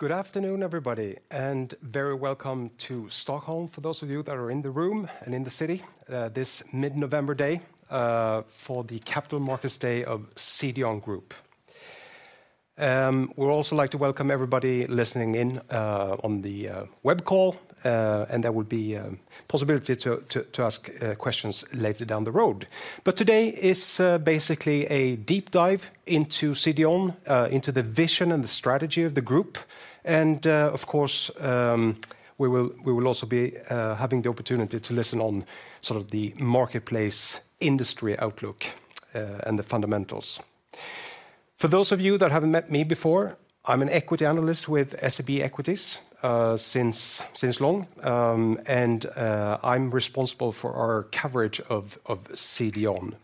Good afternoon, everybody, and very welcome to Stockholm, for those of you that are in the room and in the city, this mid-November day, for the Capital Markets Day of CDON Group. We'd also like to welcome everybody listening in, on the web call, and there will be possibility to ask questions later down the road. But today is basically a deep dive into CDON, into the vision and the strategy of the group, and, of course, we will also be having the opportunity to listen on sort of the marketplace industry outlook, and the fundamentals. For those of you that haven't met me before, I'm an equity analyst with SEB Equities, since long, and, I'm responsible for our coverage of CDON.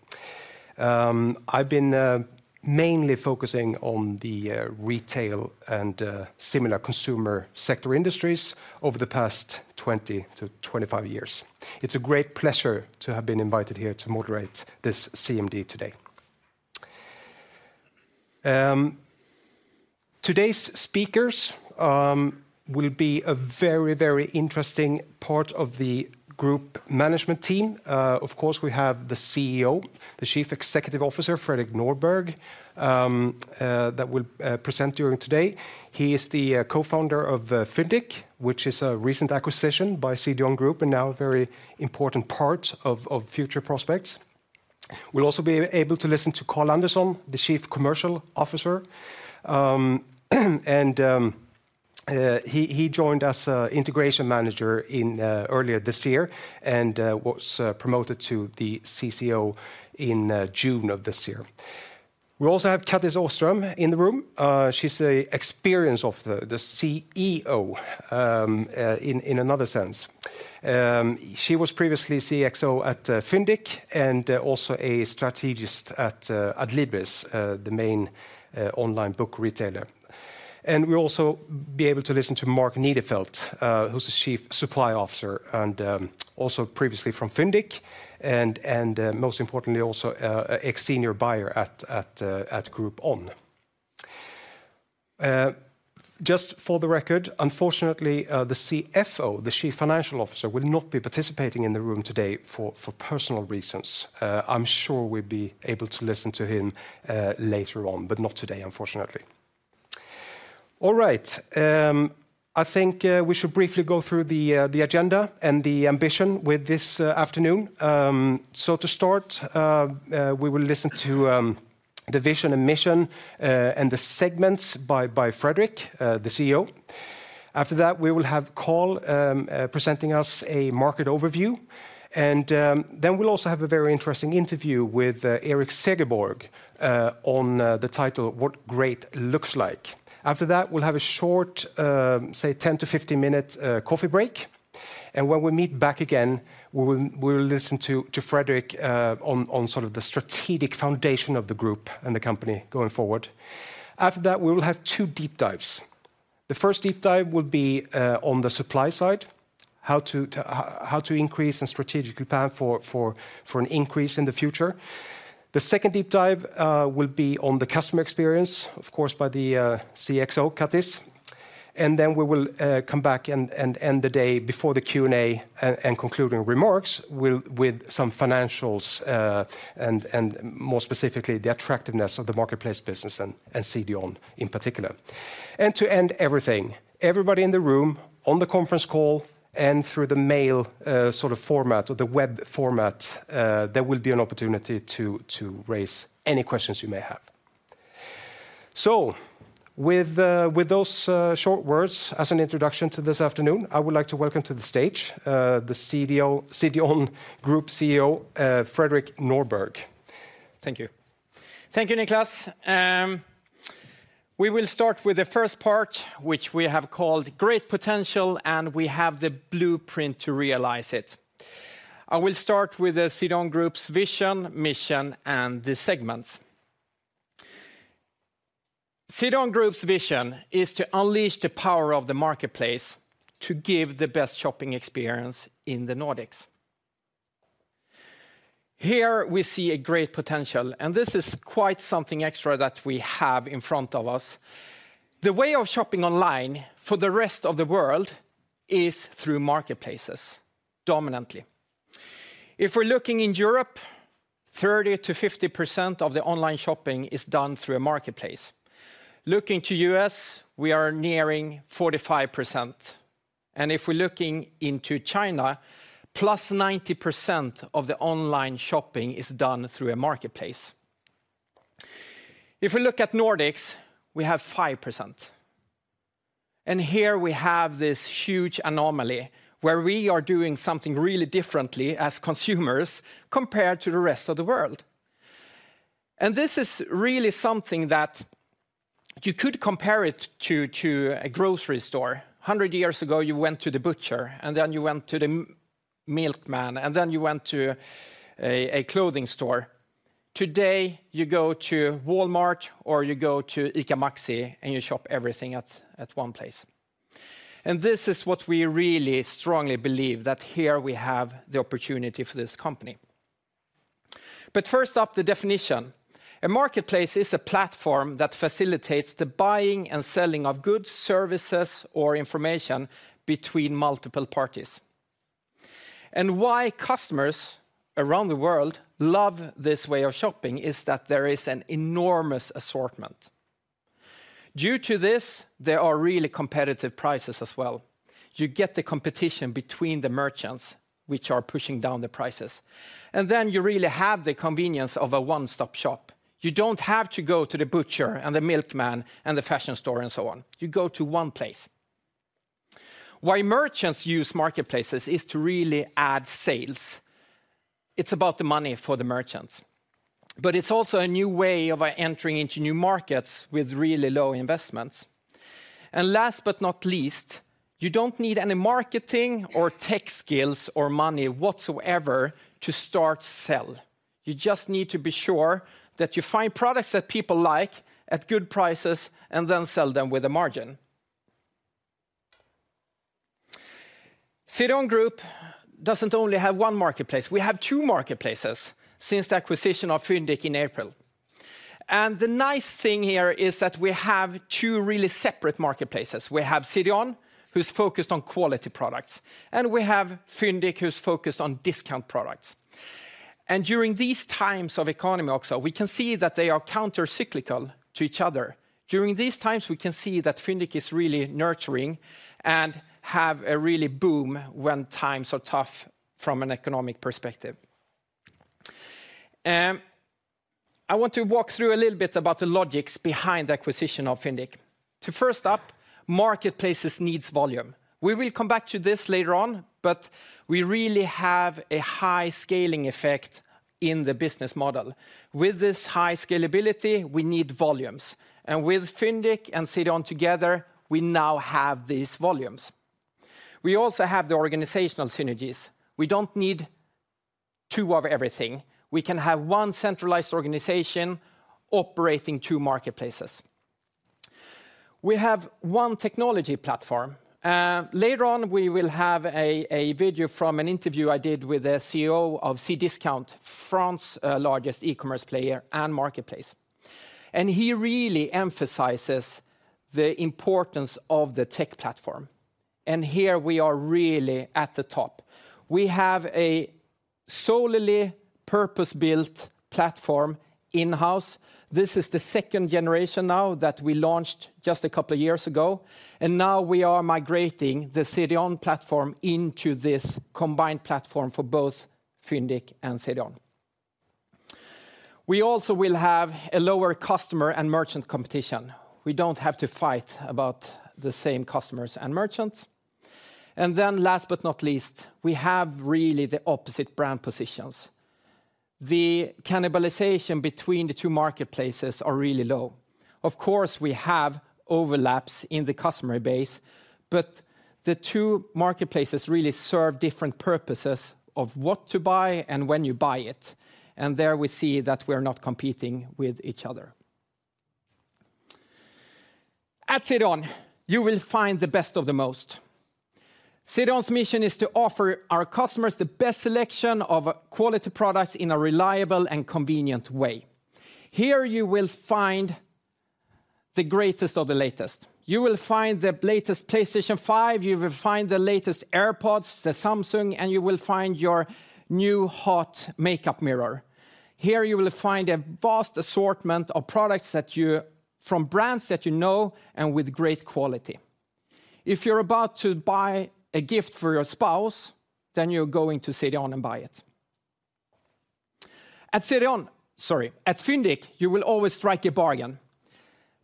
I've been mainly focusing on the retail and similar consumer sector industries over the past 20-25 years. It's a great pleasure to have been invited here to moderate this CMD today. Today's speakers will be a very, very interesting part of the group management team. Of course, we have the CEO, the Chief Executive Officer, Fredrik Norberg, that will present during today. He is the co-founder of Fyndiq, which is a recent acquisition by CDON Group, and now a very important part of future prospects. We'll also be able to listen to Carl Andersson, the Chief Commercial Officer, and he joined as integration manager in earlier this year, and was promoted to the CCO in June of this year. We also have Kattis Åström in the room. She's the CXO, the Chief Experience Officer, in another sense. She was previously CXO at Fyndiq, and also a strategist at Adlibris, the main online book retailer. We'll also be able to listen to Mark Nidefelt, who's the Chief Supply Officer, and also previously from Fyndiq, and most importantly, also a ex-senior buyer at Groupon. Just for the record, unfortunately, the CFO, the Chief Financial Officer, will not be participating in the room today for personal reasons. I'm sure we'll be able to listen to him later on, but not today, unfortunately. All right, I think we should briefly go through the agenda and the ambition with this afternoon. So to start, we will listen to the vision and mission and the segments by Fredrik, the CEO. After that, we will have Carl presenting us a market overview, and then we'll also have a very interesting interview with Erik Segerborg on the title, What Great Looks Like. After that, we'll have a short, say, 10-15-minute coffee break, and when we meet back again, we will listen to Fredrik on sort of the strategic foundation of the group and the company going forward. After that, we will have two deep dives. The first deep dive will be on the supply side, how to increase and strategically plan for an increase in the future. The second deep dive will be on the customer experience, of course, by the CXO, Kattis. And then we will come back and end the day before the Q&A and concluding remarks, with some financials and more specifically, the attractiveness of the marketplace business and CDON in particular. And to end everything, everybody in the room, on the conference call, and through the mail sort of format or the web format, there will be an opportunity to raise any questions you may have. So with those short words as an introduction to this afternoon, I would like to welcome to the stage the CDON Group CEO, Fredrik Norberg. Thank you. Thank you, Nicklas. We will start with the first part, which we have called Great Potential, and we have the blueprint to realize it. I will start with the CDON Group's vision, mission, and the segments. CDON Group's vision is to unleash the power of the marketplace to give the best shopping experience in the Nordics. Here, we see a great potential, and this is quite something extra that we have in front of us. The way of shopping online for the rest of the world is through marketplaces, dominantly. If we're looking in Europe, 30%-50% of the online shopping is done through a marketplace. Looking to U.S., we are nearing 45%, and if we're looking into China, +90% of the online shopping is done through a marketplace. If we look at Nordics, we have 5%, and here we have this huge anomaly where we are doing something really differently as consumers compared to the rest of the world. And this is really something that you could compare it to, to a grocery store. 100 years ago, you went to the butcher, and then you went to the milkman, and then you went to a clothing store. Today, you go to Walmart or you go to ICA Maxi, and you shop everything at one place. And this is what we really strongly believe, that here we have the opportunity for this company. But first up, the definition. A marketplace is a platform that facilitates the buying and selling of goods, services, or information between multiple parties. And why customers around the world love this way of shopping is that there is an enormous assortment. Due to this, there are really competitive prices as well. You get the competition between the merchants, which are pushing down the prices, and then you really have the convenience of a one-stop shop. You don't have to go to the butcher, and the milkman, and the fashion store, and so on. You go to one place. Why merchants use marketplaces is to really add sales. It's about the money for the merchants, but it's also a new way of entering into new markets with really low investments. And last, but not least, you don't need any marketing or tech skills or money whatsoever to start sell. You just need to be sure that you find products that people like at good prices, and then sell them with a margin. CDON Group doesn't only have one marketplace, we have two marketplaces since the acquisition of Fyndiq in April. The nice thing here is that we have two really separate marketplaces. We have CDON, who's focused on quality products, and we have Fyndiq, who's focused on discount products. During these times of economy also, we can see that they are countercyclical to each other. During these times, we can see that Fyndiq is really nurturing and have a really boom when times are tough from an economic perspective. I want to walk through a little bit about the logics behind the acquisition of Fyndiq. To first up, marketplaces needs volume. We will come back to this later on, but we really have a high scaling effect in the business model. With this high scalability, we need volumes, and with Fyndiq and CDON together, we now have these volumes. We also have the organizational synergies. We don't need two of everything. We can have one centralized organization operating two marketplaces. We have one technology platform. Later on, we will have a video from an interview I did with the CEO of Cdiscount, France's largest e-commerce player and marketplace. He really emphasizes the importance of the tech platform. Here we are really at the top. We have a solely purpose-built platform in-house. This is the second generation now that we launched just a couple of years ago, and now we are migrating the CDON platform into this combined platform for both Fyndiq and CDON. We also will have a lower customer and merchant competition. We don't have to fight about the same customers and merchants. Then last but not least, we have really the opposite brand positions. The cannibalization between the two marketplaces are really low. Of course, we have overlaps in the customer base, but the two marketplaces really serve different purposes of what to buy and when you buy it, and there we see that we're not competing with each other. At CDON, you will find the best of the most. CDON's mission is to offer our customers the best selection of quality products in a reliable and convenient way. Here, you will find the greatest of the latest. You will find the latest PlayStation 5, you will find the latest AirPods, the Samsung, and you will find your new hot makeup mirror. Here, you will find a vast assortment of products that you from brands that you know and with great quality. If you're about to buy a gift for your spouse, then you're going to CDON and buy it. At CDON. Sorry, at Fyndiq, you will always strike a bargain.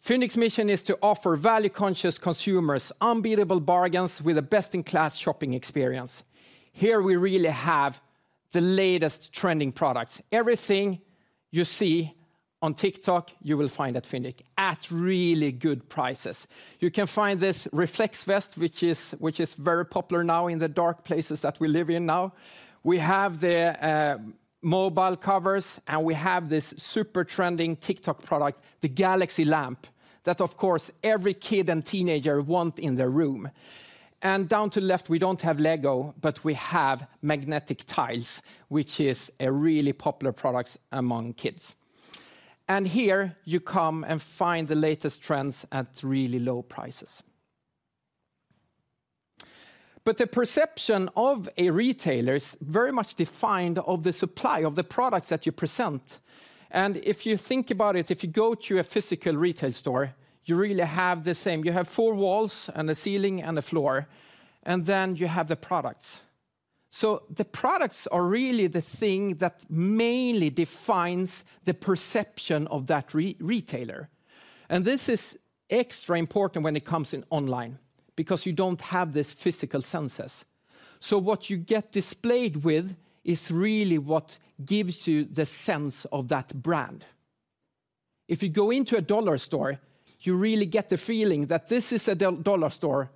Fyndiq's mission is to offer value-conscious consumers unbeatable bargains with a best-in-class shopping experience. Here, we really have the latest trending products. Everything you see on TikTok, you will find at Fyndiq at really good prices. You can find this reflex vest, which is very popular now in the dark places that we live in now. We have the mobile covers, and we have this super trending TikTok product, the galaxy lamp, that of course, every kid and teenager want in their room. And down to left, we don't have LEGO, but we have magnetic tiles, which is a really popular products among kids. And here you come and find the latest trends at really low prices. But the perception of a retailer is very much defined of the supply of the products that you present, and if you think about it, if you go to a physical retail store, you really have the same. You have four walls and a ceiling and a floor, and then you have the products. So the products are really the thing that mainly defines the perception of that retailer. And this is extra important when it comes in online, because you don't have this physical senses. So what you get displayed with is really what gives you the sense of that brand. If you go into a dollar store, you really get the feeling that this is a dollar store,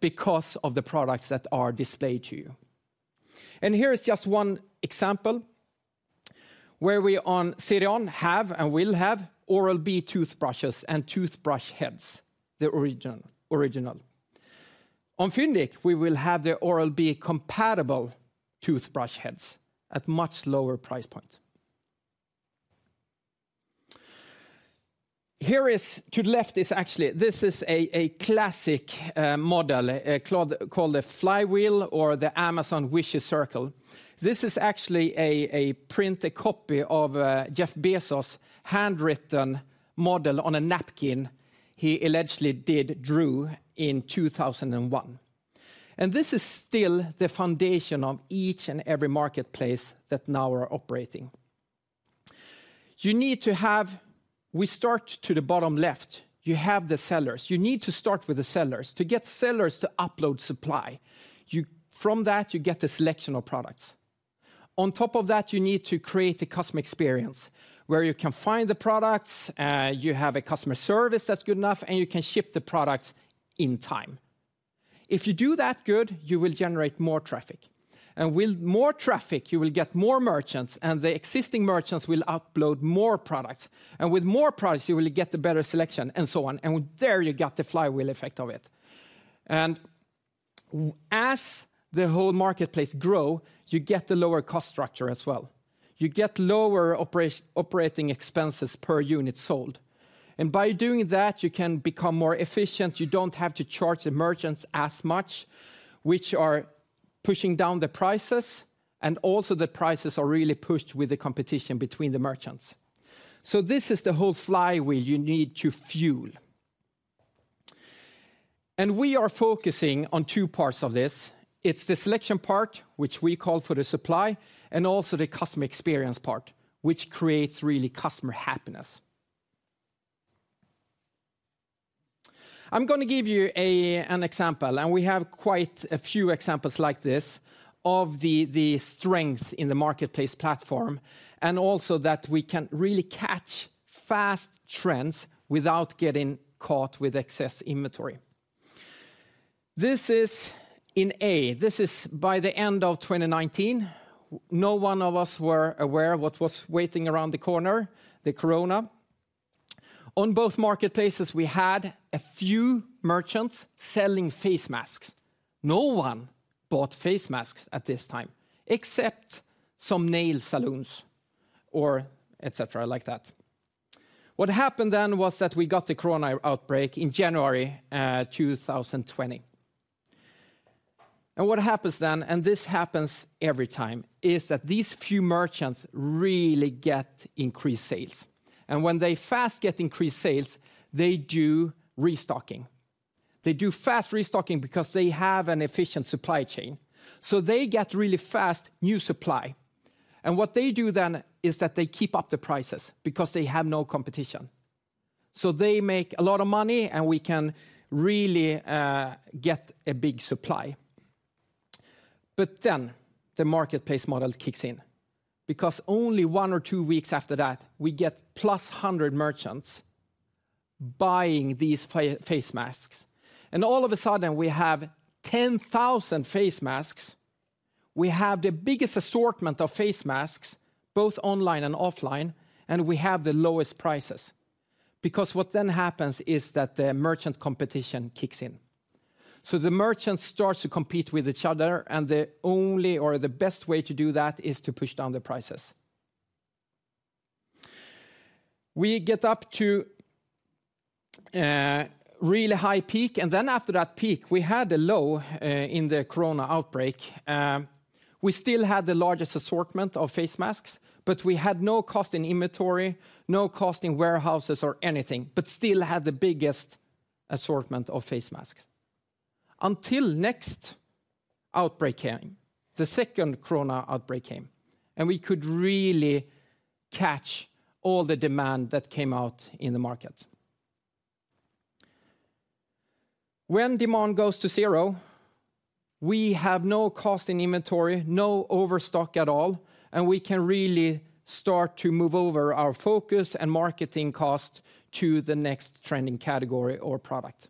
because of the products that are displayed to you. Here is just one example where we on CDON have and will have Oral-B toothbrushes and toothbrush heads, the original, original on Fyndiq, we will have the Oral-B compatible toothbrush heads at much lower price point. Here is, to the left is actually, this is a, a classic model called the Flywheel or the Amazon Virtuous Circle. This is actually a printed copy of Jeff Bezos' handwritten model on a napkin he allegedly drew in 2001. And this is still the foundation of each and every marketplace that now are operating. You need to have. We start to the bottom left. You have the sellers. You need to start with the sellers. To get sellers to upload supply, you, from that, you get the selection of products. On top of that, you need to create a customer experience, where you can find the products, you have a customer service that's good enough, and you can ship the products in time. If you do that good, you will generate more traffic. And with more traffic, you will get more merchants, and the existing merchants will upload more products. And with more products, you will get the better selection, and so on. And there, you got the Flywheel effect of it. And as the whole marketplace grow, you get the lower cost structure as well. You get lower operating expenses per unit sold. And by doing that, you can become more efficient. You don't have to charge the merchants as much, which are pushing down the prices, and also the prices are really pushed with the competition between the merchants. So this is the whole flywheel you need to fuel. We are focusing on two parts of this. It's the selection part, which we call the supply, and also the customer experience part, which creates really customer happiness. I'm gonna give you an example, and we have quite a few examples like this, of the strength in the marketplace platform, and also that we can really catch fast trends without getting caught with excess inventory. This is in A. This is by the end of 2019. Well, no one of us were aware of what was waiting around the corner, the corona. On both marketplaces, we had a few merchants selling face masks. No one bought face masks at this time, except some nail salons or et cetera like that. What happened then was that we got the corona outbreak in January 2020. What happens then, and this happens every time, is that these few merchants really get increased sales. When they fast get increased sales, they do restocking. They do fast restocking because they have an efficient supply chain, so they get really fast new supply. What they do then is that they keep up the prices because they have no competition. So they make a lot of money, and we can really get a big supply. But then, the marketplace model kicks in, because only one or two weeks after that, we get +100 merchants buying these face masks. All of a sudden, we have 10,000 face masks. We have the biggest assortment of face masks, both online and offline, and we have the lowest prices. Because what then happens is that the merchant competition kicks in. So the merchants start to compete with each other, and the only, or the best way to do that, is to push down the prices. We get up to really high peak, and then after that peak, we had a low in the corona outbreak. We still had the largest assortment of face masks, but we had no cost in inventory, no cost in warehouses or anything, but still had the biggest assortment of face masks. Until next outbreak came, the second corona outbreak came, and we could really catch all the demand that came out in the market. When demand goes to zero, we have no cost in inventory, no overstock at all, and we can really start to move over our focus and marketing cost to the next trending category or product.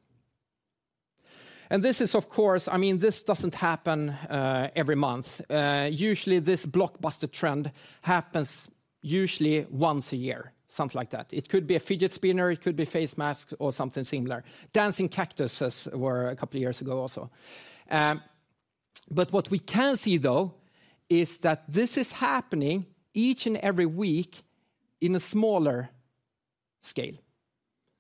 And this is, of course, I mean, this doesn't happen every month. Usually, this blockbuster trend happens usually once a year, something like that. It could be a fidget spinner, it could be face mask, or something similar. Dancing cactuses were a couple of years ago also. But what we can see, though, is that this is happening each and every week in a smaller scale.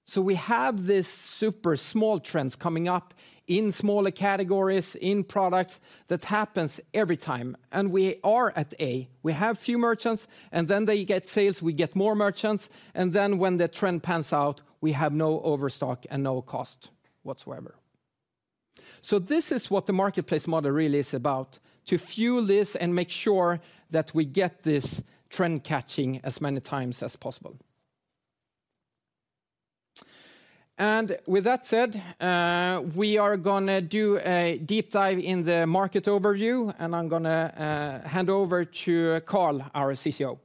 So we have this super small trends coming up in smaller categories, in products, that happens every time. And we are at A. We have few merchants, and then they get sales, we get more merchants, and then when the trend pans out, we have no overstock and no cost whatsoever. So this is what the marketplace model really is about, to fuel this and make sure that we get this trend catching as many times as possible. With that said, we are gonna do a deep dive in the market overview, and I'm gonna hand over to Carl, our CCO.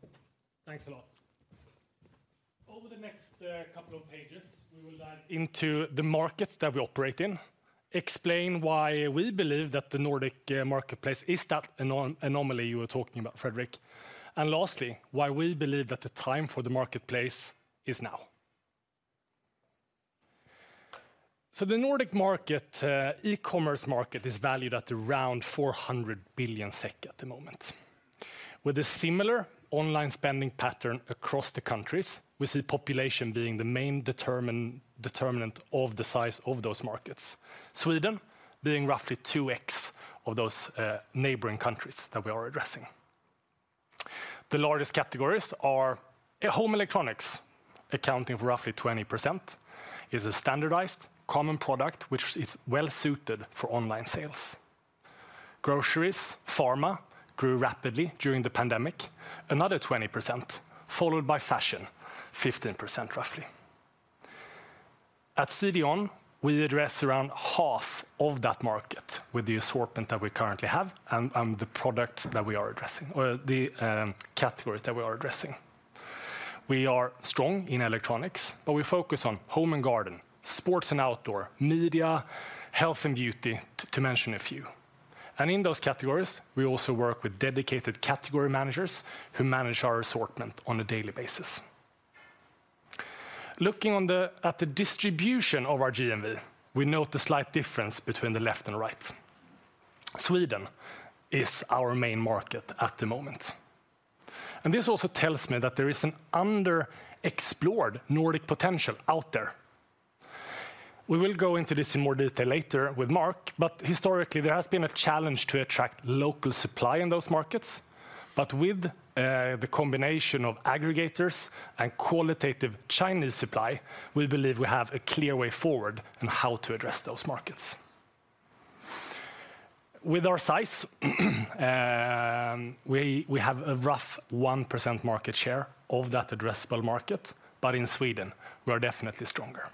Thanks a lot. Over the next couple of pages, we will dive into the markets that we operate in, explain why we believe that the Nordic marketplace is that anomaly you were talking about, Fredrik. And lastly, why we believe that the time for the marketplace is now. So the Nordic market e-commerce market is valued at around 400 billion SEK at the moment. With a similar online spending pattern across the countries, we see population being the main determinant of the size of those markets. Sweden, being roughly 2x of those neighboring countries that we are addressing. The largest categories are home electronics, accounting for roughly 20%, is a standardized common product, which is well-suited for online sales. Groceries, Pharma, grew rapidly during the pandemic, another 20%, followed by fashion, 15%, roughly. At CDON, we address around half of that market with the assortment that we currently have, and the product that we are addressing, or the categories that we are addressing. We are strong in electronics, but we focus on home and garden, sports and outdoor, media, health and beauty, to mention a few. And in those categories, we also work with dedicated category managers who manage our assortment on a daily basis. Looking at the distribution of our GMV, we note the slight difference between the left and right. Sweden is our main market at the moment, and this also tells me that there is an under-explored Nordic potential out there. We will go into this in more detail later with Mark, but historically, there has been a challenge to attract local supply in those markets. But with the combination of aggregators and qualitative Chinese supply, we believe we have a clear way forward on how to address those markets. With our size, we have a rough 1% market share of that addressable market, but in Sweden, we are definitely stronger.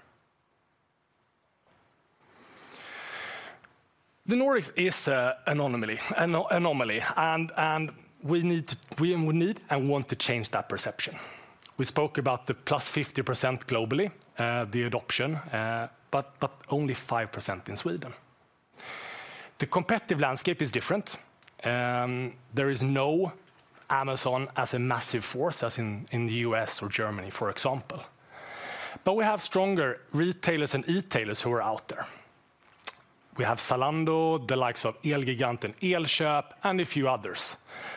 The Nordics is an anomaly, and we need and want to change that perception. We spoke about the +50% globally, the adoption, but only 5% in Sweden. The competitive landscape is different. There is no Amazon as a massive force as in the U.S. or Germany, for example. But we have stronger retailers and e-tailers who are out there. We have Zalando, the likes of Elgiganten and Elkjøp, and a few others,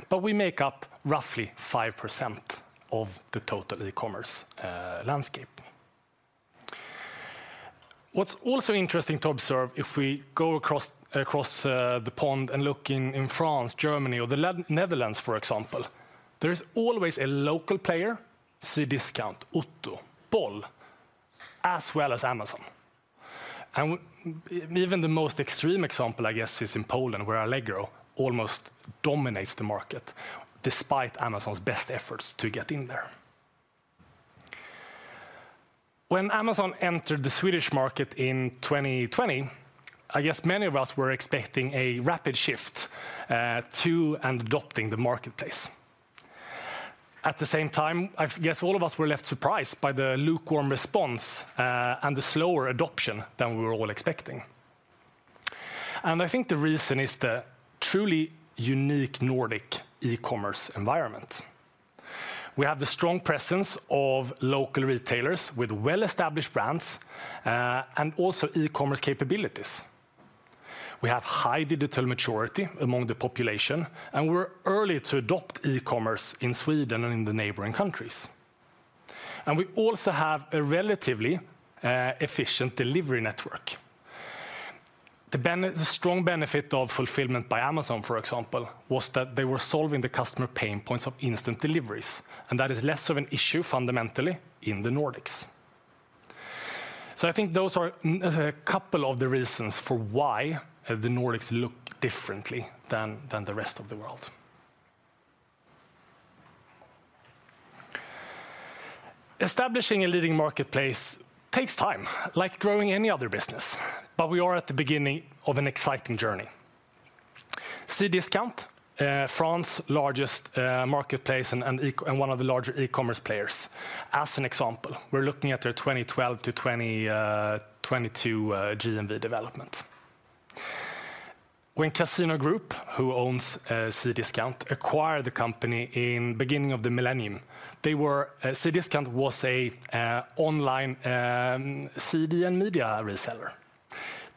but we make up roughly 5% of the total e-commerce landscape. What's also interesting to observe, if we go across the pond and look in France, Germany or the Netherlands, for example, there is always a local player, Cdiscount, Otto, Bol, as well as Amazon. Even the most extreme example, I guess, is in Poland, where Allegro almost dominates the market, despite Amazon's best efforts to get in there. When Amazon entered the Swedish market in 2020, I guess many of us were expecting a rapid shift to adopting the marketplace. At the same time, I guess all of us were left surprised by the lukewarm response and the slower adoption than we were all expecting. I think the reason is the truly unique Nordic e-commerce environment. We have the strong presence of local retailers with well-established brands and also e-commerce capabilities. We have high digital maturity among the population, and we're early to adopt e-commerce in Sweden and in the neighboring countries. We also have a relatively efficient delivery network. The strong benefit of fulfillment by Amazon, for example, was that they were solving the customer pain points of instant deliveries, and that is less of an issue fundamentally in the Nordics. I think those are a couple of the reasons for why the Nordics look differently than the rest of the world. Establishing a leading marketplace takes time, like growing any other business, but we are at the beginning of an exciting journey. Cdiscount, France's largest marketplace and one of the larger e-commerce players, as an example, we're looking at their 2012-2022 GMV development. When Casino Group, who owns Cdiscount, acquired the company in beginning of the millennium, they were, Cdiscount was a online CD and media reseller.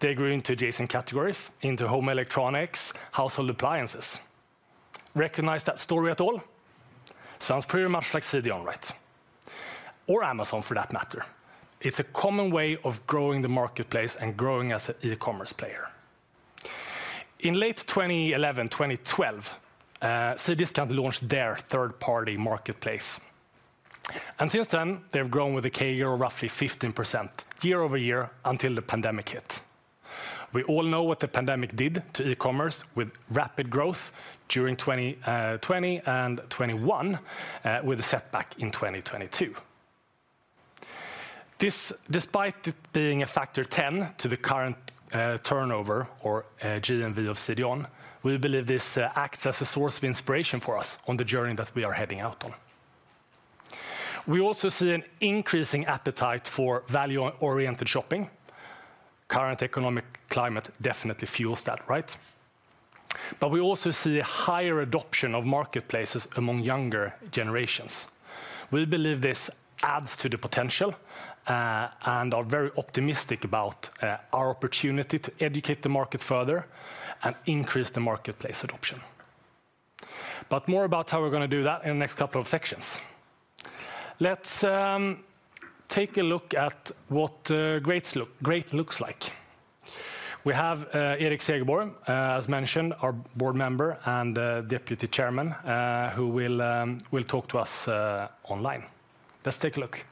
They grew into adjacent categories, into home electronics, household appliances. Recognize that story at all? Sounds pretty much like CDON, right? Or Amazon, for that matter. It's a common way of growing the marketplace and growing as an e-commerce player. In late 2011, 2012, Cdiscount launched their third-party marketplace, and since then, they've grown with a CAGR of roughly 15% year-over-year until the pandemic hit. We all know what the pandemic did to e-commerce, with rapid growth during 2020 and 2021, with a setback in 2022. This, despite it being a factor 10 to the current turnover or GMV of CDON, we believe this acts as a source of inspiration for us on the journey that we are heading out on. We also see an increasing appetite for value-oriented shopping. Current economic climate definitely fuels that, right? But we also see a higher adoption of marketplaces among younger generations. We believe this adds to the potential and are very optimistic about our opportunity to educate the market further and increase the marketplace adoption. But more about how we're gonna do that in the next couple of sections. Let's take a look at what great looks like. We have Erik Segerborg, as mentioned, our board member and deputy chairman, who will talk to us online. Let's take a look.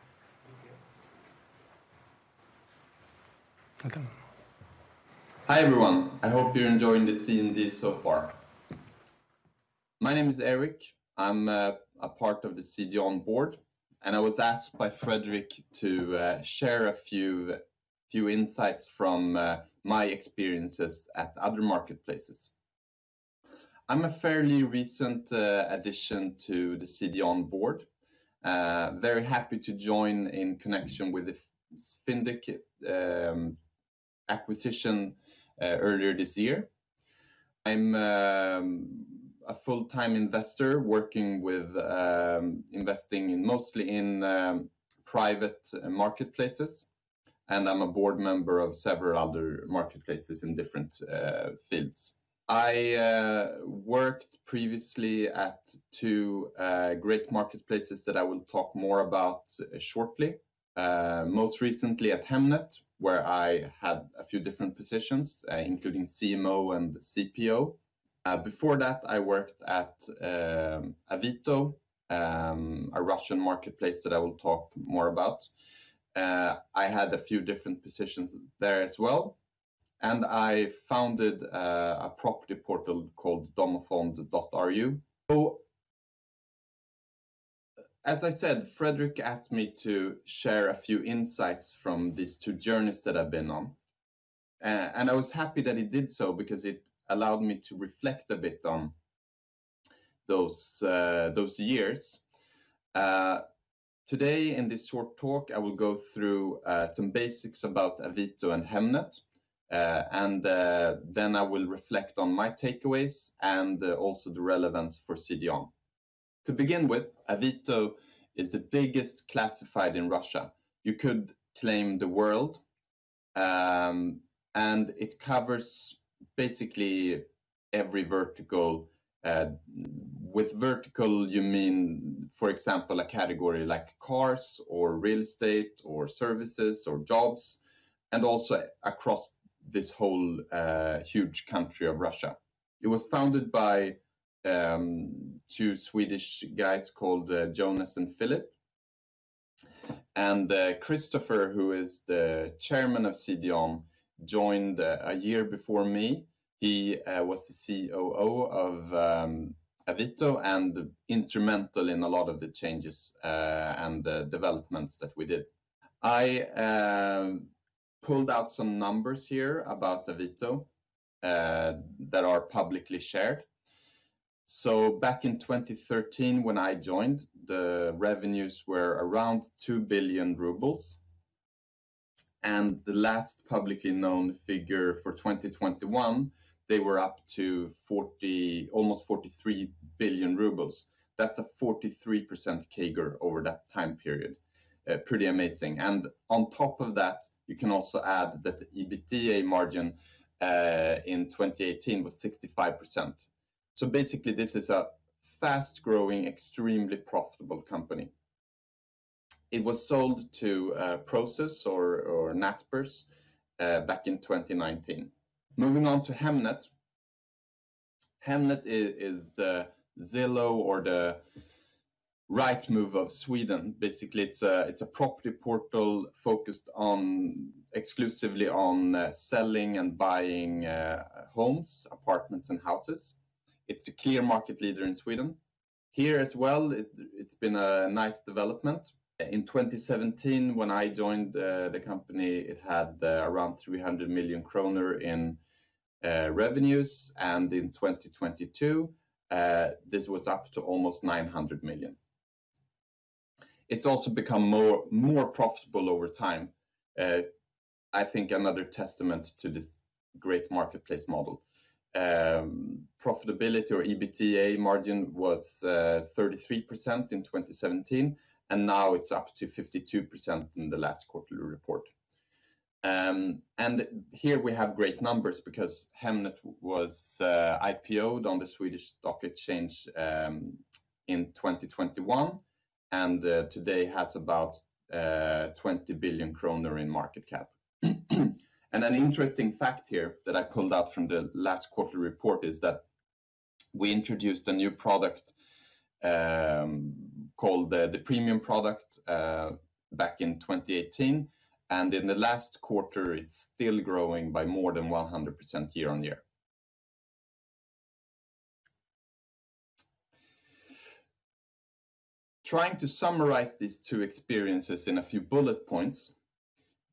Welcome. Hi, everyone. I hope you're enjoying the CMD so far. My name is Erik. I'm a part of the CDON board, and I was asked by Fredrik to share a few insights from my experiences at other marketplaces. I'm a fairly recent addition to the CDON board. Very happy to join in connection with the Fyndiq acquisition earlier this year. I'm a full-time investor working with investing in mostly private marketplaces, and I'm a board member of several other marketplaces in different fields. I worked previously at two great marketplaces that I will talk more about shortly. Most recently at Hemnet, where I had a few different positions, including CMO and CPO. Before that, I worked at Avito, a Russian marketplace that I will talk more about. I had a few different positions there as well, and I founded a property portal called Domofond.ru. So, as I said, Fredrik asked me to share a few insights from these two journeys that I've been on, and I was happy that he did so because it allowed me to reflect a bit on those years. Today, in this short talk, I will go through some basics about Avito and Hemnet, and then I will reflect on my takeaways and also the relevance for CDON. To begin with, Avito is the biggest classified in Russia. You could claim the world, and it covers basically every vertical. With vertical, you mean, for example, a category like cars or real estate or services or jobs, and also across this whole huge country of Russia. It was founded by two Swedish guys called Jonas and Filip, and Christoffer, who is the chairman of CDON, joined a year before me. He was the COO of Avito, and instrumental in a lot of the changes and the developments that we did. I pulled out some numbers here about Avito that are publicly shared. So back in 2013, when I joined, the revenues were around 2 billion rubles, and the last publicly known figure for 2021, they were up to almost 43 billion rubles. That's a 43% CAGR over that time period. Pretty amazing. And on top of that, you can also add that the EBITDA margin in 2018 was 65%. So basically, this is a fast-growing, extremely profitable company. It was sold to Prosus or Naspers back in 2019. Moving on to Hemnet. Hemnet is the Zillow or the Rightmove of Sweden. Basically, it's a property portal focused exclusively on selling and buying homes, apartments, and houses. It's a clear market leader in Sweden. Here as well, it's been a nice development. In 2017, when I joined the company, it had around 300 million kronor in revenues, and in 2022 this was up to almost 900 million. It's also become more profitable over time. I think another testament to this great marketplace model. Profitability or EBITDA margin was 33% in 2017, and now it's up to 52% in the last quarterly report. And here we have great numbers because Hemnet was IPO'd on the Swedish Stock Exchange in 2021, and today has about 20 billion kronor in market cap. And an interesting fact here that I pulled out from the last quarterly report is that we introduced a new product called the premium product back in 2018, and in the last quarter, it's still growing by more than 100% year-on-year. Trying to summarize these two experiences in a few bullet points,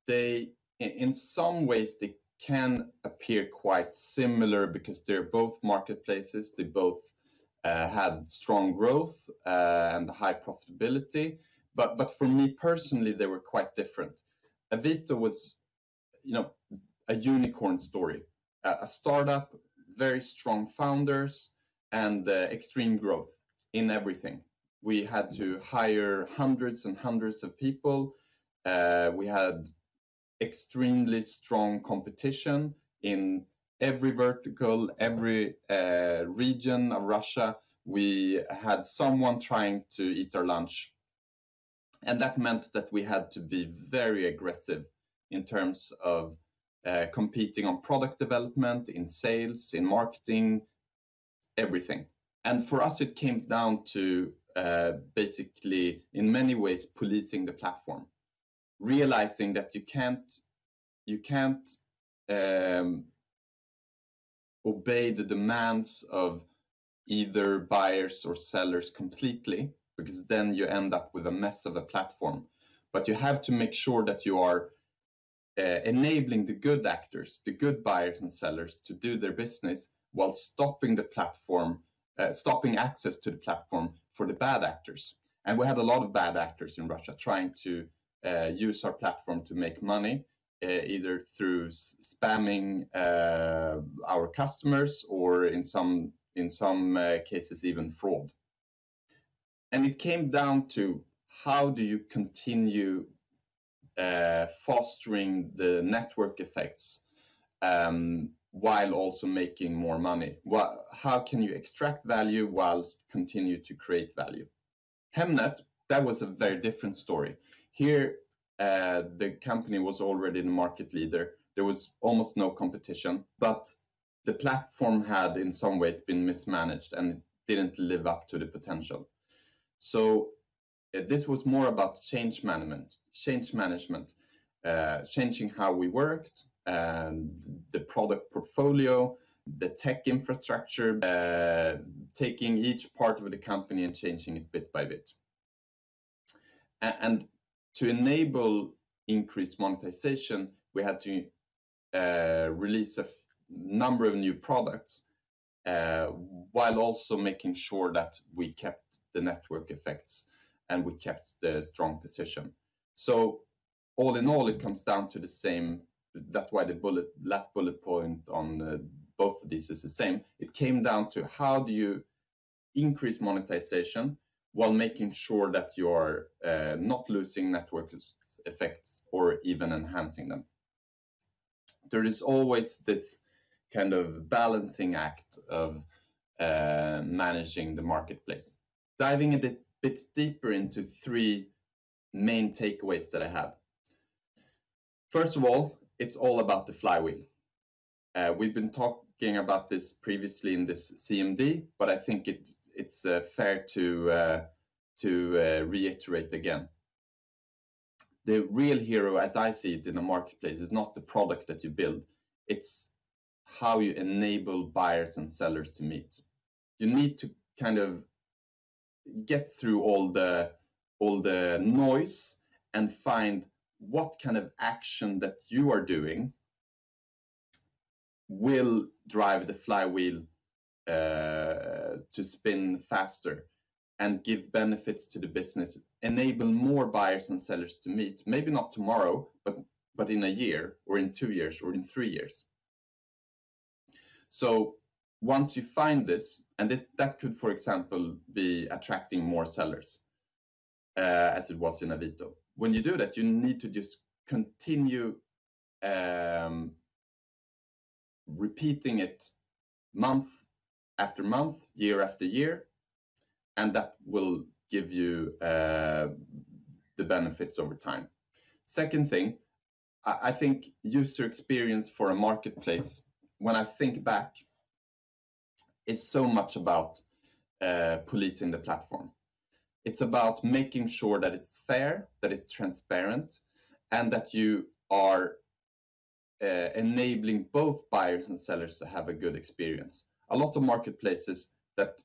they in some ways can appear quite similar because they're both marketplaces; they both had strong growth and high profitability, but for me personally, they were quite different. Avito was you know, a unicorn story. A startup, very strong founders, and extreme growth in everything. We had to hire hundreds and hundreds of people. We had extremely strong competition in every vertical. Every region of Russia, we had someone trying to eat our lunch, and that meant that we had to be very aggressive in terms of competing on product development, in sales, in marketing, everything. For us, it came down to basically, in many ways, policing the platform. Realizing that you can't, you can't obey the demands of either buyers or sellers completely, because then you end up with a mess of a platform. You have to make sure that you are enabling the good actors, the good buyers and sellers, to do their business while stopping the platform. Stopping access to the platform for the bad actors. We had a lot of bad actors in Russia trying to use our platform to make money, either through spamming our customers or in some cases, even fraud. It came down to: how do you continue fostering the network effects while also making more money? How can you extract value while continue to create value? Hemnet, that was a very different story. Here, the company was already the market leader. There was almost no competition, but the platform had, in some ways, been mismanaged and didn't live up to the potential. So this was more about change management, change management. Changing how we worked and the product portfolio, the tech infrastructure, taking each part of the company and changing it bit by bit. And to enable increased monetization, we had to release a number of new products, while also making sure that we kept the network effects and we kept the strong position. So all in all, it comes down to the same. That's why the bullet, last bullet point on both of these is the same. It came down to, "how do you increase monetization while making sure that you're not losing network effects or even enhancing them?". There is always this kind of balancing act of managing the marketplace. Diving a bit deeper into three main takeaways that I have. First of all, it's all about the flywheel. We've been talking about this previously in this CMD, but I think it's fair to reiterate again. The real hero, as I see it in the marketplace, is not the product that you build, it's how you enable buyers and sellers to meet. You need to kind of get through all the noise and find what kind of action that you are doing will drive the flywheel to spin faster and give benefits to the business, enable more buyers and sellers to meet, maybe not tomorrow, but in a year or in two years or in three years. So once you find this, and that could, for example, be attracting more sellers, as it was in Avito. When you do that, you need to just continue repeating it month-after-month, year-after-year, and that will give you the benefits over time. Second thing, I think user experience for a marketplace, when I think back, is so much about policing the platform. It's about making sure that it's fair, that it's transparent, and that you are enabling both buyers and sellers to have a good experience. A lot of marketplaces that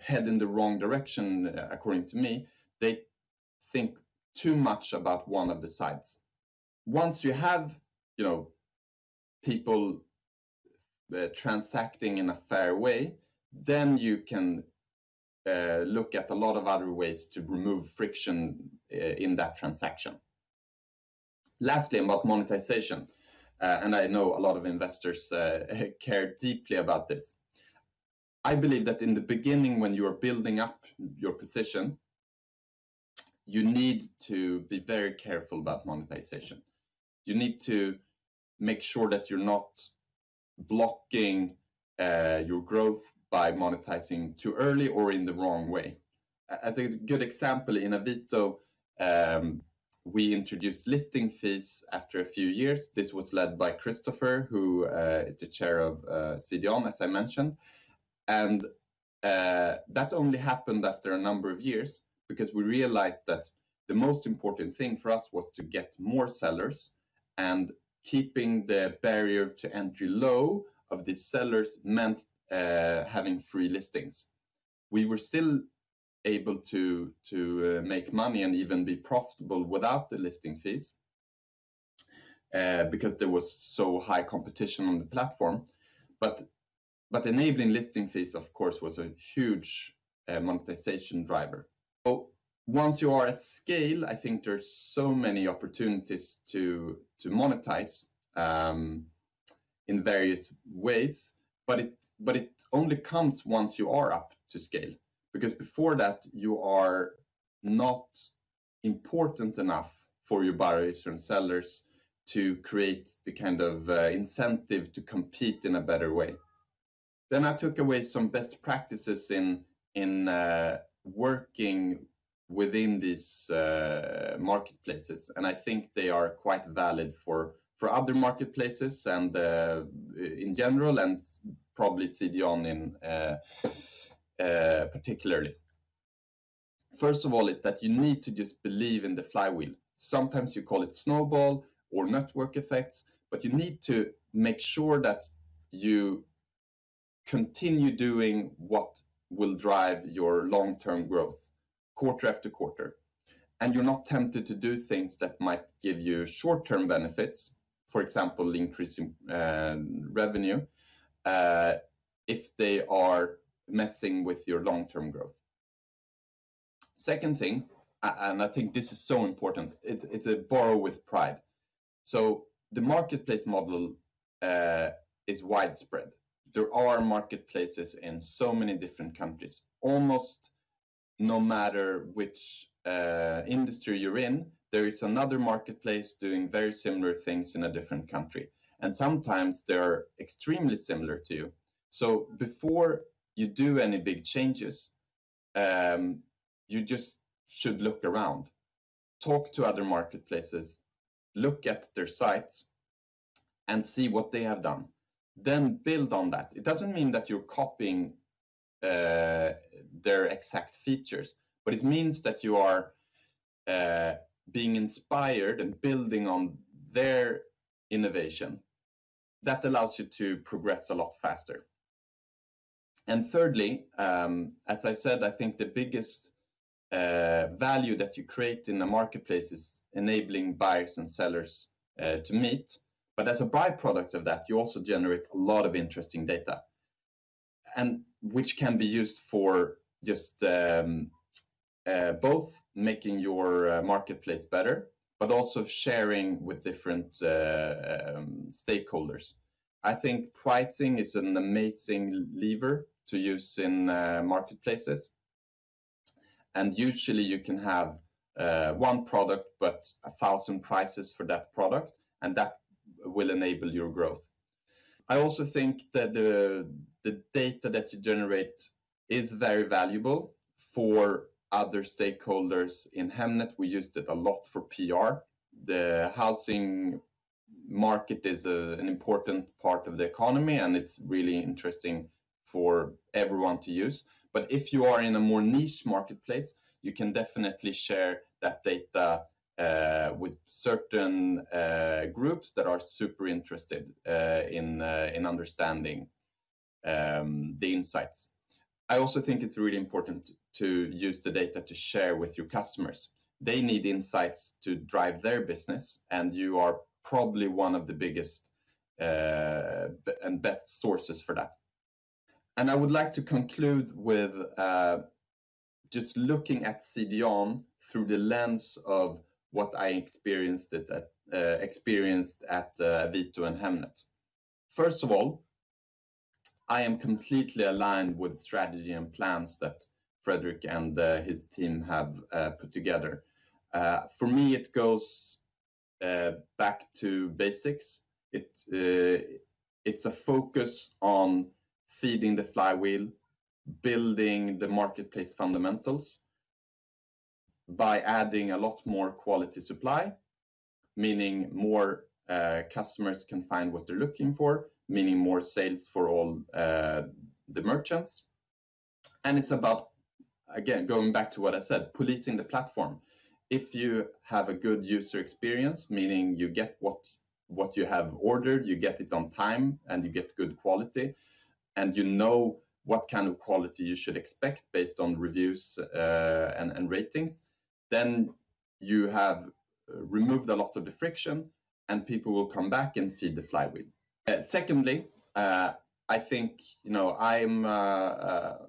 head in the wrong direction, according to me, they think too much about one of the sides. Once you have, you know, people transacting in a fair way, then you can look at a lot of other ways to remove friction in that transaction. Lastly, about monetization, and I know a lot of investors care deeply about this. I believe that in the beginning, when you are building up your position, you need to be very careful about monetization. You need to make sure that you're not blocking your growth by monetizing too early or in the wrong way. As a good example, in Avito, we introduced listing fees after a few years. This was led by Christoffer, who is the chair of CDON, as I mentioned. That only happened after a number of years because we realized that the most important thing for us was to get more sellers, and keeping the barrier to entry low of the sellers meant having free listings. We were still able to make money and even be profitable without the listing fees. Because there was so high competition on the platform. Enabling listing fees, of course, was a huge monetization driver. So once you are at scale, I think there's so many opportunities to monetize in various ways, but it only comes once you are up to scale, because before that, you are not important enough for your buyers and sellers to create the kind of incentive to compete in a better way. Then I took away some best practices in working within these marketplaces, and I think they are quite valid for other marketplaces and in general, and probably CDON in particularly. First of all, is that you need to just believe in the Flywheel. Sometimes you call it Snowball or Network Effects, but you need to make sure that you continue doing what will drive your long-term growth quarter-after-quarter, and you're not tempted to do things that might give you short-term benefits. For example, increasing revenue, if they are messing with your long-term growth. Second thing, and I think this is so important, it's a borrow with pride. So the marketplace model is widespread. There are marketplaces in so many different countries. Almost no matter which industry you're in, there is another marketplace doing very similar things in a different country, and sometimes they are extremely similar to you. So before you do any big changes, you just should look around, talk to other marketplaces, look at their sites and see what they have done. Then build on that. It doesn't mean that you're copying their exact features, but it means that you are being inspired and building on their innovation. That allows you to progress a lot faster. And thirdly, as I said, I think the biggest value that you create in the marketplace is enabling buyers and sellers to meet. But as a by-product of that, you also generate a lot of interesting data, and which can be used for just both making your marketplace better, but also sharing with different stakeholders. I think pricing is an amazing lever to use in marketplaces. And usually, you can have one product, but 1,000 prices for that product, and that will enable your growth. I also think that the data that you generate is very valuable for other stakeholders. In Hemnet, we used it a lot for PR. The housing market is an important part of the economy, and it's really interesting for everyone to use. But if you are in a more niche marketplace, you can definitely share that data with certain groups that are super interested in understanding the insights. I also think it's really important to use the data to share with your customers. They need insights to drive their business, and you are probably one of the biggest and best sources for that. I would like to conclude with just looking at CDON through the lens of what I experienced at Avito and Hemnet. First of all, I am completely aligned with strategy and plans that Fredrik and his team have put together. For me, it goes back to basics. It's a focus on feeding the flywheel, building the marketplace fundamentals by adding a lot more quality supply, meaning more customers can find what they're looking for, meaning more sales for all the merchants. And it's about, again, going back to what I said, policing the platform. If you have a good user experience, meaning you get what, what you have ordered, you get it on time, and you get good quality, and you know what kind of quality you should expect based on reviews, and, and ratings, then you have removed a lot of the friction, and people will come back and feed the flywheel. Secondly, I think, you know, I'm a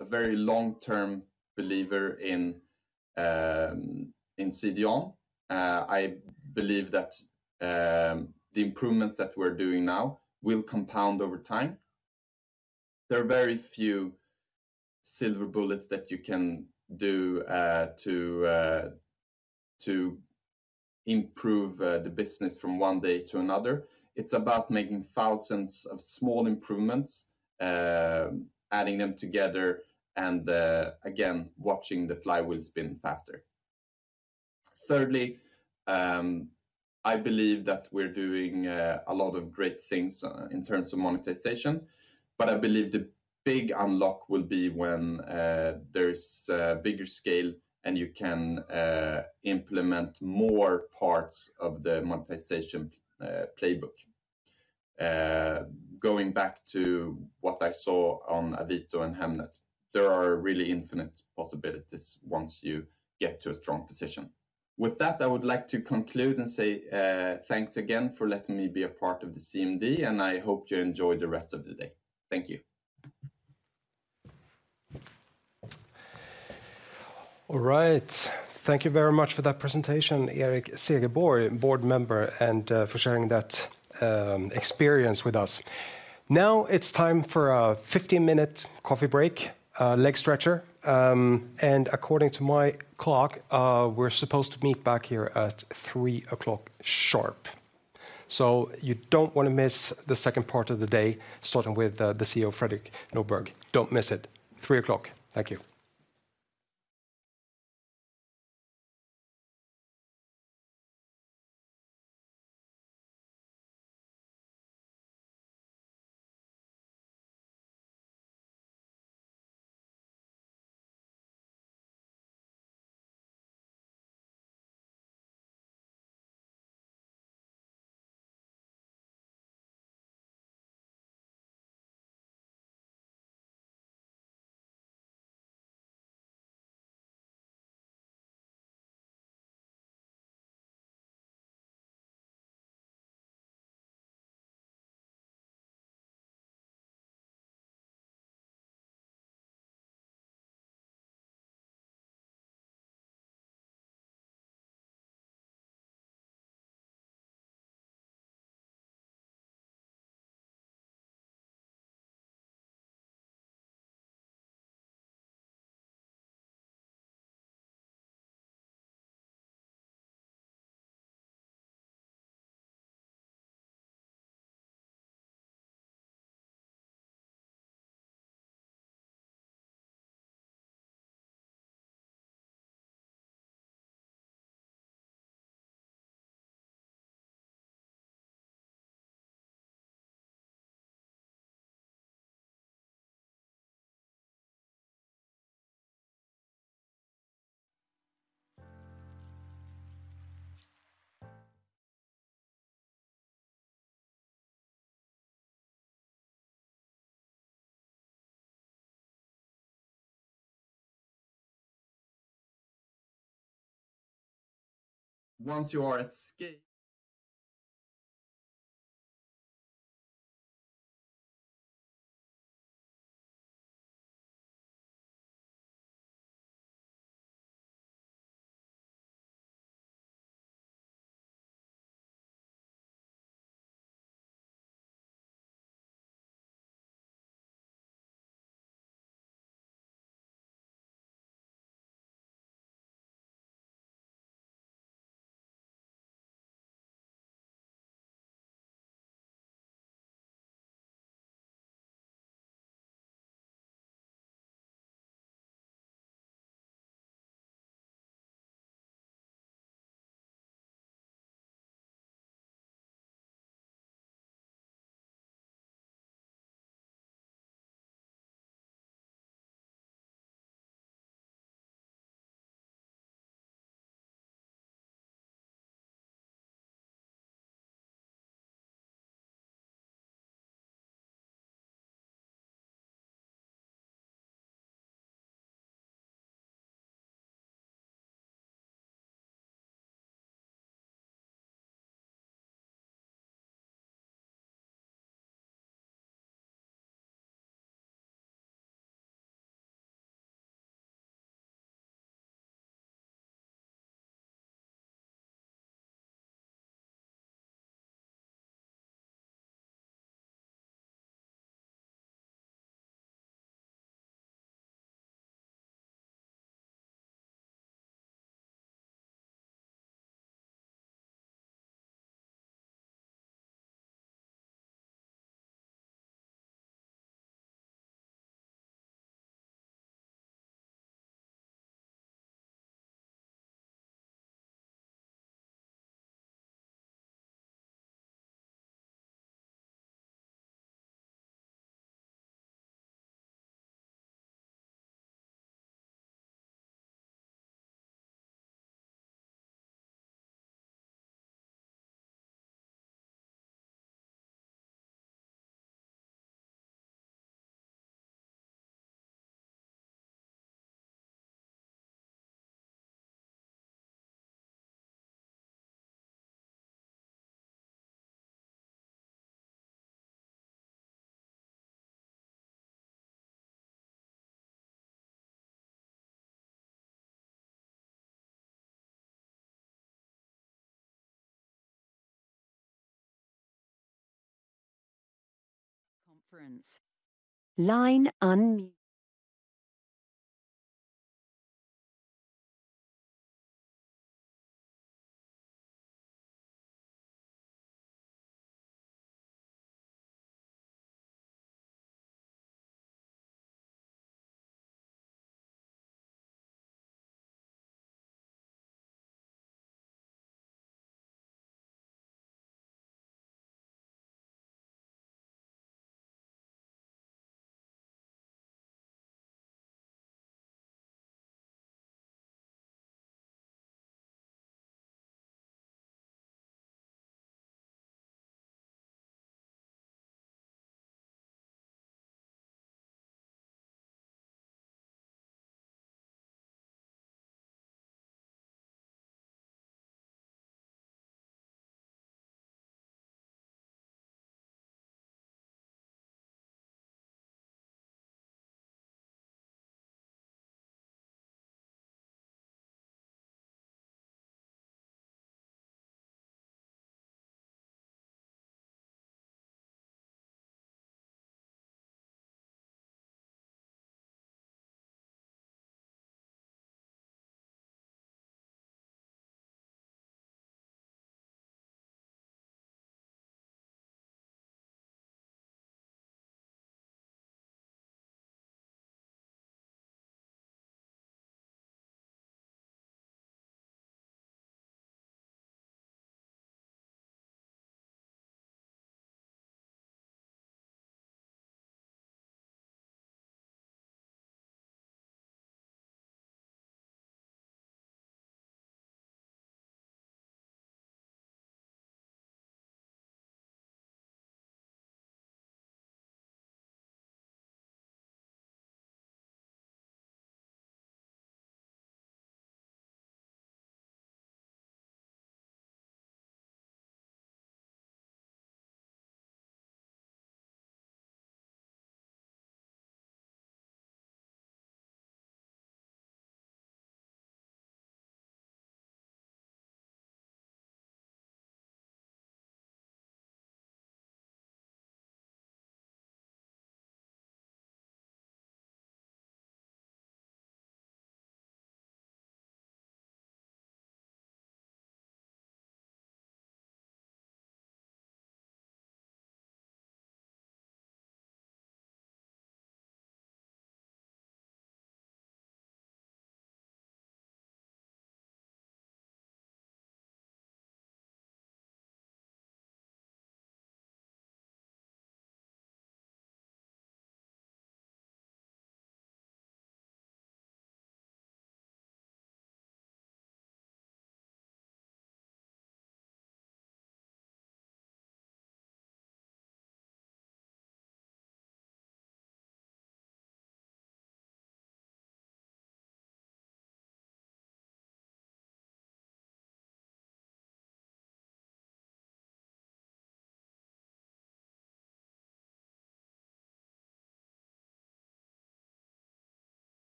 very long-term believer in, in CDON. I believe that the improvements that we're doing now will compound over time. There are very few silver bullets that you can do to improve the business from one day to another. It's about making thousands of small improvements, adding them together and, again, watching the Flywheel spin faster. Thirdly, I believe that we're doing a lot of great things in terms of monetization, but I believe the big unlock will be when there's a bigger scale, and you can implement more parts of the monetization playbook, going back to what I saw on Avito and Hemnet, there are really infinite possibilities once you get to a strong position. With that, I would like to conclude and say, thanks again for letting me be a part of the CMD, and I hope you enjoy the rest of the day. Thank you! All right. Thank you very much for that presentation, Erik Segerborg, board member, and for sharing that experience with us. Now it's time for a 15-minute coffee break, leg stretcher, and according to my clock, we're supposed to meet back here at 3:00 P.M. sharp. You don't want to miss the second part of the day, starting with the CEO, Fredrik Norberg. Don't miss it. 3:00 P.M. Thank you.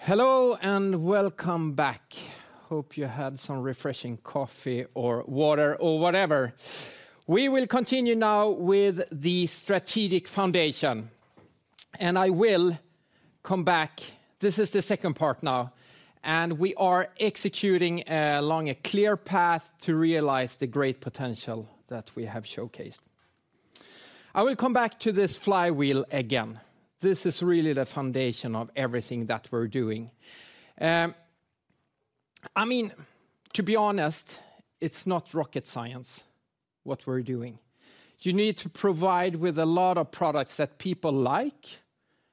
Hello, and welcome back! Hope you had some refreshing coffee or water or whatever. We will continue now with the strategic foundation, and I will come back. This is the second part now, and we are executing along a clear path to realize the great potential that we have showcased. I will come back to this Flywheel again. This is really the foundation of everything that we're doing. I mean, to be honest, it's not rocket science, what we're doing. You need to provide with a lot of products that people like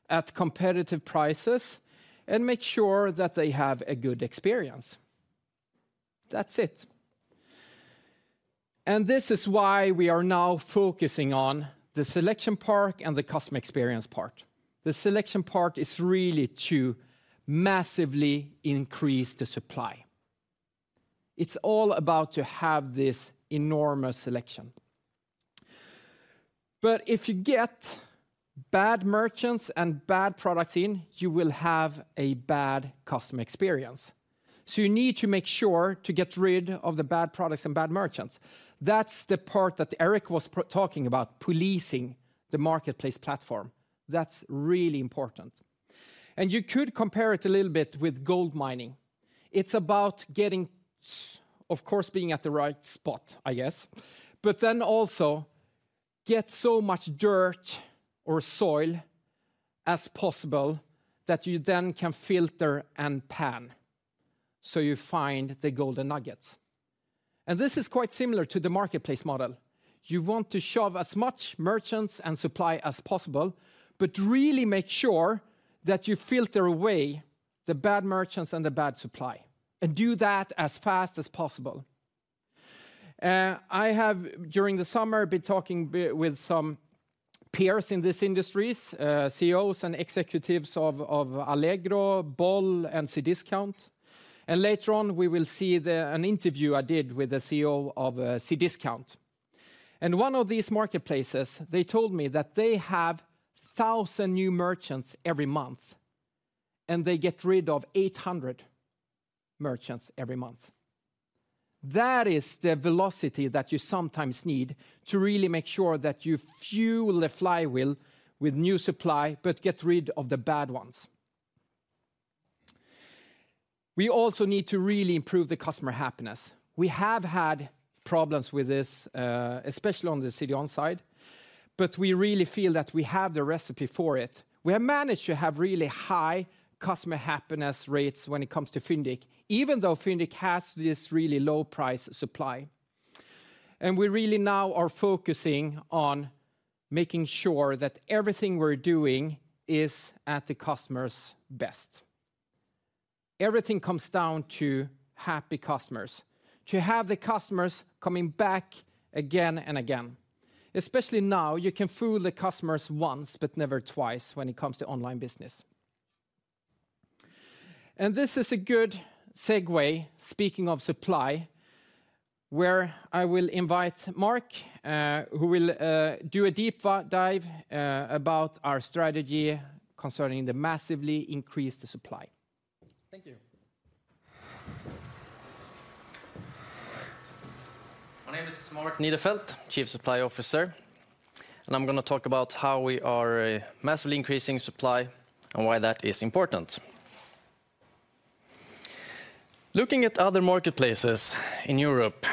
at competitive prices and make sure that they have a good experience. That's it. And this is why we are now focusing on the selection part and the customer experience part. The selection part is really to massively increase the supply. It's all about to have this enormous selection. But if you get bad merchants and bad products in, you will have a bad customer experience. So you need to make sure to get rid of the bad products and bad merchants. That's the part that Eric was talking about, policing the marketplace platform. That's really important. And you could compare it a little bit with gold mining. It's about getting, of course, being at the right spot, I guess. But then also get so much dirt or soil as possible that you then can filter and pan, so you find the golden nuggets. And this is quite similar to the marketplace model. You want to shove as much merchants and supply as possible, but really make sure that you filter away the bad merchants and the bad supply, and do that as fast as possible. I have, during the summer, been talking with some peers in this industries, CEOs and executives of Allegro, Bol, and Cdiscount. Later on, we will see an interview I did with the CEO of Cdiscount. One of these marketplaces, they told me that they have 1,000 new merchants every month, and they get rid of 800 merchants every month. That is the velocity that you sometimes need to really make sure that you fuel the flywheel with new supply, but get rid of the bad ones. We also need to really improve the customer happiness. We have had problems with this, especially on the Cdiscount side, but we really feel that we have the recipe for it. We have managed to have really high customer happiness rates when it comes to Fyndiq, even though Fyndiq has this really low-price supply. We really now are focusing on making sure that everything we're doing is at the customer's best. Everything comes down to happy customers, to have the customers coming back again and again. Especially now, you can fool the customers once, but never twice when it comes to online business. And this is a good segue, speaking of supply, where I will invite Mark, who will do a deep dive about our strategy concerning the massively increased supply. Thank you. My name is Mark Nidefelt, Chief Supply Officer, and I'm gonna talk about how we are massively increasing supply and why that is important. Looking at other marketplaces in Europe,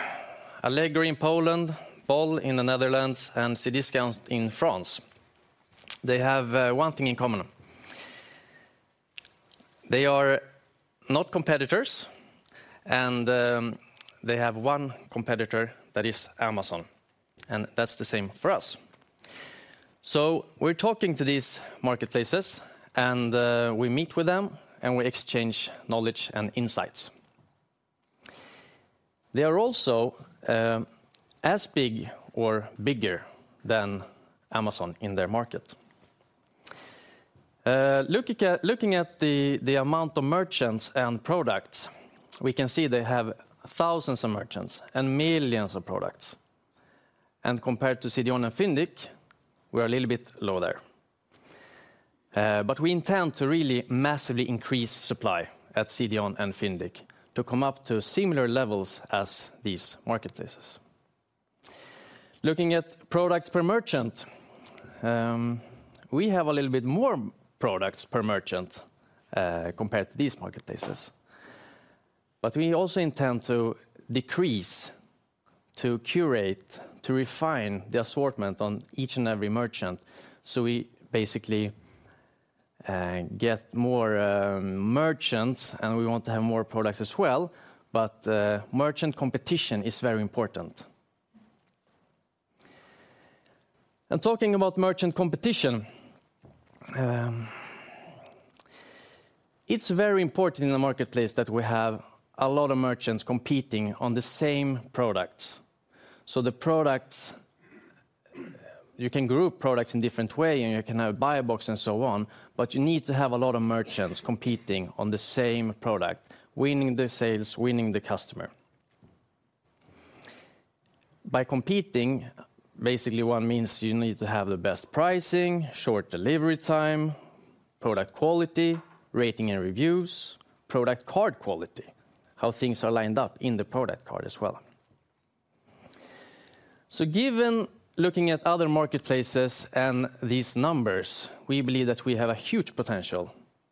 Allegro in Poland, Bol in the Netherlands, and Cdiscount in France, they have one thing in common. They are not competitors, and they have one competitor, that is Amazon, and that's the same for us. So we're talking to these marketplaces, and we meet with them, and we exchange knowledge and insights. They are also as big or bigger than Amazon in their market. Looking at the amount of merchants and products, we can see they have thousands of merchants and millions of products. And compared to CDON and Fyndiq, we're a little bit low there. But we intend to really massively increase supply at CDON and Fyndiq to come up to similar levels as these marketplaces. Looking at products per merchant, we have a little bit more products per merchant compared to these marketplaces. But we also intend to decrease, to curate, to refine the assortment on each and every merchant, so we basically get more merchants, and we want to have more products as well, but merchant competition is very important. And talking about merchant competition, it's very important in the marketplace that we have a lot of merchants competing on the same products. So the products you can group products in different way, and you can have Buy Box and so on, but you need to have a lot of merchants competing on the same product, winning the sales, winning the customer. By competing, basically, one means you need to have the best pricing, short delivery time, product quality, rating and reviews, product card quality, how things are lined up in the product card as well. So given looking at other marketplaces and these numbers, we believe that we have a huge potential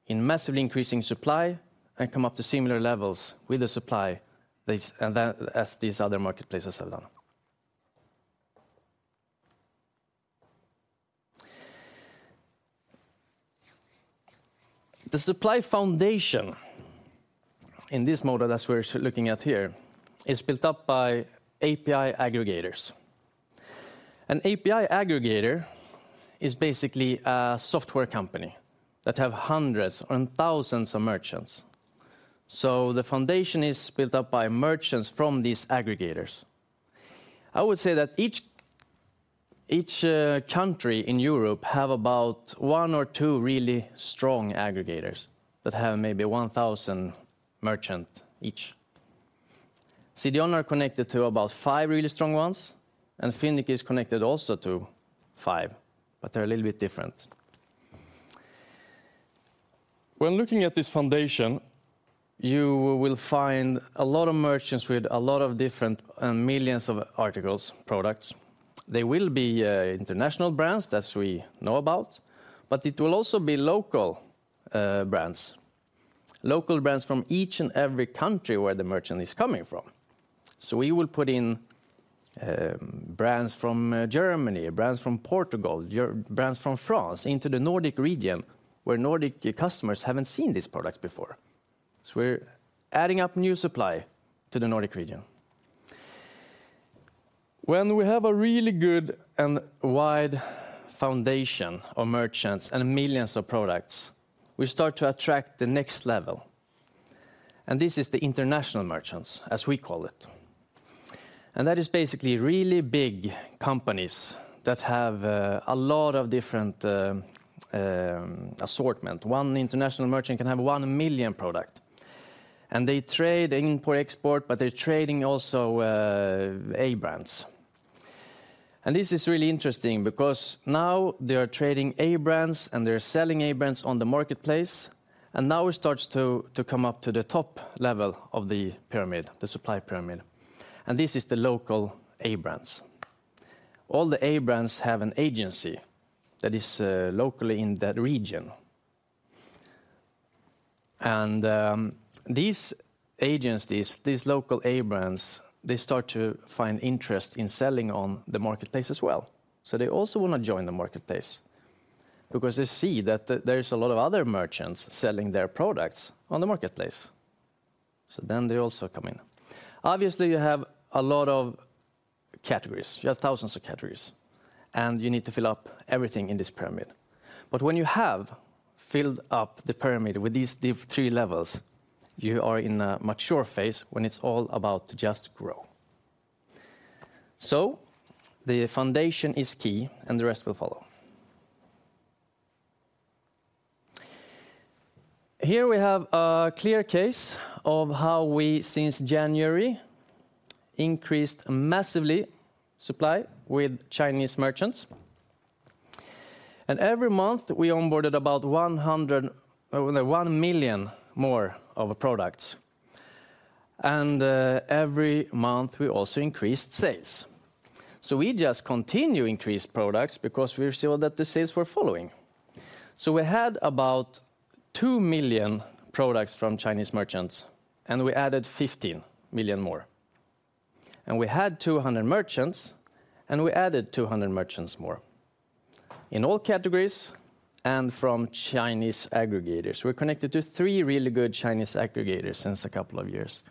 in massively increasing supply and come up to similar levels with the supply that, as these other marketplaces have done. The supply foundation in this model, as we're looking at here, is built up by API aggregators. An API aggregator is basically a software company that have hundreds and thousands of merchants. So the foundation is built up by merchants from these aggregators. I would say that each country in Europe have about one or two really strong aggregators that have maybe 1,000 merchant each. CDON are connected to about five really strong ones, and Fyndiq is connected also to five, but they're a little bit different. When looking at this foundation, you will find a lot of merchants with a lot of different and millions of articles, products. They will be international brands, as we know about, but it will also be local brands. Local brands from each and every country where the merchant is coming from. So we will put in brands from Germany, brands from Portugal, brands from France into the Nordic region, where Nordic customers haven't seen these products before. So we're adding up new supply to the Nordic region. When we have a really good and wide foundation of merchants and millions of products, we start to attract the next level, and this is the international merchants, as we call it. That is basically really big companies that have a lot of different assortment. One international merchant can have 1 million product, and they trade import, export, but they're trading also A brands. And this is really interesting because now they are trading A brands, and they're selling A brands on the marketplace, and now it starts to come up to the top level of the pyramid, the supply pyramid. And this is the local A brands. All the A brands have an agency that is locally in that region. And these agencies, these local A brands, they start to find interest in selling on the marketplace as well. So they also want to join the marketplace because they see that there is a lot of other merchants selling their products on the marketplace, so then they also come in. Obviously, you have a lot of categories. You have thousands of categories, and you need to fill up everything in this pyramid. But when you have filled up the pyramid with these deep three levels, you are in a mature phase when it's all about to just grow. So the foundation is key, and the rest will follow. Here we have a clear case of how we, since January, increased massively supply with Chinese merchants. And every month, we onboarded about 100, 1 million more of products. And every month we also increased sales. So we just continue increase products because we saw that the sales were following. So we had about 2 million products from Chinese merchants, and we added 15 million more. And we had 200 merchants, and we added 200 merchants more. In all categories and from Chinese aggregators. We're connected to three really good Chinese aggregators since a couple of years.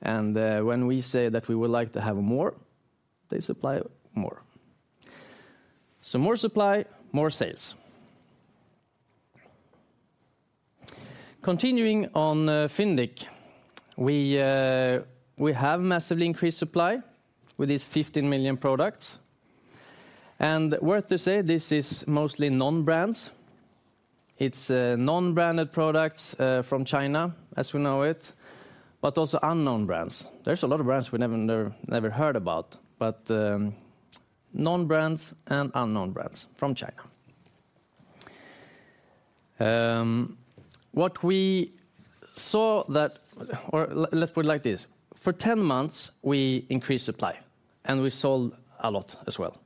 And when we say that we would like to have more, they supply more. So more supply, more sales. Continuing on, Fyndiq, we have massively increased supply with these 15 million products. And worth to say, this is mostly non-brands. It's non-branded products from China, as we know it, but also unknown brands. There's a lot of brands we never, never, never heard about, but non-brands and unknown brands from China. What we saw that, or let's put it like this, for 10 months, we increased supply, and we sold a lot as well.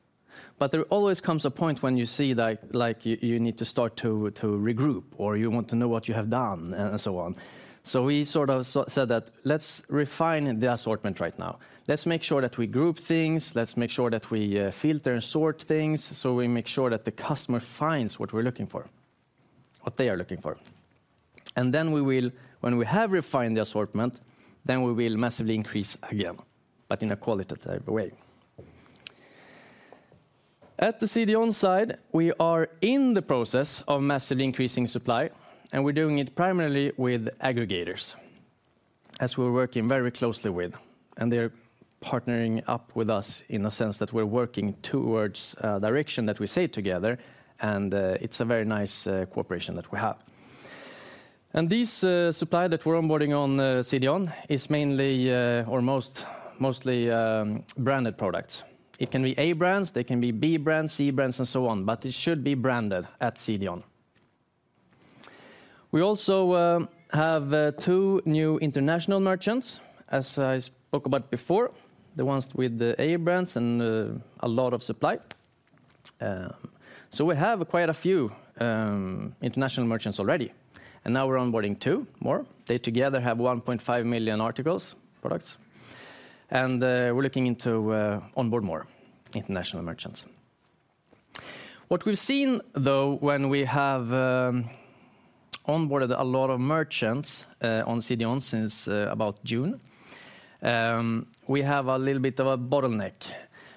But there always comes a point when you see, like, like, you need to start to regroup, or you want to know what you have done and so on. So we sort of said that, "Let's refine the assortment right now. Let's make sure that we group things. Let's make sure that we filter and sort things, so we make sure that the customer finds what we're looking for, what they are looking for. And then we will, when we have refined the assortment, then we will massively increase again, but in a qualitative way." At the CDON side, we are in the process of massively increasing supply, and we're doing it primarily with aggregators, as we're working very closely with, and they're partnering up with us in the sense that we're working towards a direction that we see together, and it's a very nice cooperation that we have. And this supply that we're onboarding on CDON is mainly, or mostly, branded products. It can be A brands, they can be B brands, C brands, and so on, but it should be branded at CDON. We also have two new international merchants, as I spoke about before, the ones with the A brands and a lot of supply. So we have quite a few international merchants already, and now we're onboarding two more. They together have 1.5 million articles, products, and we're looking into onboard more international merchants. What we've seen, though, when we have onboarded a lot of merchants on CDON since about June, we have a little bit of a bottleneck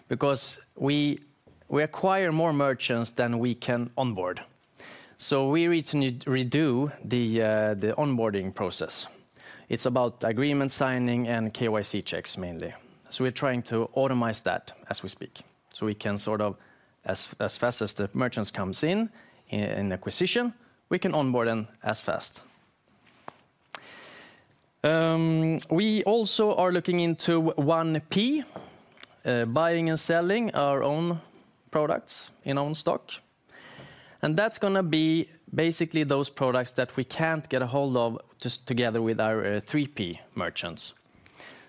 because we acquire more merchants than we can onboard. So we need to redo the onboarding process. It's about agreement signing and KYC checks, mainly. So we're trying to automate that as we speak, so we can sort of, as fast as the merchants comes in, in acquisition, we can onboard them as fast. We also are looking into 1P, buying and selling our own products in own stock. And that's gonna be basically those products that we can't get a hold of just together with our 3P merchants.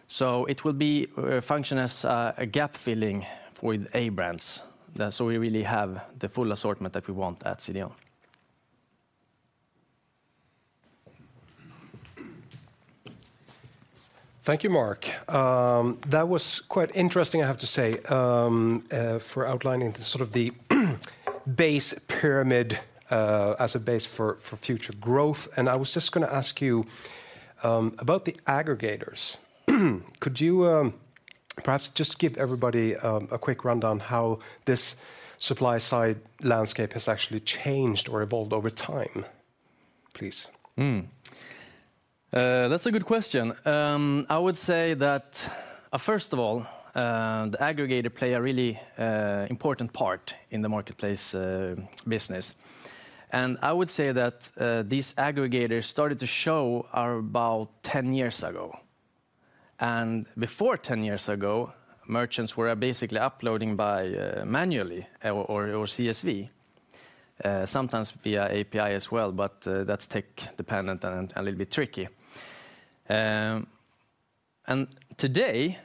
So it will be function as a gap filling with A brands. That's so we really have the full assortment that we want at CDON. Thank you, Mark. That was quite interesting, I have to say, for outlining the sort of base pyramid as a base for future growth. And I was just gonna ask you about the aggregators. Could you perhaps just give everybody a quick rundown how this supply side landscape has actually changed or evolved over time, please? That's a good question. I would say that, first of all, the aggregator play a really important part in the marketplace business. And I would say that these aggregators started to show about 10 years ago. And before 10 years ago, merchants were basically uploading by manually or CSV, sometimes via API as well, but that's tech dependent and a little bit tricky. And today,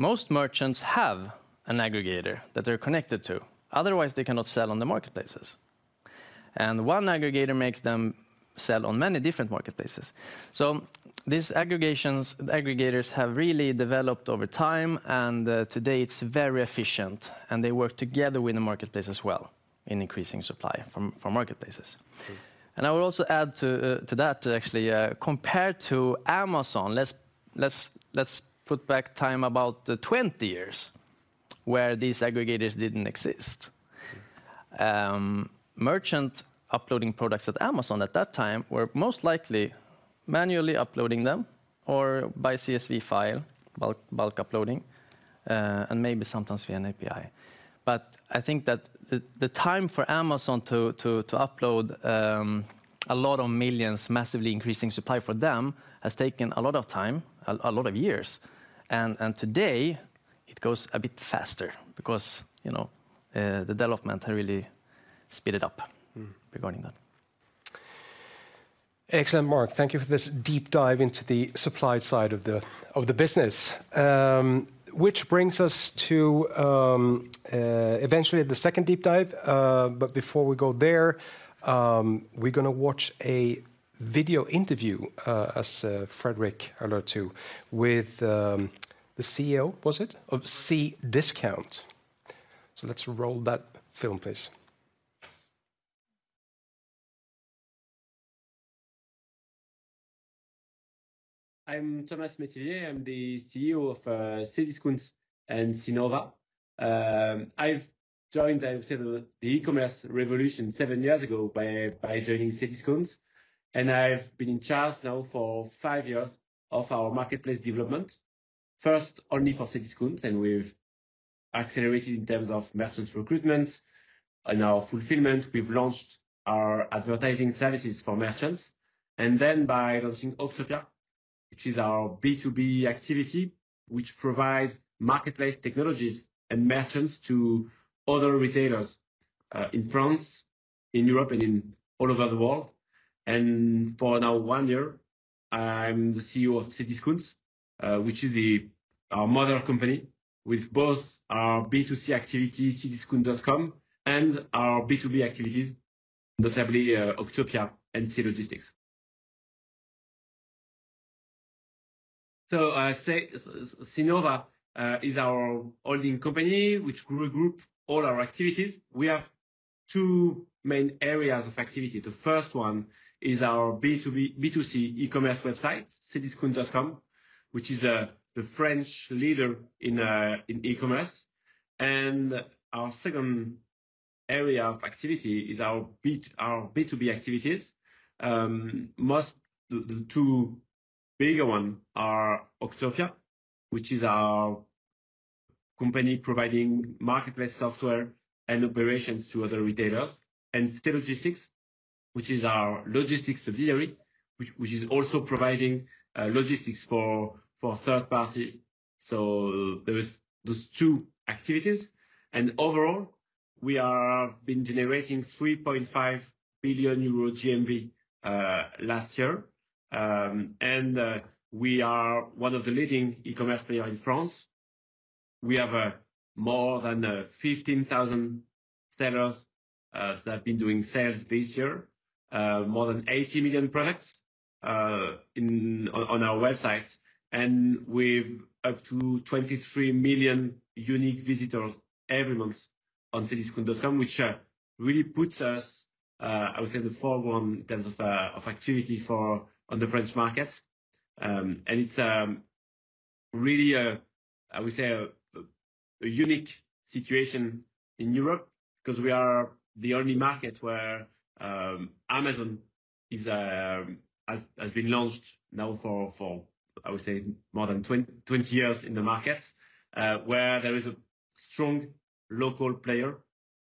most merchants have an aggregator that they're connected to, otherwise they cannot sell on the marketplaces. And one aggregator makes them sell on many different marketplaces. So these aggregators have really developed over time, and today, it's very efficient, and they work together with the marketplace as well in increasing supply from marketplaces. And I will also add to that, actually, compared to Amazon, let's put back time about 20 years, where these aggregators didn't exist. Merchant uploading products at Amazon at that time were most likely, manually uploading them or by CSV file, bulk uploading, and maybe sometimes via an API. But I think that the time for Amazon to upload a lot of millions, massively increasing supply for them, has taken a lot of time, a lot of years. And today it goes a bit faster because, you know, the development has really speeded up regarding that. Excellent, Mark. Thank you for this deep dive into the supply side of the, of the business. Which brings us to eventually the second deep dive. But before we go there, we're gonna watch a video interview, Fredrik alluded to, with the CEO of Cdiscount. So let's roll that film, please. I'm Thomas Métivier. I'm the CEO of Cdiscount and Cnova. I've joined, I would say, the e-commerce revolution seven years ago by joining Cdiscount, and I've been in charge now for five years of our marketplace development. First, only for Cdiscount, and we've accelerated in terms of merchants recruitment. In our fulfillment, we've launched our advertising services for merchants, and then by launching Octopia, which is our B2B activity, which provides marketplace technologies and merchants to other retailers in France, in Europe, and all over the world. For now, one year, I'm the CEO of Cdiscount, which is our mother company, with both our B2C activity, cdiscount.com, and our B2B activities, notably Octopia and C-Logistics. Cnova is our holding company, which regroup all our activities. We have two main areas of activity. The first one is our B2B-B2C e-commerce website, Cdiscount.com, which is the French leader in e-commerce. Our second area of activity is our B2B activities. The two bigger ones are Octopia, which is our company providing marketplace software and operations to other retailers, and C-Logistics, which is our logistics subsidiary, which is also providing logistics for third party. So there are those two activities, and overall, we have been generating 3.5 billion euro GMV last year. We are one of the leading e-commerce player in France. We have more than 15,000 sellers that have been doing sales this year. More than 80 million products in on our website, and with up to 23 million unique visitors every month on Cdiscount.com, which really puts us, I would say, in the forefront in terms of activity for on the French market. And it's really, I would say, a unique situation in Europe, because we are the only market where Amazon has been launched now for, I would say, more than 20 years in the market, where there is a strong local player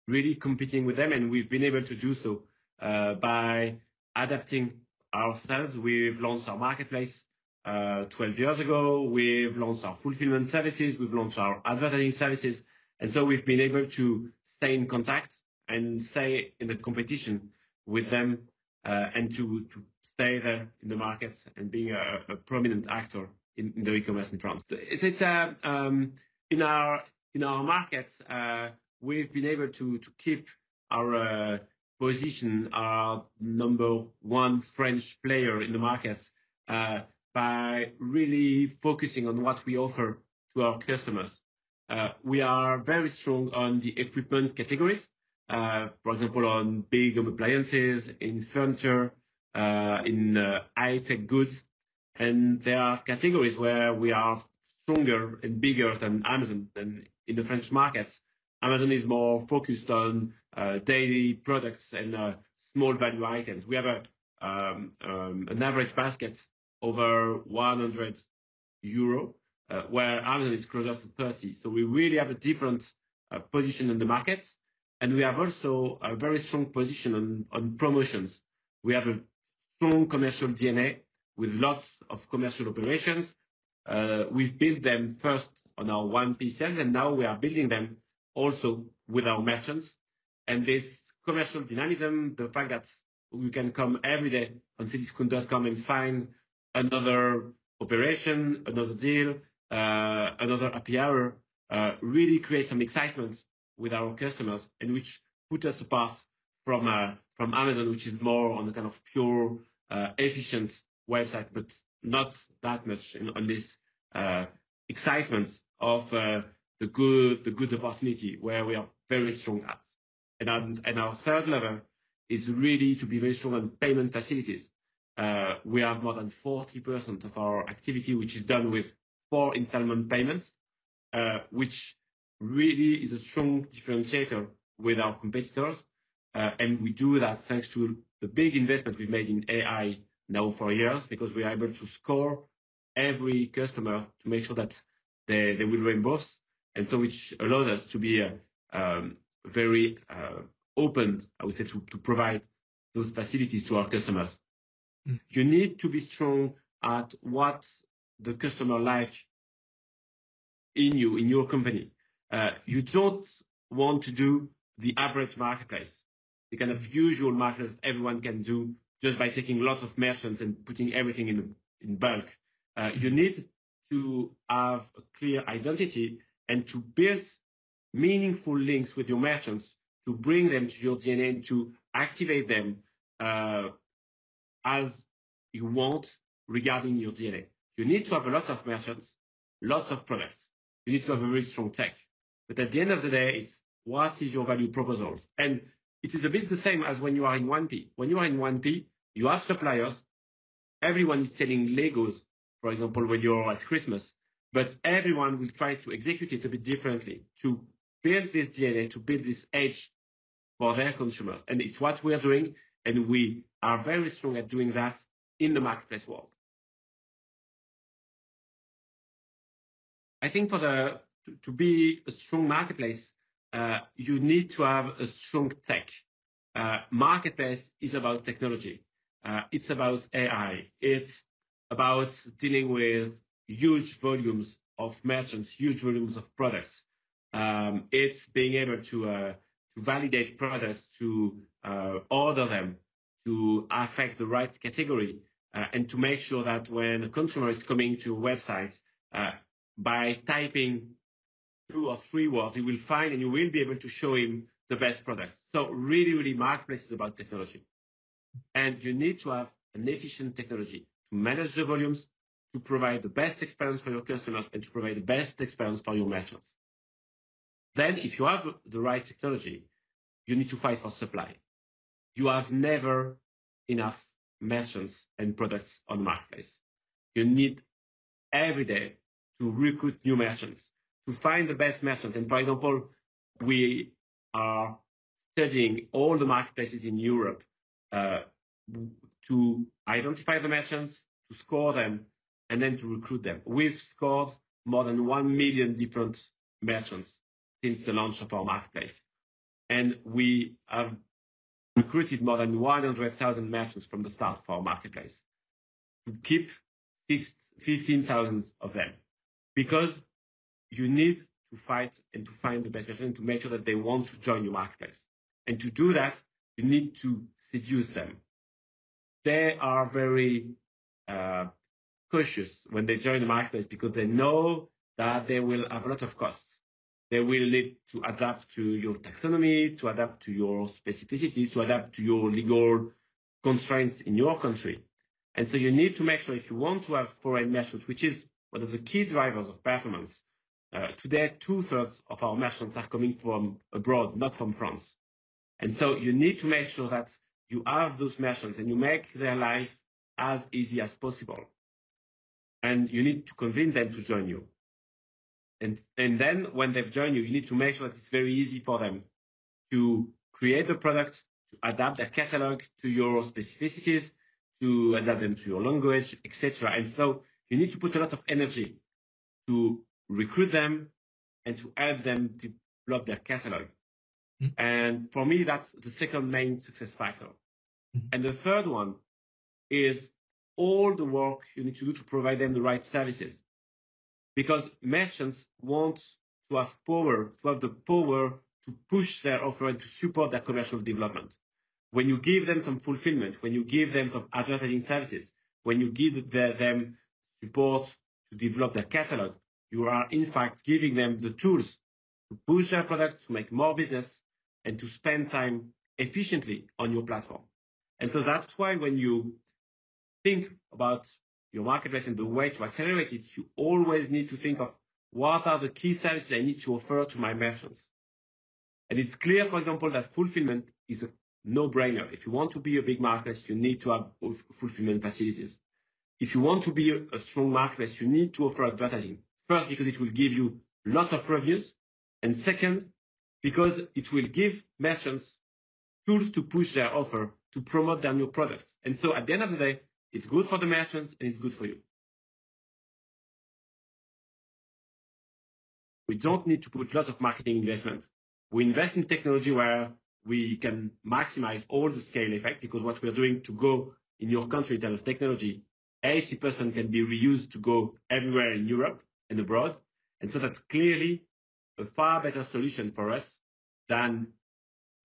really competing with them, and we've been able to do so by adapting ourselves. We've launched our marketplace 12 years ago, we've launched our fulfillment services, we've launched our advertising services, and so we've been able to stay in contact and stay in the competition with them, and to stay there in the markets and being a prominent actor in the e-commerce in France. It's in our markets, we've been able to keep our position, our number one French player in the market by really focusing on what we offer to our customers. We are very strong on the equipment categories, for example, on big appliances, in furniture, in high-tech goods. And there are categories where we are stronger and bigger than Amazon in the French markets. Amazon is more focused on daily products and small value items. We have an average basket over 100 euro, where Amazon is closer to 30. So we really have a different position in the market, and we have also a very strong position on promotions. We have a strong commercial DNA with lots of commercial operations. We've built them first on our 1P sales, and now we are building them also with our merchants. And this commercial dynamism, the fact that we can come every day on Cdiscount.com and find another operation, another deal, another happy hour, really creates some excitement with our customers, and which put us apart from Amazon, which is more on the kind of pure efficient website, but not that much on this excitement of the good, the good opportunity where we are very strong at. Our third level is really to be very strong on payment facilities. We have more than 40% of our activity, which is done with four installment payments, which really is a strong differentiator with our competitors. And we do that thanks to the big investment we've made in AI now for years, because we are able to score every customer to make sure that they will reimburse, and so which allowed us to be very open, I would say, to provide those facilities to our customers. You need to be strong at what the customer like in you, in your company. You don't want to do the average marketplace, the kind of usual marketplace everyone can do just by taking lots of merchants and putting everything in the, in bulk. You need to have a clear identity and to build meaningful links with your merchants to bring them to your DNA, to activate them, as you want regarding your DNA. You need to have a lot of merchants, lots of products. You need to have a very strong tech. But at the end of the day, it's what is your value proposals? And it is a bit the same as when you are in 1P. When you are in 1P, you have suppliers. Everyone is selling LEGOs, for example, when you are at Christmas, but everyone will try to execute it a bit differently, to build this DNA, to build this edge for their consumers. And it's what we are doing, and we are very strong at doing that in the marketplace world. I think to be a strong marketplace, you need to have a strong tech. Marketplace is about technology, it's about AI, it's about dealing with huge volumes of merchants, huge volumes of products. It's being able to to validate products, to order them, to affect the right category, and to make sure that when a consumer is coming to your website, by typing two or three words, you will find and you will be able to show him the best product. So really, really, marketplace is about technology. And you need to have an efficient technology to manage the volumes, to provide the best experience for your customers, and to provide the best experience for your merchants. Then if you have the right technology, you need to fight for supply. You have never enough merchants and products on the marketplace. You need every day to recruit new merchants, to find the best merchants. For example, we are studying all the marketplaces in Europe to identify the merchants, to score them, and then to recruit them. We've scored more than 1 million different merchants since the launch of our marketplace, and we have recruited more than 100,000 merchants from the start of our marketplace. We keep 15,000 of them because you need to fight and to find the best merchant, to make sure that they want to join your marketplace. To do that, you need to seduce them. They are very cautious when they join the marketplace because they know that they will have a lot of costs. They will need to adapt to your taxonomy, to adapt to your specificities, to adapt to your legal constraints in your country. And so you need to make sure if you want to have foreign merchants, which is one of the key drivers of performance. Today, two-thirds of our merchants are coming from abroad, not from France. And so you need to make sure that you have those merchants, and you make their life as easy as possible, and you need to convince them to join you. And, and then when they've joined you, you need to make sure that it's very easy for them to create a product, to adapt their catalog to your specificities, to adapt them to your language, et cetera. And so you need to put a lot of energy to recruit them and to help them to develop their catalog. For me, that's the second main success factor. The third one is all the work you need to do to provide them the right services, because merchants want to have power, to have the power to push their offering, to support their commercial development. When you give them some fulfillment, when you give them some advertising services, when you give them support to develop their catalog, you are in fact giving them the tools to push their product, to make more business, and to spend time efficiently on your platform. And so that's why when you think about your marketplace and the way to accelerate it, you always need to think of: What are the key services I need to offer to my merchants? And it's clear, for example, that fulfillment is a no-brainer. If you want to be a big marketplace, you need to have fulfillment facilities. If you want to be a strong marketplace, you need to offer advertising. First, because it will give you lots of reviews, and second, because it will give merchants tools to push their offer to promote their new products. And so at the end of the day, it's good for the merchants, and it's good for you. We don't need to put lots of marketing investments. We invest in technology where we can maximize all the scale effect, because what we are doing to go in your country in terms of technology, 80% can be reused to go everywhere in Europe and abroad. And so that's clearly a far better solution for us than,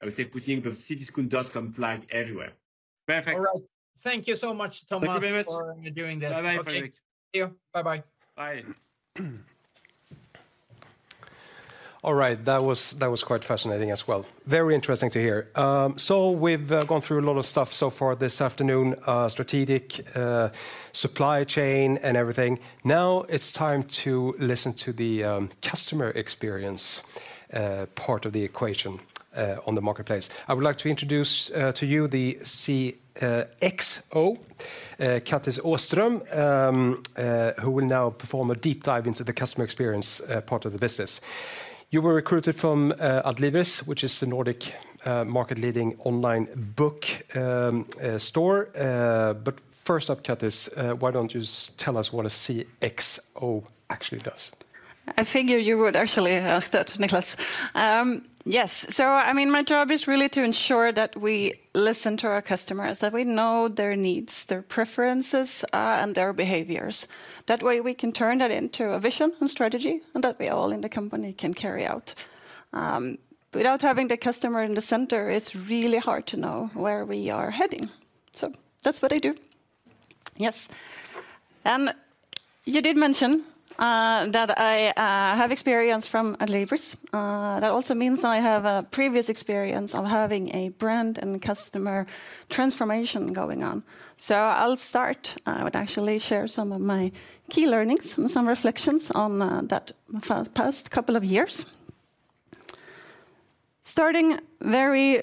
I would say, putting the Cdiscount.com flag everywhere. Perfect. All right. Thank you so much, Thomas. Thank you very much. For doing this. Bye-bye, Fredrik Thank you. Bye-bye. Bye. All right. That was, that was quite fascinating as well. Very interesting to hear. So we've gone through a lot of stuff so far this afternoon, strategic, supply chain and everything. Now it's time to listen to the customer experience part of the equation on the marketplace. I would like to introduce to you the CXO, Kattis Åström, who will now perform a deep dive into the customer experience part of the business. You were recruited from Adlibris, which is the Nordic market-leading online book store. But first up, Kattis, why don't you tell us what a CXO actually does? I figured you would actually ask that, Nicklas. Yes. So I mean, my job is really to ensure that we listen to our customers, that we know their needs, their preferences, and their behaviors. That way, we can turn that into a vision and strategy, and that way all in the company can carry out. Without having the customer in the center, it's really hard to know where we are heading. So that's what I do. Yes. And you did mention that I have experience from Adlibris. That also means that I have a previous experience of having a brand and customer transformation going on. So I'll start. I would actually share some of my key learnings and some reflections on that past couple of years. Starting very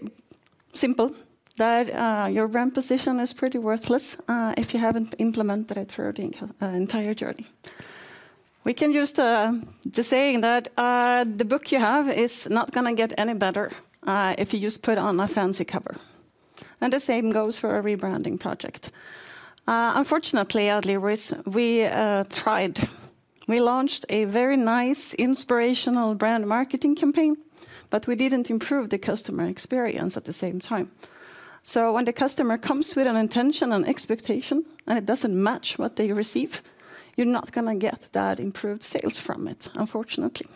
simple, that your brand position is pretty worthless if you haven't implemented it through the entire journey. We can use the saying that the book you have is not gonna get any better if you just put on a fancy cover, and the same goes for a rebranding project. Unfortunately, Adlibris, we tried. We launched a very nice inspirational brand marketing campaign, but we didn't improve the customer experience at the same time. So when the customer comes with an intention and expectation, and it doesn't match what they receive, you're not gonna get that improved sales from it, unfortunately.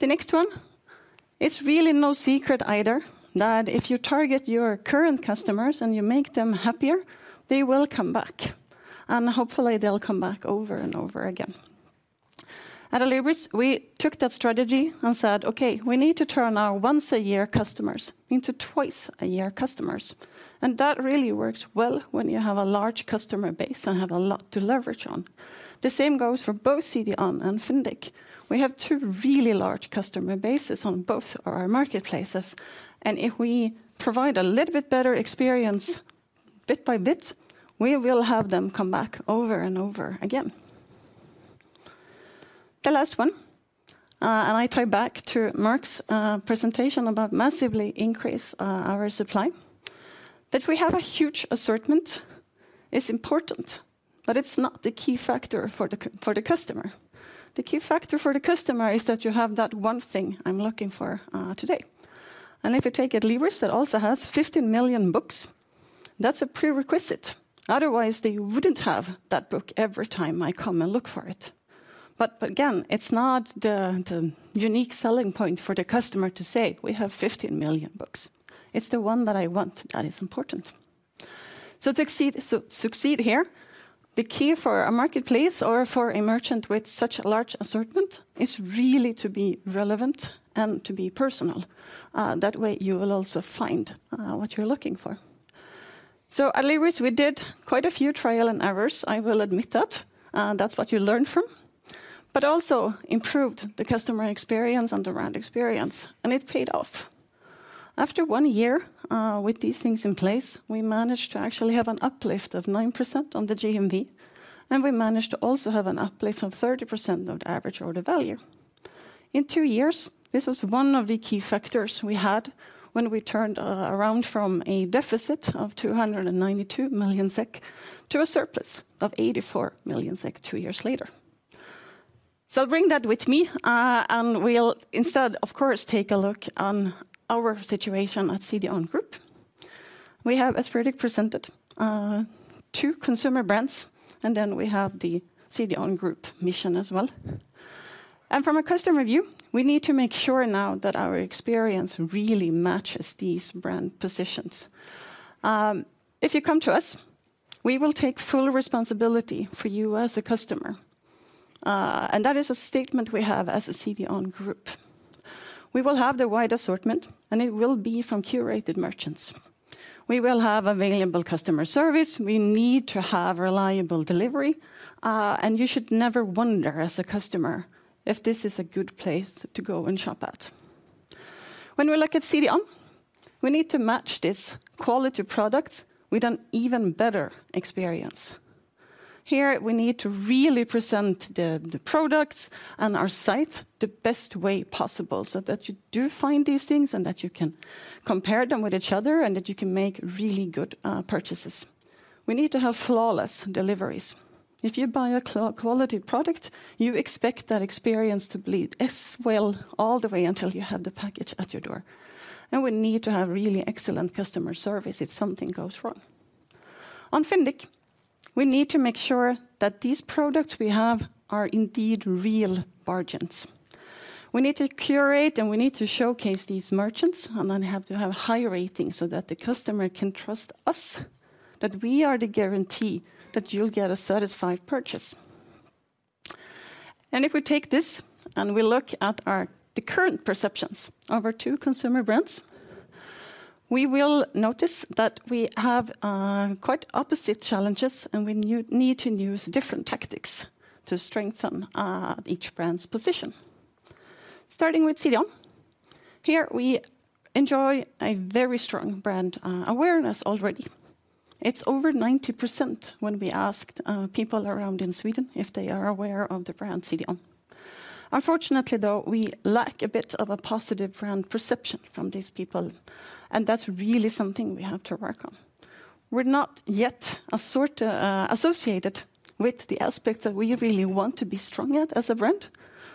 The next one, it's really no secret either, that if you target your current customers, and you make them happier, they will come back, and hopefully they'll come back over and over again. At Adlibris, we took that strategy and said, "Okay, we need to turn our once-a-year customers into twice-a-year customers." And that really works well when you have a large customer base and have a lot to leverage on. The same goes for both CDON and Fyndiq. We have two really large customer bases on both our marketplaces, and if we provide a little bit better experience bit by bit, we will have them come back over and over again. The last one, and I tie back to Mark's presentation about massively increase our supply. That we have a huge assortment is important, but it's not the key factor for the customer. The key factor for the customer is that you have that one thing I'm looking for today. And if you take Adlibris, that also has 15 million books, that's a prerequisite. Otherwise, they wouldn't have that book every time I come and look for it. But again, it's not the unique selling point for the customer to say, "We have 15 million books." It's the one that I want that is important. So to succeed here, the key for a marketplace or for a merchant with such a large assortment is really to be relevant and to be personal. That way, you will also find what you're looking for. So Adlibris, we did quite a few trial and errors, I will admit that, that's what you learn from, but also improved the customer experience and the brand experience, and it paid off. After one year with these things in place, we managed to actually have an uplift of 9% on the GMV, and we managed to also have an uplift of 30% on the average order value. In two years, this was one of the key factors we had when we turned around from a deficit of 292 million SEK to a surplus of 84 million SEK two years later. So I bring that with me, and we'll instead, of course, take a look on our situation at CDON Group. We have, as Fredrik presented, two consumer brands, and then we have the CDON Group mission as well. From a customer view, we need to make sure now that our experience really matches these brand positions. If you come to us, we will take full responsibility for you as a customer, and that is a statement we have as a CDON Group. We will have the wide assortment, and it will be from curated merchants. We will have available customer service, we need to have reliable delivery, and you should never wonder, as a customer, if this is a good place to go and shop at. When we look at CDON, we need to match this quality product with an even better experience. Here, we need to really present the, the products and our site the best way possible, so that you do find these things, and that you can compare them with each other, and that you can make really good purchases. We need to have flawless deliveries. If you buy a quality product, you expect that experience to bleed as well all the way until you have the package at your door. And we need to have really excellent customer service if something goes wrong. On Fyndiq, we need to make sure that these products we have are indeed real bargains. We need to curate, and we need to showcase these merchants, and then have to have high ratings so that the customer can trust us, that we are the guarantee that you'll get a satisfied purchase. And if we take this, and we look at our the current perceptions of our two consumer brands, we will notice that we have quite opposite challenges, and we need to use different tactics to strengthen each brand's position. Starting with CDON. Here, we enjoy a very strong brand awareness already. It's over 90% when we asked people around in Sweden if they are aware of the brand CDON. Unfortunately, though, we lack a bit of a positive brand perception from these people, and that's really something we have to work on. We're not yet associated with the aspect that we really want to be strong at as a brand,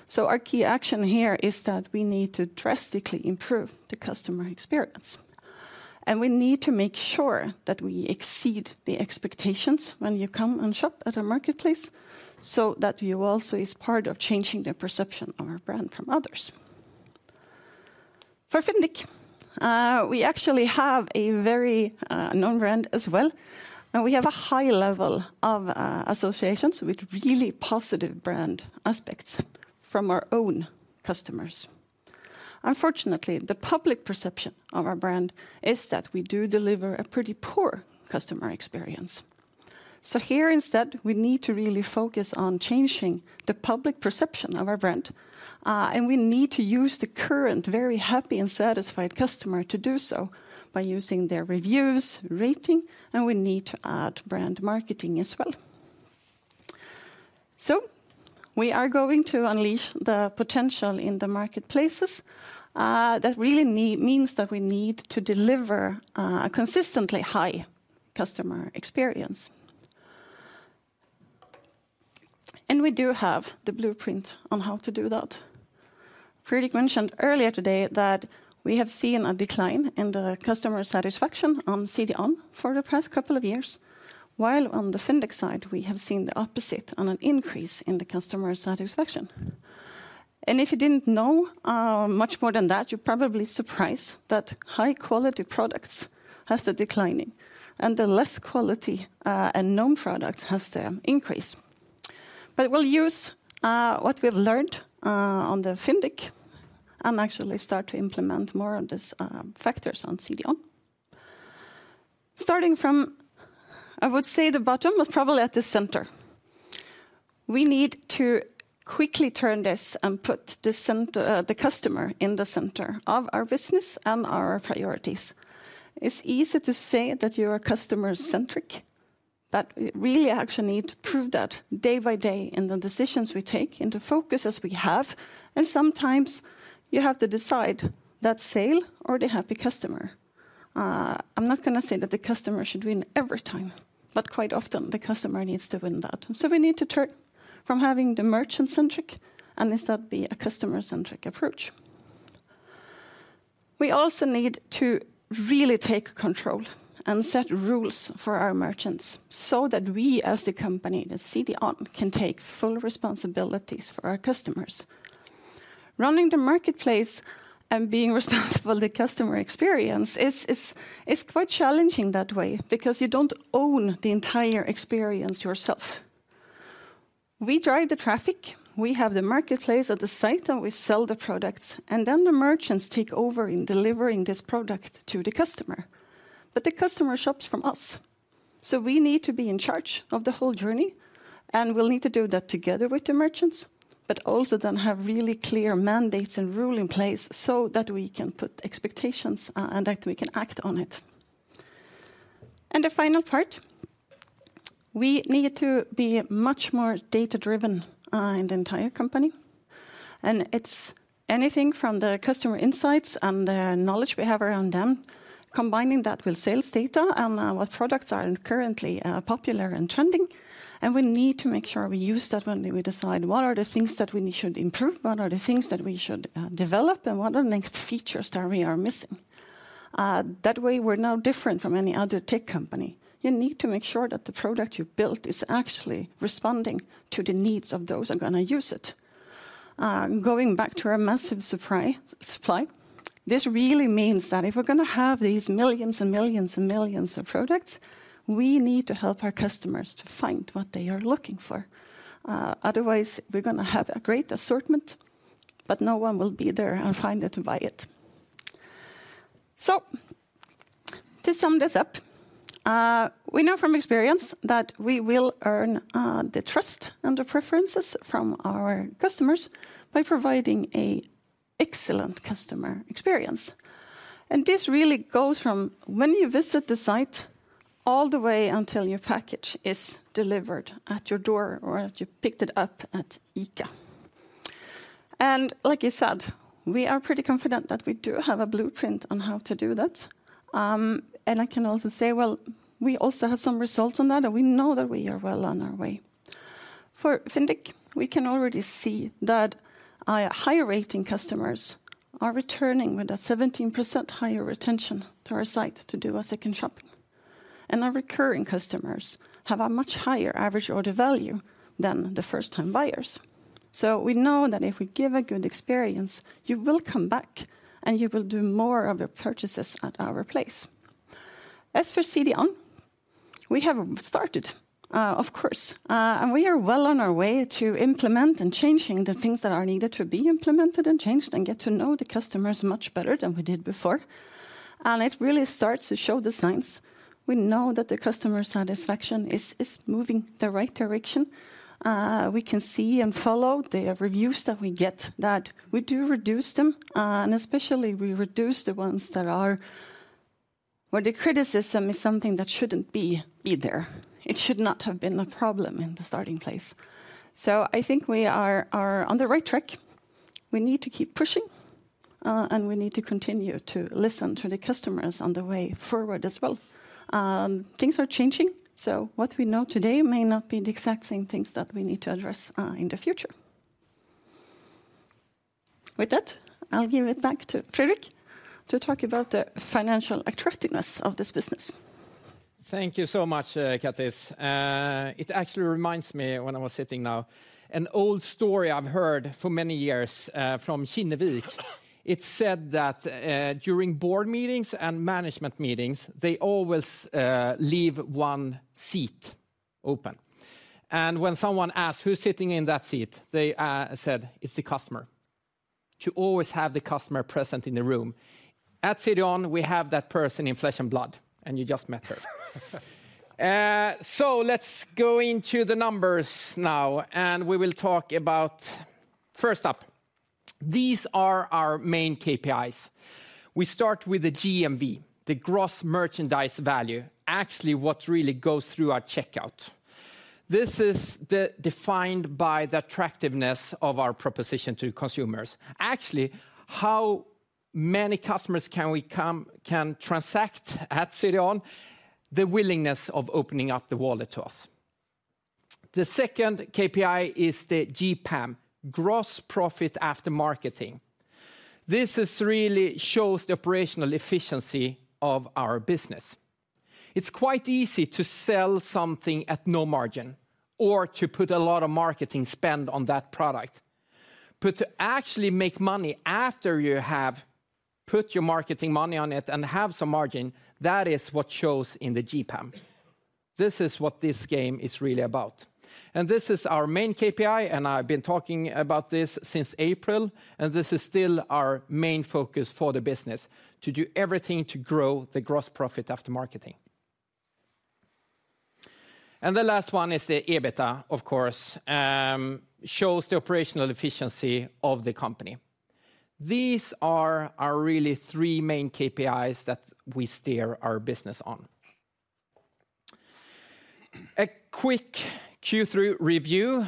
so our key action here is that we need to drastically improve the customer experience. We need to make sure that we exceed the expectations when you come and shop at our marketplace, so that you also is part of changing the perception of our brand from others. For Fyndiq, we actually have a very known brand as well, and we have a high level of associations with really positive brand aspects from our own customers. Unfortunately, the public perception of our brand is that we do deliver a pretty poor customer experience. So here, instead, we need to really focus on changing the public perception of our brand, and we need to use the current very happy and satisfied customer to do so by using their reviews, rating, and we need to add brand marketing as well. So we are going to unleash the potential in the marketplaces. That really means that we need to deliver a consistently high customer experience. And we do have the blueprint on how to do that. Fredrik mentioned earlier today that we have seen a decline in the customer satisfaction on CDON for the past couple of years, while on the Fyndiq side, we have seen the opposite and an increase in the customer satisfaction. If you didn't know much more than that, you're probably surprised that high-quality products has the declining, and the less quality and known product has the increase. But we'll use what we've learned on Fyndiq and actually start to implement more of these factors on CDON. Starting from, I would say, the bottom, but probably at the center. We need to quickly turn this and put the center, the customer in the center of our business and our priorities. It's easy to say that you are customer-centric, but we really actually need to prove that day by day in the decisions we take, in the focuses we have, and sometimes you have to decide that sale or the happy customer. I'm not gonna say that the customer should win every time, but quite often the customer needs to win that. So we need to turn from having the merchant-centric, and instead be a customer-centric approach. We also need to really take control and set rules for our merchants, so that we, as the company, the CDON, can take full responsibilities for our customers. Running the marketplace and being responsible the customer experience is quite challenging that way because you don't own the entire experience yourself. We drive the traffic, we have the marketplace at the site, and we sell the products, and then the merchants take over in delivering this product to the customer. But the customer shops from us, so we need to be in charge of the whole journey, and we'll need to do that together with the merchants, but also then have really clear mandates and rule in place so that we can put expectations, and that we can act on it. The final part, we need to be much more data-driven in the entire company. It's anything from the customer insights and the knowledge we have around them, combining that with sales data and what products are currently popular and trending, and we need to make sure we use that when we decide what are the things that we should improve, what are the things that we should develop, and what are the next features that we are missing. That way, we're no different from any other tech company. You need to make sure that the product you built is actually responding to the needs of those are gonna use it. Going back to our massive supply, this really means that if we're gonna have these millions and millions and millions of products, we need to help our customers to find what they are looking for. Otherwise, we're gonna have a great assortment, but no one will be there and find it and buy it. So to sum this up, we know from experience that we will earn the trust and the preferences from our customers by providing an excellent customer experience. And this really goes from when you visit the site, all the way until your package is delivered at your door or after you picked it up at ICA. And like I said, we are pretty confident that we do have a blueprint on how to do that. I can also say, well, we also have some results on that, and we know that we are well on our way. For Fyndiq, we can already see that higher-rating customers are returning with a 17% higher retention to our site to do a second shopping. Our recurring customers have a much higher average order value than the first-time buyers. So we know that if we give a good experience, you will come back, and you will do more of your purchases at our place. As for CDON, we have started, of course, and we are well on our way to implement and changing the things that are needed to be implemented and changed and get to know the customers much better than we did before, and it really starts to show the signs. We know that the customer satisfaction is moving the right direction. We can see and follow the reviews that we get, that we do reduce them, and especially we reduce the ones that are where the criticism is something that shouldn't be there. It should not have been a problem in the starting place. So I think we are on the right track. We need to keep pushing, and we need to continue to listen to the customers on the way forward as well. Things are changing, so what we know today may not be the exact same things that we need to address in the future. With that, I'll give it back to Fredrik to talk about the financial attractiveness of this business. Thank you so much, Kattis. It actually reminds me, when I was sitting now, an old story I've heard for many years, from Kinnevik. It's said that, during board meetings and management meetings, they always leave one seat open. And when someone asks, "Who's sitting in that seat?" They said, "It's the customer." To always have the customer present in the room. At CDON, we have that person in flesh and blood, and you just met her. So let's go into the numbers now, and we will talk about. First up, these are our main KPIs. We start with the GMV, the gross merchandise value, actually, what really goes through our checkout. This is the defined by the attractiveness of our proposition to consumers. Actually, how many customers can we can transact at CDON, the willingness of opening up the wallet to us. The second KPI is the GPAM, Gross Profit After Marketing. This really shows the operational efficiency of our business. It's quite easy to sell something at no margin or to put a lot of marketing spend on that product. But to actually make money after you have put your marketing money on it and have some margin, that is what shows in the GPAM. This is what this game is really about, and this is our main KPI, and I've been talking about this since April, and this is still our main focus for the business: to do everything to grow the gross profit after marketing. And the last one is the EBITDA, of course, shows the operational efficiency of the company. These are our really three main KPIs that we steer our business on. A quick Q3 review.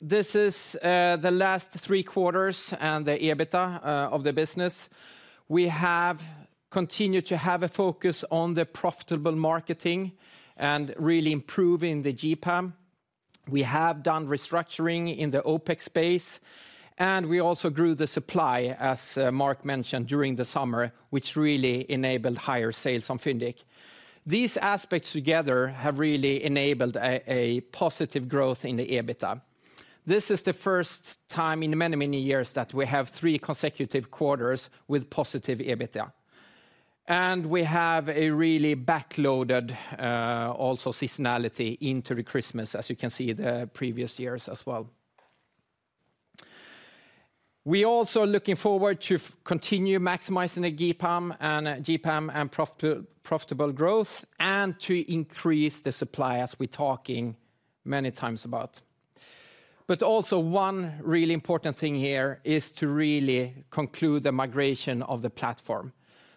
This is the last three quarters and the EBITDA of the business. We have continued to have a focus on the profitable marketing and really improving the GPAM. We have done restructuring in the OpEx space, and we also grew the supply, as Mark mentioned during the summer, which really enabled higher sales on Fyndiq. These aspects together have really enabled a positive growth in the EBITDA. This is the first time in many, many years that we have three consecutive quarters with positive EBITDA. And we have a really backloaded also seasonality into the Christmas, as you can see the previous years as well. We also are looking forward to continue maximizing the GPAM, and GPAM, and profitable growth, and to increase the supply, as we're talking many times about. But also one really important thing here is to really conclude the migration of the platform.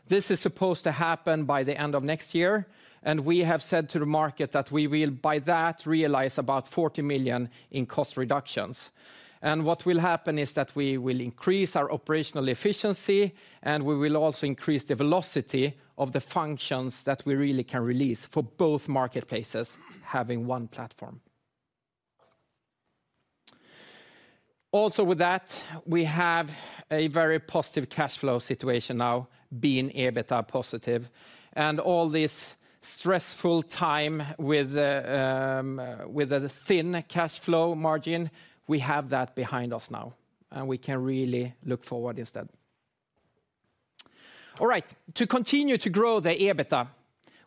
This is supposed to happen by the end of next year, and we have said to the market that we will, by that, realize about 40 million in cost reductions. And what will happen is that we will increase our operational efficiency, and we will also increase the velocity of the functions that we really can release for both marketplaces, having one platform. Also, with that, we have a very positive cash flow situation now, being EBITDA positive. And all this stressful time with the, with the thin cash flow margin, we have that behind us now, and we can really look forward instead. All right. To continue to grow the EBITDA,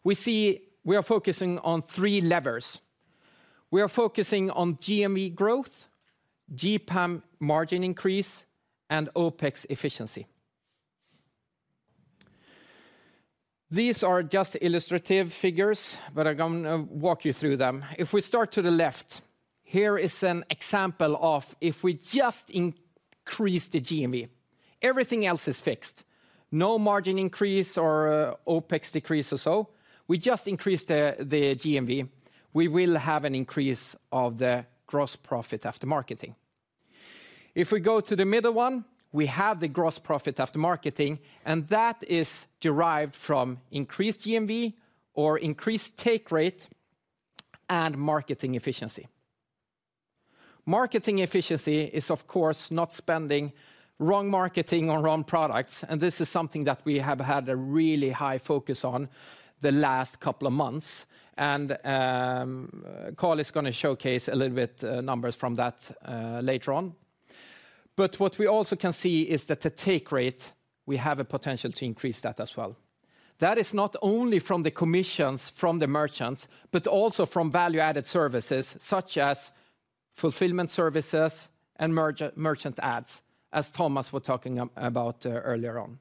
we see we are focusing on three levers. We are focusing on GMV growth, GPAM margin increase, and OpEx efficiency. These are just illustrative figures, but I'm gonna walk you through them. If we start to the left, here is an example of if we just increase the GMV, everything else is fixed. No margin increase or, OpEx decrease or so. We just increase the GMV. We will have an increase of the gross profit after marketing. If we go to the middle one, we have the gross profit after marketing, and that is derived from increased GMV or increased take rate and marketing efficiency. Marketing efficiency is, of course, not spending wrong marketing on wrong products, and this is something that we have had a really high focus on the last couple of months. Carl is gonna showcase a little bit numbers from that later on. But what we also can see is that the take rate, we have a potential to increase that as well. That is not only from the commissions from the merchants, but also from value-added services, such as fulfillment services and merchant ads, as Thomas was talking about earlier on.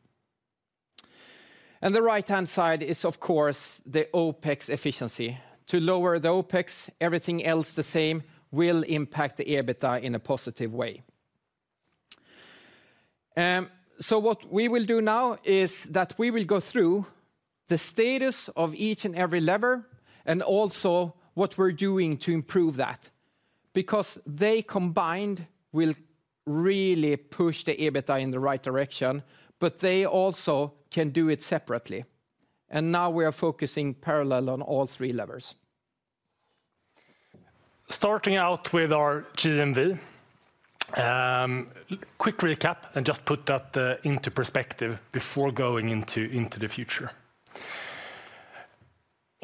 The right-hand side is, of course, the OpEx efficiency. To lower the OpEx, everything else the same, will impact the EBITDA in a positive way. So what we will do now is that we will go through the status of each and every lever, and also what we're doing to improve that, because they combined will really push the EBITDA in the right direction, but they also can do it separately. Now we are focusing parallel on all three levers. Starting out with our GMV. Quick recap, and just put that into perspective before going into the future.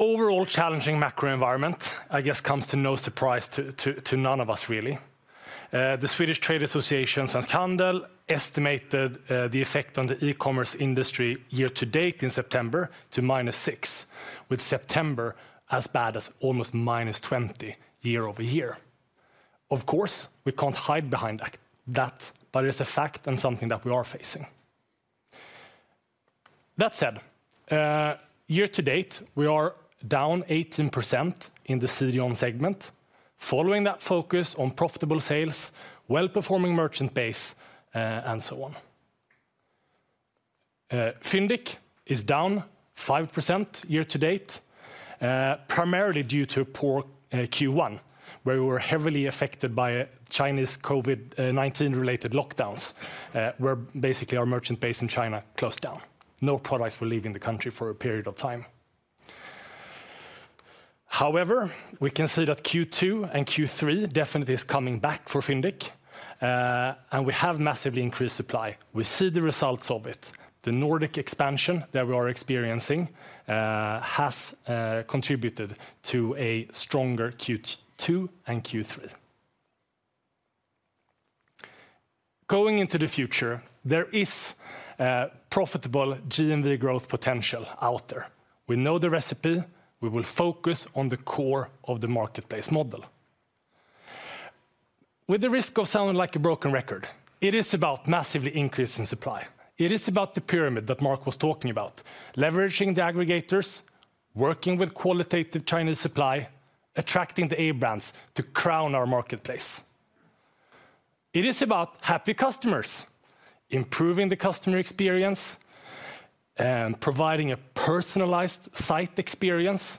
Overall challenging macro environment, I guess, comes to no surprise to none of us, really. The Swedish Trade Association, Svensk Handel, estimated the effect on the e-commerce industry year to date in September to -6%, with September as bad as almost -20% year-over-year. Of course, we can't hide behind that, but it's a fact and something that we are facing. That said, year to date, we are down 18% in the CDON segment, following that focus on profitable sales, well-performing merchant base, and so on. Fyndiq is down 5% year to date, primarily due to poor Q1, where we were heavily affected by Chinese COVID-19-related lockdowns, where basically our merchant base in China closed down. No products were leaving the country for a period of time. However, we can see that Q2 and Q3 definitely is coming back for Fyndiq, and we have massively increased supply. We see the results of it. The Nordic expansion that we are experiencing has contributed to a stronger Q2 and Q3. Going into the future, there is profitable GMV growth potential out there. We know the recipe. We will focus on the core of the marketplace model. With the risk of sounding like a broken record, it is about massively increase in supply. It is about the pyramid that Mark was talking about, leveraging the aggregators, working with quality Chinese supply, attracting the A brands to crown our marketplace. It is about happy customers, improving the customer experience, and providing a personalized site experience,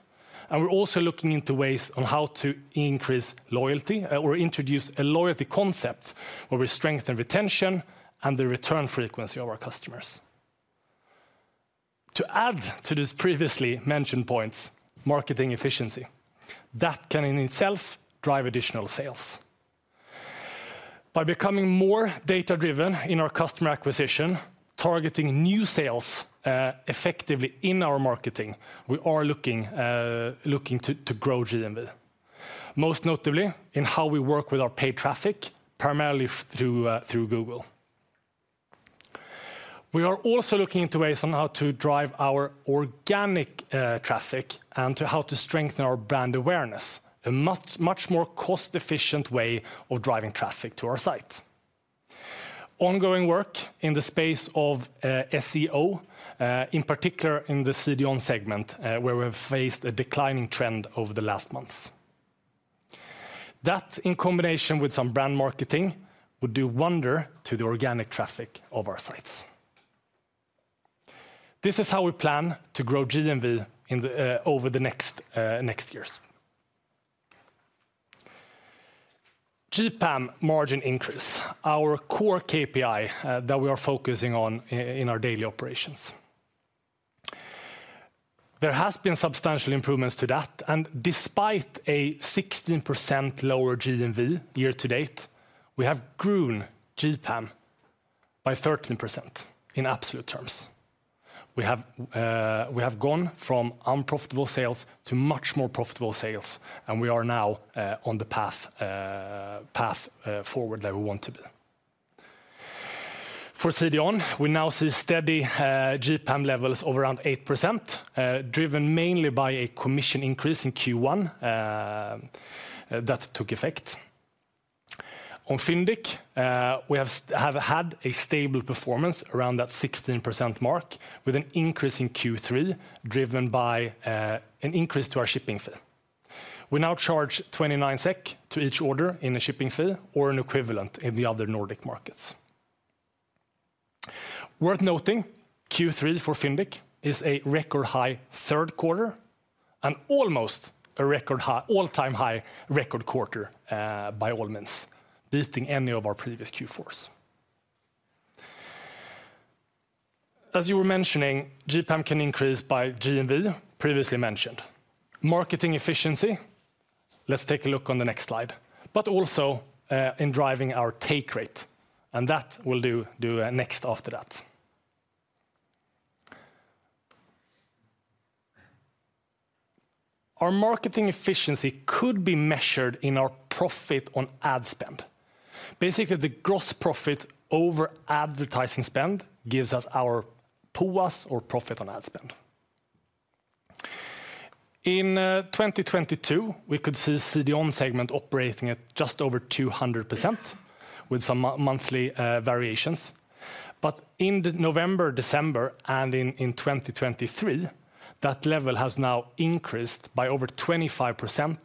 and we're also looking into ways on how to increase loyalty or introduce a loyalty concept where we strengthen retention and the return frequency of our customers. To add to these previously mentioned points, marketing efficiency. That can in itself drive additional sales. By becoming more data-driven in our customer acquisition, targeting new sales effectively in our marketing, we are looking to grow GMV, most notably in how we work with our paid traffic, primarily through Google. We are also looking into ways on how to drive our organic traffic and to how to strengthen our brand awareness, a much, much more cost-efficient way of driving traffic to our site. Ongoing work in the space of SEO, in particular in the CDON segment, where we've faced a declining trend over the last months. That, in combination with some brand marketing, would do wonder to the organic traffic of our sites. This is how we plan to grow GMV in the over the next years. GPAM margin increase, our core KPI, that we are focusing on in our daily operations. There has been substantial improvements to that, and despite a 16% lower GMV year to date, we have grown GPAM by 13% in absolute terms. We have gone from unprofitable sales to much more profitable sales, and we are now on the path forward that we want to be. For CDON, we now see steady GPAM levels of around 8%, driven mainly by a commission increase in Q1 that took effect. On Fyndiq, we have had a stable performance around that 16% mark, with an increase in Q3, driven by an increase to our shipping fee. We now charge 29 SEK to each order in a shipping fee or an equivalent in the other Nordic markets. Worth noting, Q3 for Fyndiq is a record high third quarter and almost a record high, all-time high record quarter, by all means, beating any of our previous Q4s. As you were mentioning, GPAM can increase by GMV, previously mentioned. Marketing efficiency, let's take a look on the next slide, but also in driving our take rate, and that we'll do next after that. Our marketing efficiency could be measured in our profit on ad spend. Basically, the gross profit over advertising spend gives us our POAS or Profit on Ad Spend. In 2022, we could see CDON segment operating at just over 200%, with some monthly variations. But in November, December, and in 2023, that level has now increased by over 25%,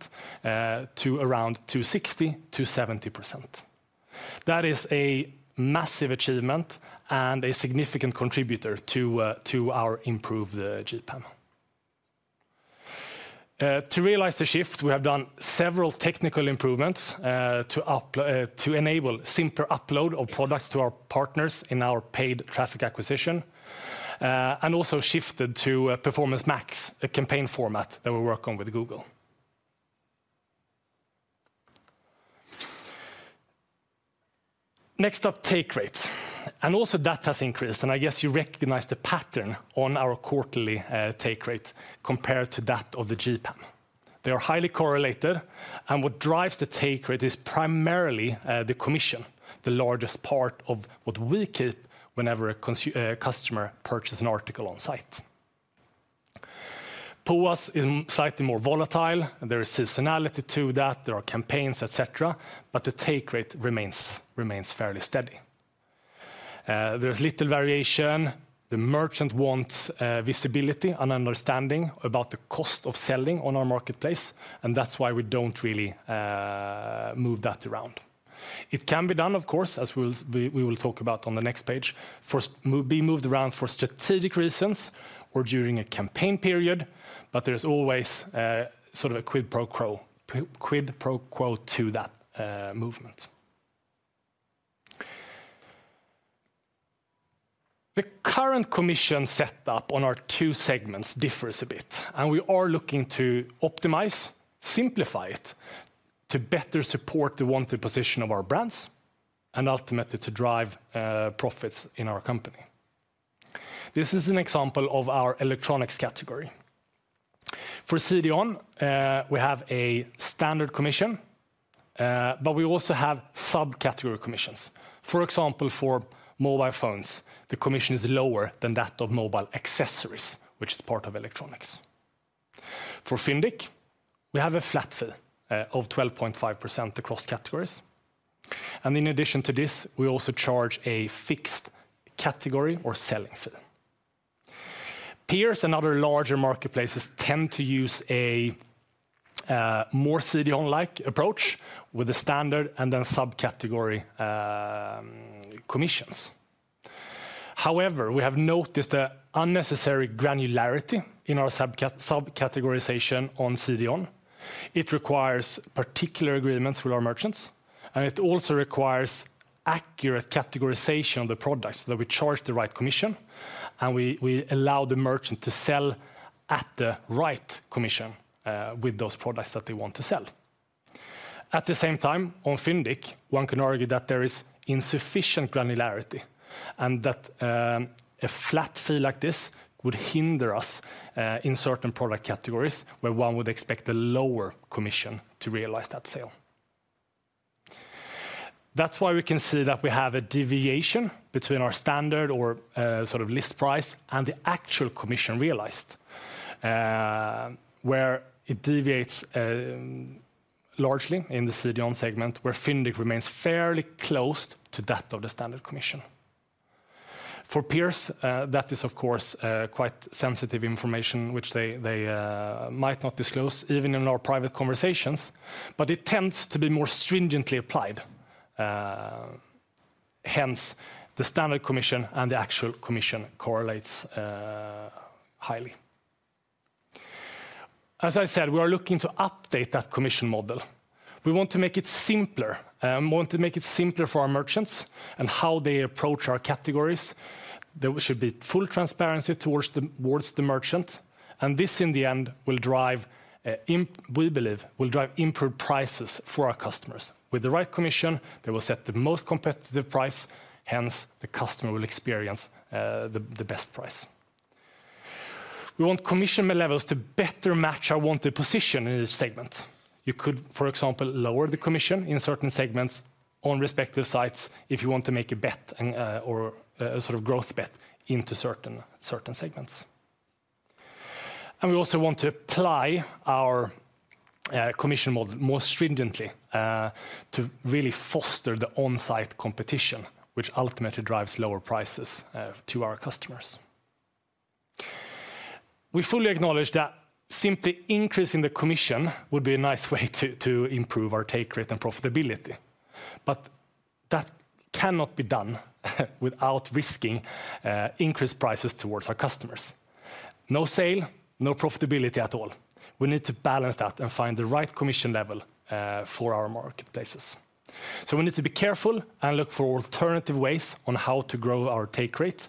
to around 260% to 270%. That is a massive achievement and a significant contributor to our improved GPAM. To realize the shift, we have done several technical improvements to enable simpler upload of products to our partners in our paid traffic acquisition, and also shifted to Performance Max, a campaign format that we work on with Google. Next up, take rate, and also that has increased, and I guess you recognize the pattern on our quarterly take rate compared to that of the GPAM. They are highly correlated, and what drives the take rate is primarily the commission, the largest part of what we keep whenever a customer purchases an article on site. POAS is slightly more volatile, and there is seasonality to that, there are campaigns, et cetera, but the take rate remains fairly steady. There's little variation. The merchant wants visibility and understanding about the cost of selling on our marketplace, and that's why we don't really move that around. It can be done, of course, as we will talk about on the next page, moved around for strategic reasons or during a campaign period, but there's always sort of a quid pro quo to that movement. The current commission setup on our two segments differs a bit, and we are looking to optimize, simplify it to better support the wanted position of our brands, and ultimately, to drive profits in our company. This is an example of our electronics category. For CDON, we have a standard commission, but we also have subcategory commissions. For example, for mobile phones, the commission is lower than that of mobile accessories, which is part of electronics. For Fyndiq, we have a flat fee of 12.5% across categories, and in addition to this, we also charge a fixed category or selling fee. Peers and other larger marketplaces tend to use a more CDON-like approach, with a standard and then subcategory commissions. However, we have noticed an unnecessary granularity in our subcategorization on CDON. It requires particular agreements with our merchants, and it also requires accurate categorization of the products that we charge the right commission, and we allow the merchant to sell at the right commission with those products that they want to sell. At the same time, on Fyndiq, one can argue that there is insufficient granularity, and that a flat fee like this would hinder us in certain product categories, where one would expect a lower commission to realize that sale. That's why we can see that we have a deviation between our standard or sort of list price and the actual commission realized. Where it deviates largely in the CDON segment, where Fyndiq remains fairly close to that of the standard commission. For peers, that is, of course, quite sensitive information, which they might not disclose even in our private conversations, but it tends to be more stringently applied. Hence, the standard commission and the actual commission correlates highly. As I said, we are looking to update that commission model. We want to make it simpler, we want to make it simpler for our merchants and how they approach our categories. There should be full transparency towards the merchant, and this, in the end, will drive, we believe, will drive improved prices for our customers. With the right commission, they will set the most competitive price, hence, the customer will experience the best price. We want commission levels to better match our wanted position in each segment. You could, for example, lower the commission in certain segments on respective sites if you want to make a bet, or a sort of growth bet into certain segments. We also want to apply our commission model more stringently to really foster the on-site competition, which ultimately drives lower prices to our customers. We fully acknowledge that simply increasing the commission would be a nice way to improve our take rate and profitability, but that cannot be done without risking increased prices towards our customers. No sale, no profitability at all. We need to balance that and find the right commission level for our marketplaces. So we need to be careful and look for alternative ways on how to grow our take rates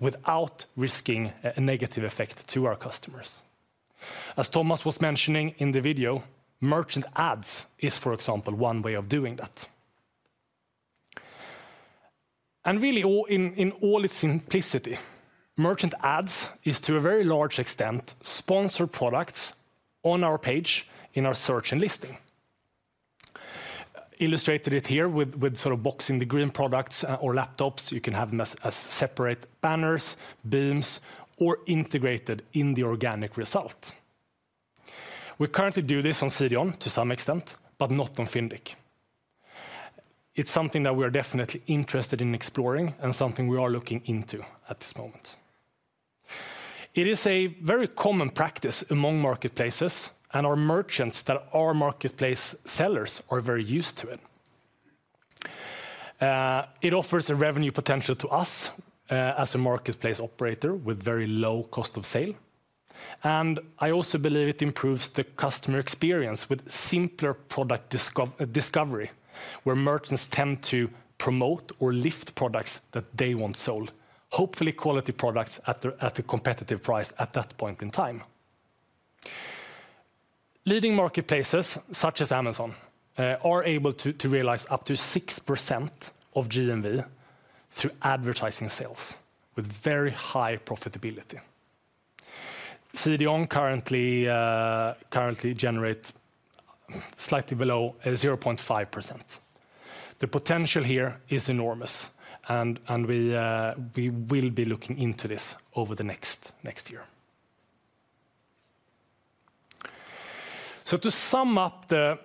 without risking a negative effect to our customers. As Thomas was mentioning in the video, Merchant Ads is, for example, one way of doing that. And really, in all its simplicity, Merchant Ads is to a very large extent sponsored products on our page in our search and listing. Illustrated it here with sort of boxing the green products or laptops. You can have them as separate banners, beams, or integrated in the organic result. We currently do this on CDON to some extent, but not on Fyndiq. It's something that we're definitely interested in exploring and something we are looking into at this moment. It is a very common practice among marketplaces, and our merchants that are marketplace sellers are very used to it. It offers a revenue potential to us as a marketplace operator with very low cost of sale. And I also believe it improves the customer experience with simpler product discovery, where merchants tend to promote or lift products that they want sold, hopefully quality products at a competitive price at that point in time. Leading marketplaces, such as Amazon, are able to realize up to 6% of GMV through advertising sales with very high profitability. CDON currently, currently generate slightly below 0.5%. The potential here is enormous, and, and we, we will be looking into this over the next, next year. To sum up the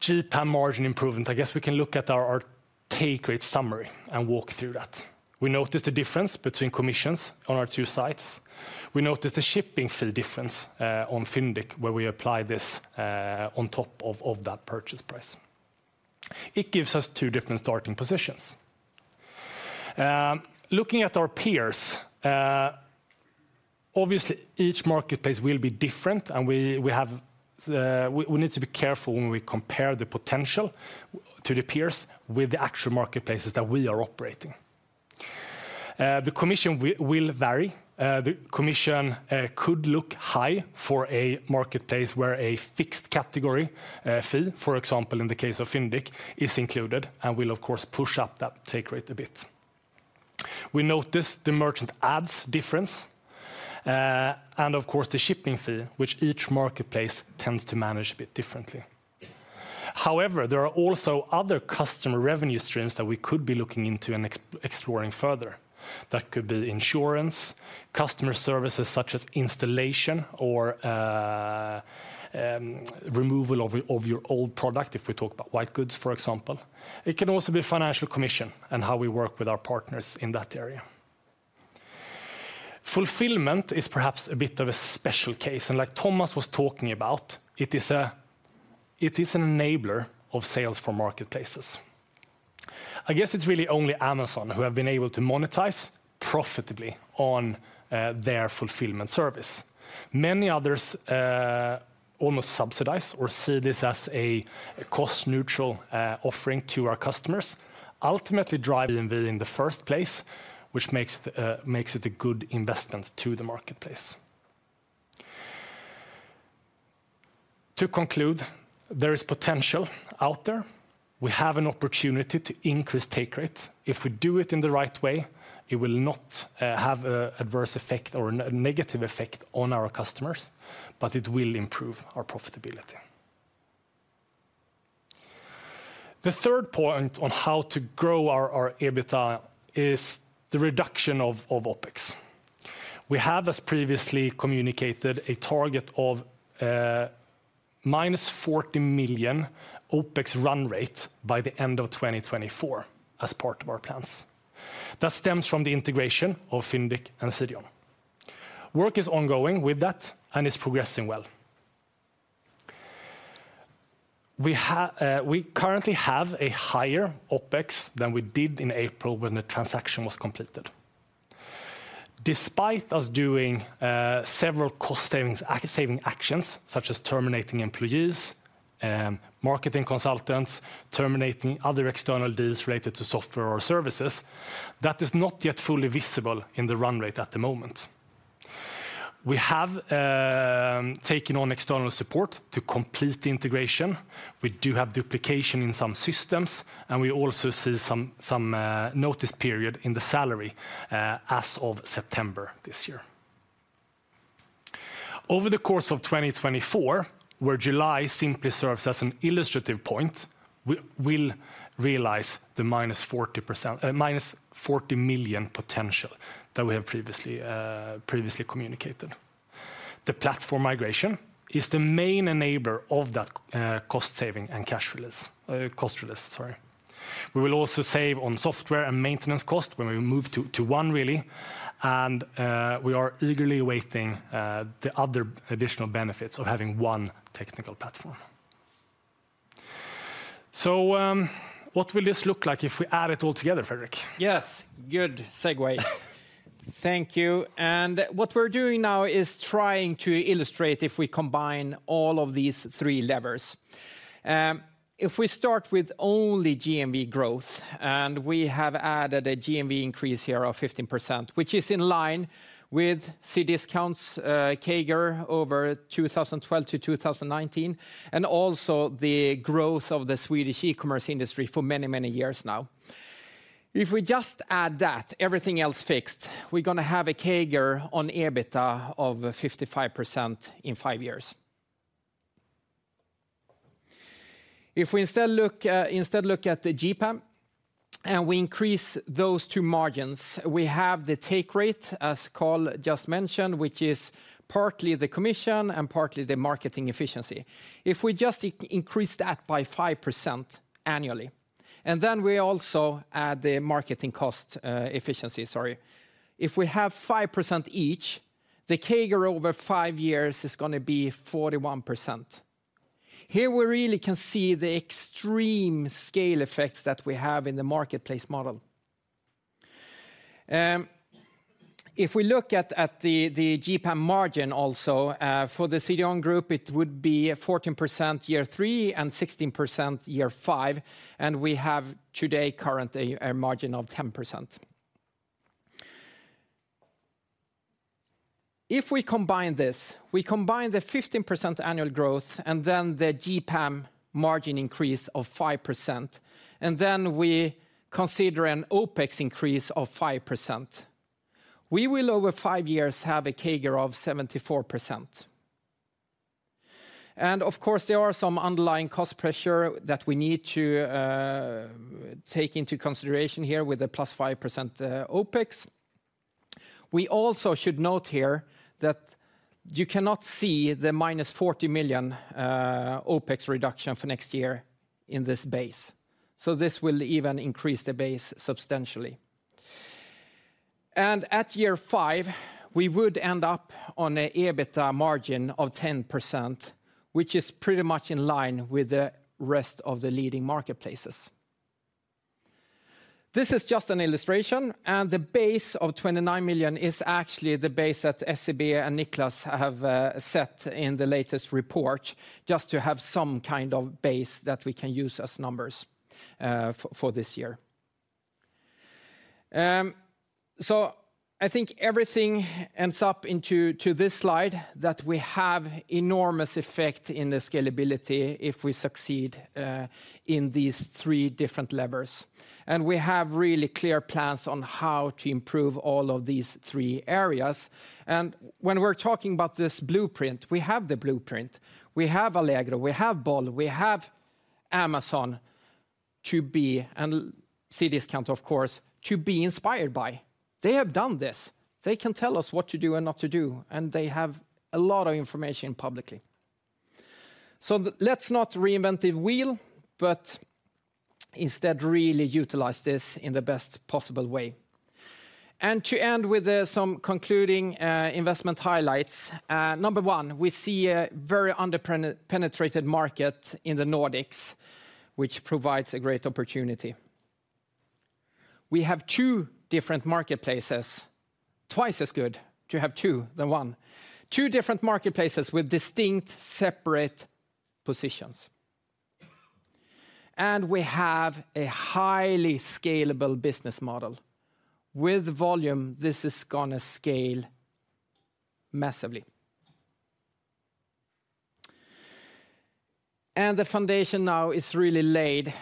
GPAM margin improvement, I guess we can look at our, our take rate summary and walk through that. We notice the difference between commissions on our two sites. We notice the shipping fee difference on Fyndiq, where we apply this on top of, of that purchase price. It gives us two different starting positions. Looking at our peers, obviously, each marketplace will be different, and we, we have, we, we need to be careful when we compare the potential to the peers with the actual marketplaces that we are operating. The commission will vary. The commission could look high for a marketplace where a fixed category fee, for example, in the case of Fyndiq, is included and will, of course, push up that take rate a bit. We notice the merchant ads difference, and of course, the shipping fee, which each marketplace tends to manage a bit differently. However, there are also other customer revenue streams that we could be looking into and exploring further. That could be insurance, customer services, such as installation or removal of your old product, if we talk about white goods, for example. It can also be financial commission and how we work with our partners in that area. Fulfillment is perhaps a bit of a special case, and like Thomas was talking about, it is an enabler of sales for marketplaces. I guess it's really only Amazon who have been able to monetize profitably on their fulfillment service. Many others almost subsidize or see this as a cost-neutral offering to our customers, ultimately driving value in the first place, which makes it a good investment to the marketplace. To conclude, there is potential out there. We have an opportunity to increase take rate. If we do it in the right way, it will not have a adverse effect or a negative effect on our customers, but it will improve our profitability. The third point on how to grow our EBITDA is the reduction of OpEx. We have, as previously communicated, a target of -40 million OpEx run rate by the end of 2024 as part of our plans. That stems from the integration of Fyndiq and CDON. Work is ongoing with that, and it's progressing well. We currently have a higher OpEx than we did in April when the transaction was completed. Despite us doing several cost savings, saving actions, such as terminating employees, marketing consultants, terminating other external deals related to software or services, that is not yet fully visible in the run rate at the moment. We have taken on external support to complete the integration. We do have duplication in some systems, and we also see some notice period in the salary, as of September this year. Over the course of 2024, where July simply serves as an illustrative point, we will realize the -40%, -40 million potential that we have previously, previously communicated. The platform migration is the main enabler of that, cost saving and cash release, cost release, sorry. We will also save on software and maintenance cost when we move to one, really, and we are eagerly awaiting the other additional benefits of having one technical platform. So, what will this look like if we add it all together, Fredrik? Yes, good segue. Thank you. What we're doing now is trying to illustrate if we combine all of these three levers. If we start with only GMV growth, and we have added a GMV increase here of 15%, which is in line with Cdiscount's CAGR over 2012 to 2019, and also the growth of the Swedish e-commerce industry for many, many years now. If we just add that, everything else fixed, we're gonna have a CAGR on EBITDA of 55% in 5 years. If we instead look at the GPAM, and we increase those two margins, we have the take rate, as Carl just mentioned, which is partly the commission and partly the marketing efficiency. If we just increase that by 5% annually, and then we also add the marketing cost efficiency, sorry. If we have 5% each, the CAGR over five years is gonna be 41%. Here, we really can see the extreme scale effects that we have in the marketplace model. If we look at the GPAM margin also for the CDON Group, it would be 14% year three and 16% year five, and we have today currently a margin of 10%. If we combine this, we combine the 15% annual growth and then the GPAM margin increase of 5%, and then we consider an OPEX increase of 5%, we will over five years have a CAGR of 74%. And of course, there are some underlying cost pressure that we need to take into consideration here with a +5% OpEx. We also should note here that you cannot see the -40 million OpEx reduction for next year in this base, so this will even increase the base substantially. At year five, we would end up on an EBITDA margin of 10%, which is pretty much in line with the rest of the leading marketplaces. This is just an illustration, and the base of 29 million is actually the base that SEB and Nicklas have set in the latest report, just to have some kind of base that we can use as numbers for this year. So I think everything ends up into this slide, that we have enormous effect in the scalability if we succeed in these three different levers. We have really clear plans on how to improve all of these three areas, and when we're talking about this blueprint, we have the blueprint. We have Allegro, we have Bol, we have Amazon to be, and Cdiscount, of course, to be inspired by. They have done this. They can tell us what to do and not to do, and they have a lot of information publicly. So let's not reinvent the wheel, but instead, really utilize this in the best possible way. And to end with, some concluding investment highlights, number one, we see a very under-penetrated market in the Nordics, which provides a great opportunity. We have two different marketplaces, twice as good to have two than one. Two different marketplaces with distinct, separate positions. And we have a highly scalable business model. With volume, this is gonna scale massively. And the foundation now is really laid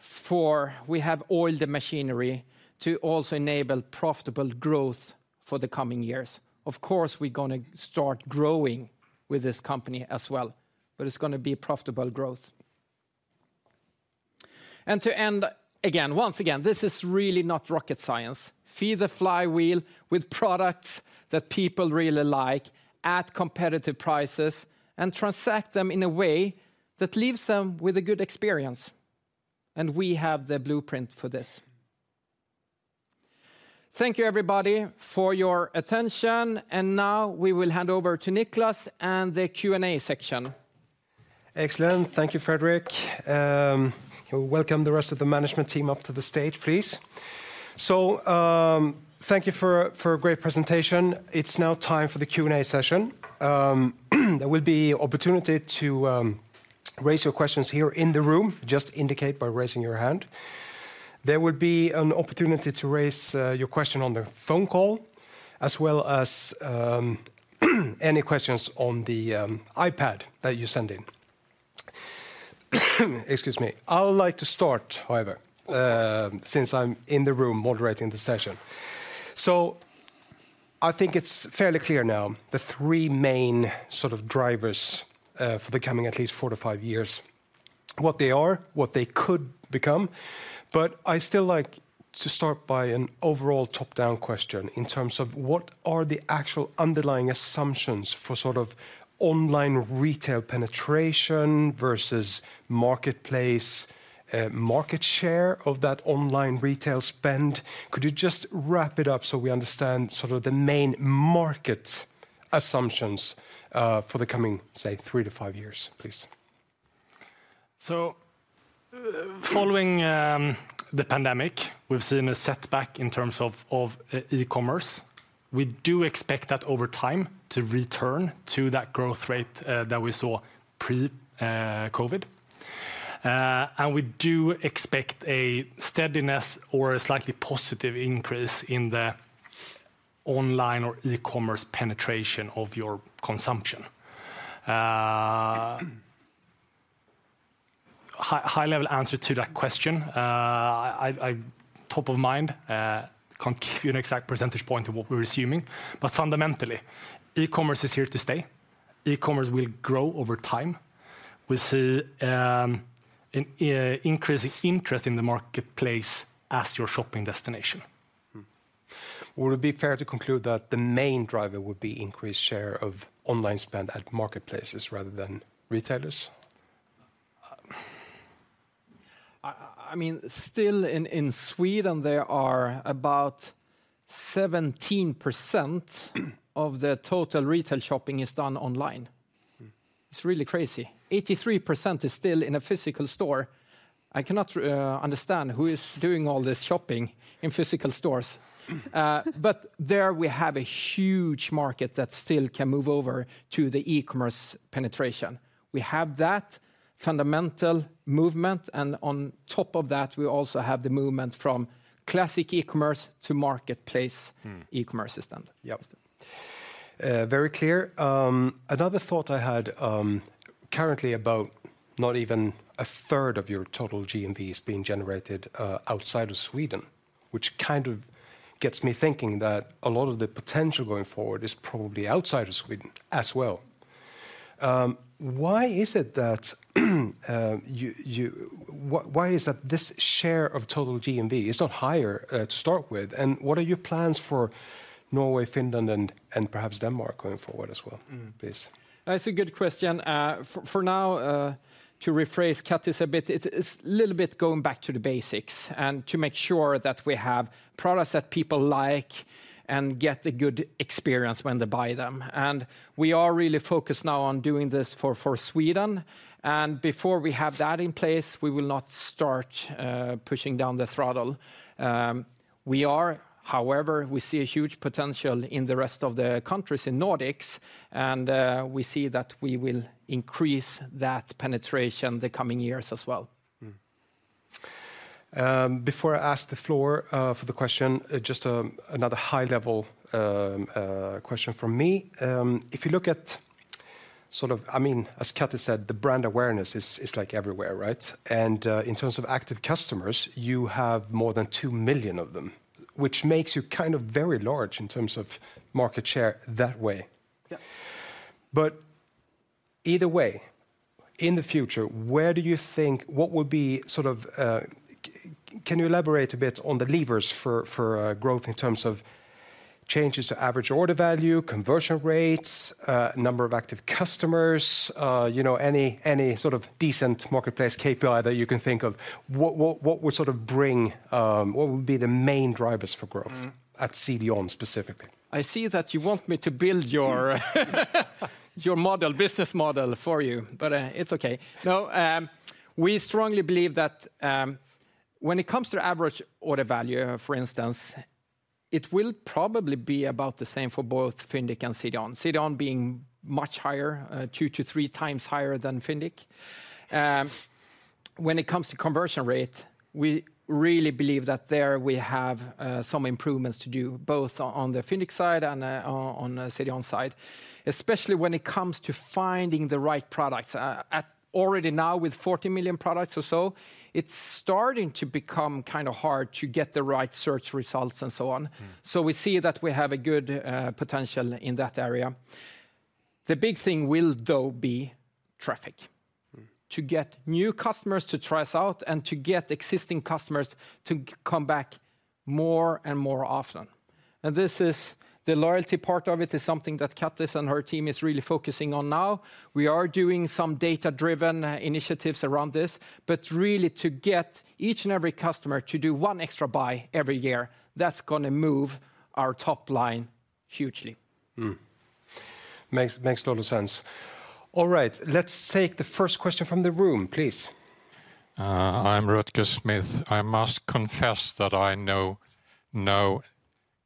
for. We have all the machinery to also enable profitable growth for the coming years. Of course, we're gonna start growing with this company as well, but it's gonna be profitable growth. And to end, again, once again, this is really not rocket science. Feed the flywheel with products that people really like, at competitive prices, and transact them in a way that leaves them with a good experience, and we have the blueprint for this. Thank you, everybody, for your attention, and now we will hand over to Nicklas and the Q&A section. Excellent. Thank you, Fredrik. We welcome the rest of the management team up to the stage, please. So, thank you for a great presentation. It's now time for the Q&A session. There will be opportunity to raise your questions here in the room. Just indicate by raising your hand. There will be an opportunity to raise your question on the phone call, as well as any questions on the iPad that you send in. Excuse me. I would like to start, however, since I'm in the room moderating the session. So I think it's fairly clear now, the three main sort of drivers, for the coming at least 4-5 years, what they are, what they could become, but I still like to start by an overall top-down question in terms of, what are the actual underlying assumptions for sort of online retail penetration versus marketplace, market share of that online retail spend? Could you just wrap it up so we understand sort of the main market assumptions, for the coming, say, three to five years, please? So, following the pandemic, we've seen a setback in terms of e-commerce. We do expect that over time to return to that growth rate that we saw pre COVID. And we do expect a steadiness or a slightly positive increase in the online or e-commerce penetration of your consumption. High level answer to that question, I, top of mind, can't give you an exact percentage point of what we're assuming. But fundamentally, e-commerce is here to stay. E-commerce will grow over time. We see an increasing interest in the marketplace as your shopping destination. Would it be fair to conclude that the main driver would be increased share of online spend at marketplaces rather than retailers? I mean, still in Sweden, there are about 17% of the total retail shopping is done online. It's really crazy. 83% is still in a physical store. I cannot understand who is doing all this shopping in physical stores. But there we have a huge market that still can move over to the e-commerce penetration. We have that fundamental movement, and on top of that, we also have the movement from classic e-commerce to marketplace e-commerce system. Yep. Very clear. Another thought I had, currently about not even a third of your total GMV is being generated outside of Sweden, which kind of gets me thinking that a lot of the potential going forward is probably outside of Sweden as well. Why is it that this share of total GMV is not higher to start with? And what are your plans for Norway, Finland, and perhaps Denmark going forward as well? Please? That's a good question. For now, to rephrase Kattis a bit, it's a little bit going back to the basics and to make sure that we have products that people like and get a good experience when they buy them. And we are really focused now on doing this for Sweden, and before we have that in place, we will not start pushing down the throttle. However, we see a huge potential in the rest of the countries in Nordics, and we see that we will increase that penetration the coming years as well. Before I ask the floor for the question, just another high-level question from me. If you look at sort of, I mean, as Kattis said, the brand awareness is, is, like, everywhere, right? And in terms of active customers, you have more than 2 million of them, which makes you kind of very large in terms of market share that way. Yep. But either way, in the future, where do you think, what would be sort of, can you elaborate a bit on the levers for growth in terms of changes to average order value, conversion rates, number of active customers, you know, any sort of decent marketplace KPI that you can think of? What would sort of bring, what would be the main drivers for growth at CDON specifically? I see that you want me to build your, your model, business model for you, but, it's okay. No, we strongly believe that, when it comes to average order value, for instance, it will probably be about the same for both Fyndiq and CDON, CDON being much higher, two to three times higher than Fyndiq. When it comes to conversion rate, we really believe that there we have, some improvements to do, both on the Fyndiq side and, on, CDON side, especially when it comes to finding the right products. At, already now, with 40 million products or so, it's starting to become kind of hard to get the right search results and so on. So we see that we have a good potential in that area. The big thing will, though, be traffic to get new customers to try us out and to get existing customers to come back more and more often. And this is, the loyalty part of it is something that Kattis and her team is really focusing on now. We are doing some data-driven initiatives around this, but really to get each and every customer to do one extra buy every year, that's gonna move our top line hugely. Makes a lot of sense. All right, let's take the first question from the room, please. I'm Rutger Smith. I must confess that I know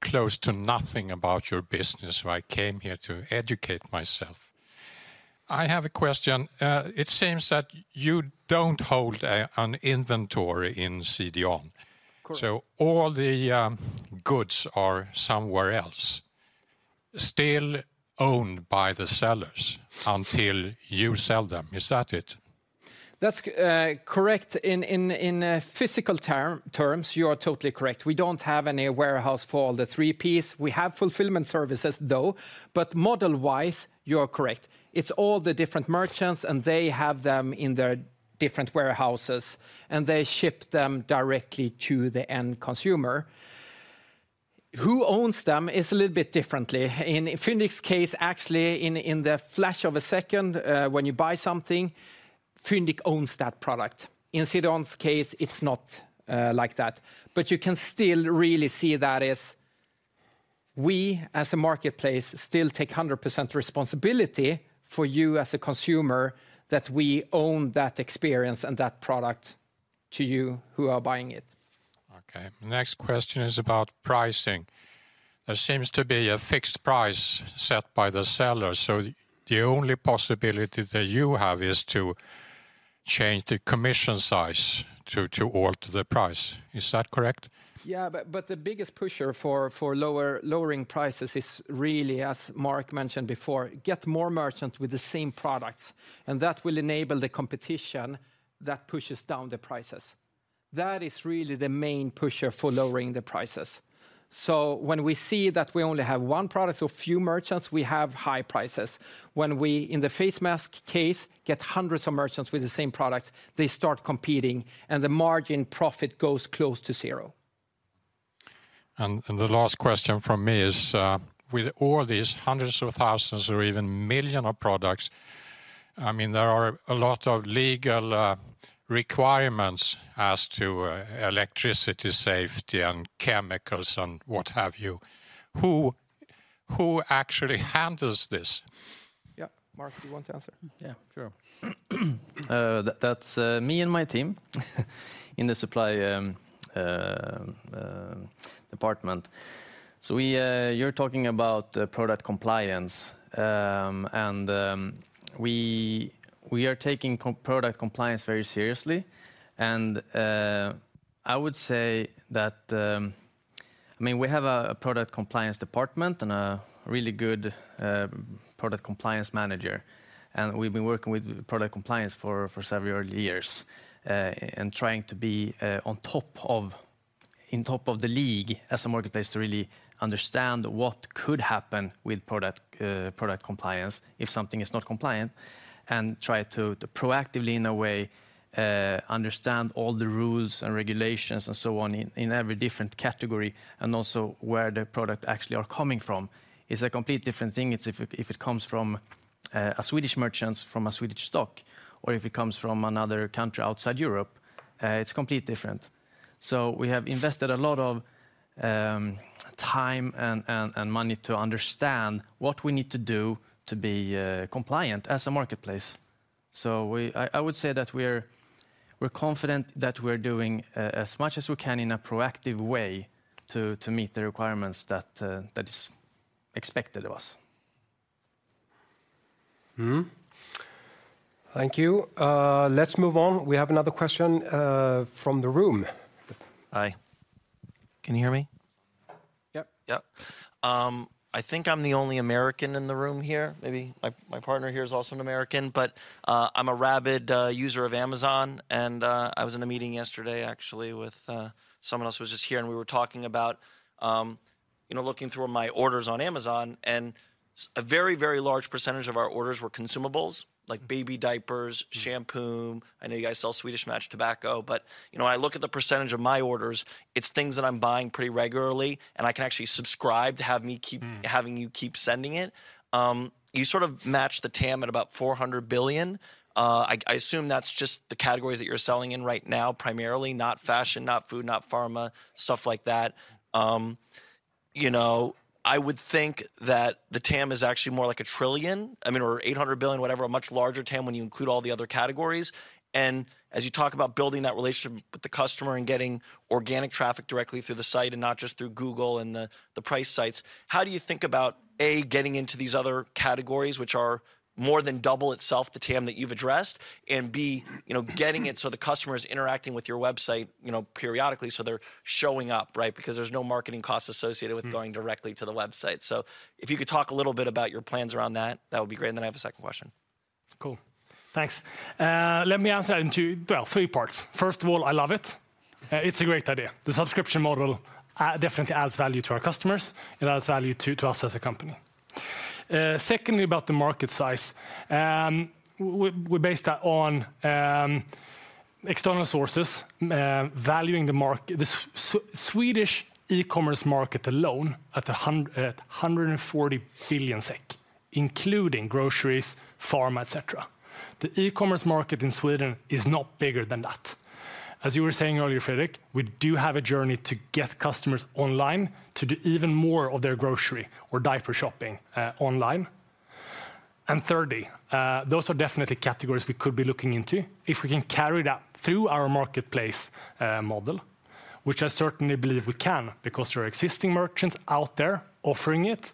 no, close to nothing about your business, so I came here to educate myself. I have a question. It seems that you don't hold an inventory in CDON. So all the goods are somewhere else, still owned by the sellers until you sell them. Is that it? That's correct. In physical terms, you are totally correct. We don't have any warehouse for all the 3P. We have fulfillment services, though, but model-wise, you are correct. It's all the different merchants, and they have them in their different warehouses, and they ship them directly to the end consumer. Who owns them is a little bit differently. In Fyndiq's case, actually, in the flash of a second, when you buy something, Fyndiq owns that product. In CDON's case, it's not like that. But you can still really see that as we, as a marketplace, still take 100% responsibility for you as a consumer, that we own that experience and that product to you who are buying it. Okay. Next question is about pricing. There seems to be a fixed price set by the seller, so the only possibility that you have is to change the commission size to alter the price. Is that correct? Yeah, but the biggest pusher for lowering prices is really, as Mark mentioned before, get more merchants with the same products, and that will enable the competition that pushes down the prices. That is really the main pusher for lowering the prices. So when we see that we only have one product or few merchants, we have high prices. When we, in the face mask case, get hundreds of merchants with the same product, they start competing, and the margin profit goes close to zero. The last question from me is, with all these hundreds of thousands or even million of products, I mean, there are a lot of legal requirements as to electricity, safety, and chemicals, and what have you. Who actually handles this? Yeah. Mark, do you want to answer? Yeah, sure. That's me and my team, in the supply department. So we, you're talking about product compliance. And we are taking product compliance very seriously, and I would say that I mean, we have a product compliance department and a really good product compliance manager, and we've been working with product compliance for several years. And trying to be on top of, in top of the league as a marketplace to really understand what could happen with product product compliance if something is not compliant, and try to proactively, in a way, understand all the rules and regulations and so on in every different category, and also where the product actually are coming from. It's a complete different thing, it's if it, if it comes from a Swedish merchants from a Swedish stock, or if it comes from another country outside Europe, it's completely different. So we have invested a lot of time and money to understand what we need to do to be compliant as a marketplace. So I would say that we're confident that we're doing as much as we can in a proactive way to meet the requirements that is expected of us. Thank you. Let's move on. We have another question from the room. Hi. Can you hear me? Yep. Yep. I think I'm the only American in the room here. Maybe my, my partner here is also an American, but, I'm a rabid user of Amazon, and I was in a meeting yesterday, actually, with someone else who was just here, and we were talking about, you know, looking through my orders on Amazon, and a very, very large percentage of our orders were consumables, like baby diapers, shampoo. I know you guys sell Swedish Match tobacco, but, you know, I look at the percentage of my orders, it's things that I'm buying pretty regularly, and I can actually subscribe to have me keep, having you keep sending it. You sort of matched the TAM at about 400 billion. I assume that's just the categories that you're selling in right now, primarily, not fashion, not food, not pharma, stuff like that. You know, I would think that the TAM is actually more like 1 trillion, I mean, or 800 billion, whatever, a much larger TAM when you include all the other categories. As you talk about building that relationship with the customer and getting organic traffic directly through the site and not just through Google and the price sites, how do you think about, A, getting into these other categories, which are more than double itself, the TAM that you've addressed, and B you know, getting it so the customer is interacting with your website, you know, periodically, so they're showing up, right? Because there's no marketing costs associated with-going directly to the website. If you could talk a little bit about your plans around that, that would be great. Then I have a second question. Cool. Thanks. Let me answer that in two well, three parts. First of all, I love it. It's a great idea. The subscription model definitely adds value to our customers. It adds value to, to us as a company. Secondly, about the market size, we, we based that on external sources, valuing the Swedish e-commerce market alone at 140 billion SEK, including groceries, pharma, et cetera. The e-commerce market in Sweden is not bigger than that. As you were saying earlier, Fredrik, we do have a journey to get customers online to do even more of their grocery or diaper shopping online. And thirdly, those are definitely categories we could be looking into if we can carry that through our marketplace model, which I certainly believe we can, because there are existing merchants out there offering it,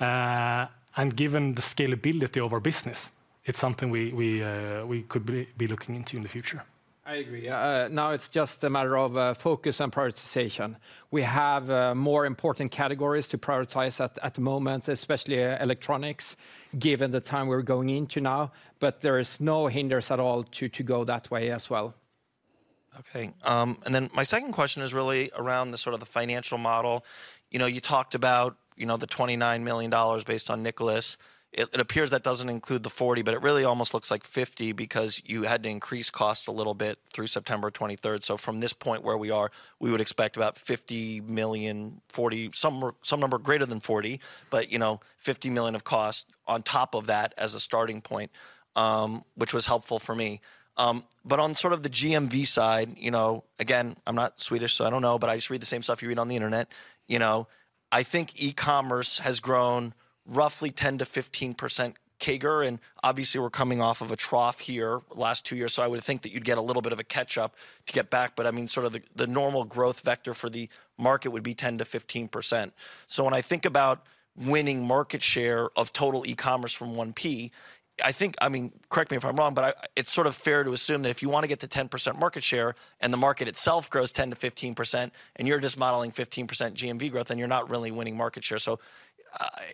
and given the scalability of our business, it's something we could be looking into in the future. I agree. Now it's just a matter of focus and prioritization. We have more important categories to prioritize at the moment, especially electronics, given the time we're going into now, but there is no hindrance at all to go that way as well. Okay. And then my second question is really around the sort of the financial model. You know, you talked about, you know, the $29 million based on Nicklas. It, it appears that doesn't include the $40 million, but it really almost looks like $50 million because you had to increase costs a little bit through September 23rd. So from this point where we are, we would expect about $50 million, $40 million, some number greater than $40 million, but, you know, $50 million of cost on top of that as a starting point, which was helpful for me. But on sort of the GMV side, you know, again, I'm not Swedish, so I don't know, but I just read the same stuff you read on the internet. You know, I think e-commerce has grown roughly 10% to 15% CAGR, and obviously, we're coming off of a trough here last two years, so I would think that you'd get a little bit of a catch-up to get back, but I mean, sort of the normal growth vector for the market would be 10% to 15%. So when I think about winning market share of total e-commerce from 1P, I think I mean, correct me if I'm wrong, but I, it's sort of fair to assume that if you want to get to 10% market share, and the market itself grows 10% to 15%, and you're just modeling 15% GMV growth, then you're not really winning market share. So,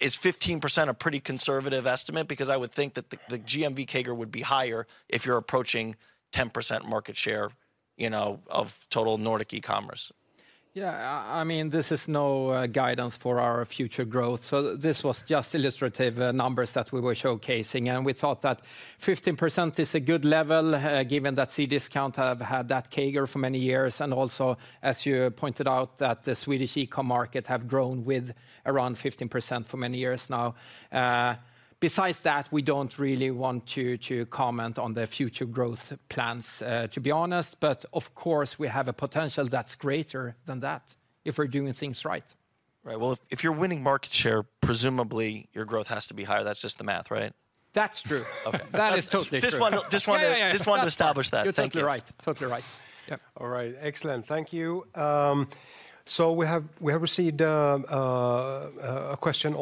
is 15% a pretty conservative estimate? Because I would think that the GMV CAGR would be higher if you're approaching 10% market share, you know, of total Nordic e-commerce. Yeah, I mean, this is no guidance for our future growth, so this was just illustrative numbers that we were showcasing. And we thought that 15% is a good level, given that Cdiscount have had that CAGR for many years, and also, as you pointed out, that the Swedish e-com market have grown with around 15% for many years now. Besides that, we don't really want to comment on the future growth plans, to be honest, but of course, we have a potential that's greater than that, if we're doing things right. Right. Well, if, if you're winning market share, presumably, your growth has to be higher. That's just the math, right? That's true. Okay. That is totally true. Just wanted. Yeah, yeah. Just wanted to establish that. Thank you. You're totally right. Totally right. Yep. All right, excellent. Thank you. So we have received a question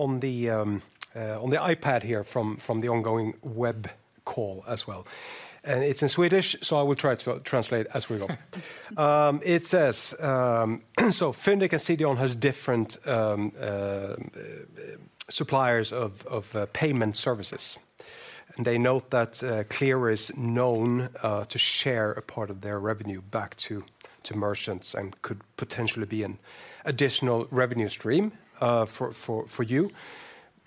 on the iPad here from the ongoing web call as well, and it's in Swedish, so I will try to translate as we go. It says, so Fyndiq and CDON has different suppliers of payment services, and they note that Klarna is known to share a part of their revenue back to merchants and could potentially be an additional revenue stream for you.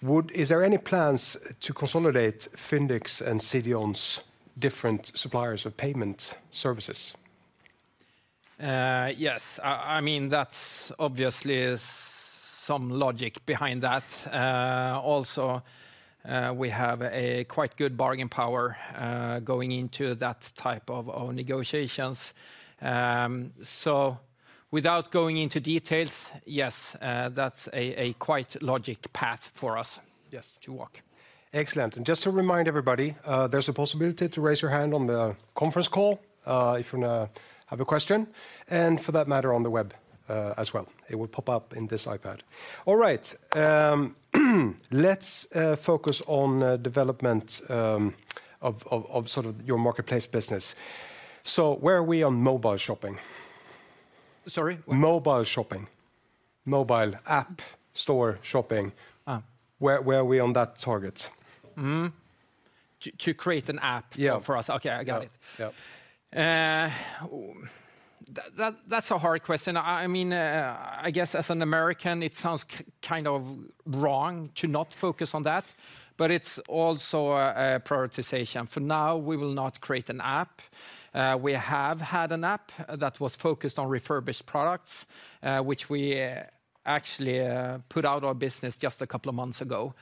Would Is there any plans to consolidate Fyndiq's and CDON's different suppliers of payment services? Yes. I mean, that's obviously is some logic behind that. Also, we have a quite good bargain power, going into that type of negotiations. So without going into details, yes, that's a quite logic path for us to walk. Yes. Excellent. And just to remind everybody, there's a possibility to raise your hand on the conference call, if you have a question, and for that matter, on the web, as well. It will pop up in this iPad. All right, let's focus on development of sort of your marketplace business. So where are we on mobile shopping? Sorry? Mobile shopping. Mobile app store shopping. Where are we on that target? To create an app. Yeah For us? Okay, I got it. Yeah. Yeah. That, that's a hard question. I mean, I guess as an American, it sounds kind of wrong to not focus on that, but it's also a prioritization. For now, we will not create an app. We have had an app that was focused on refurbished products, which we actually put out of business just a couple of months ago.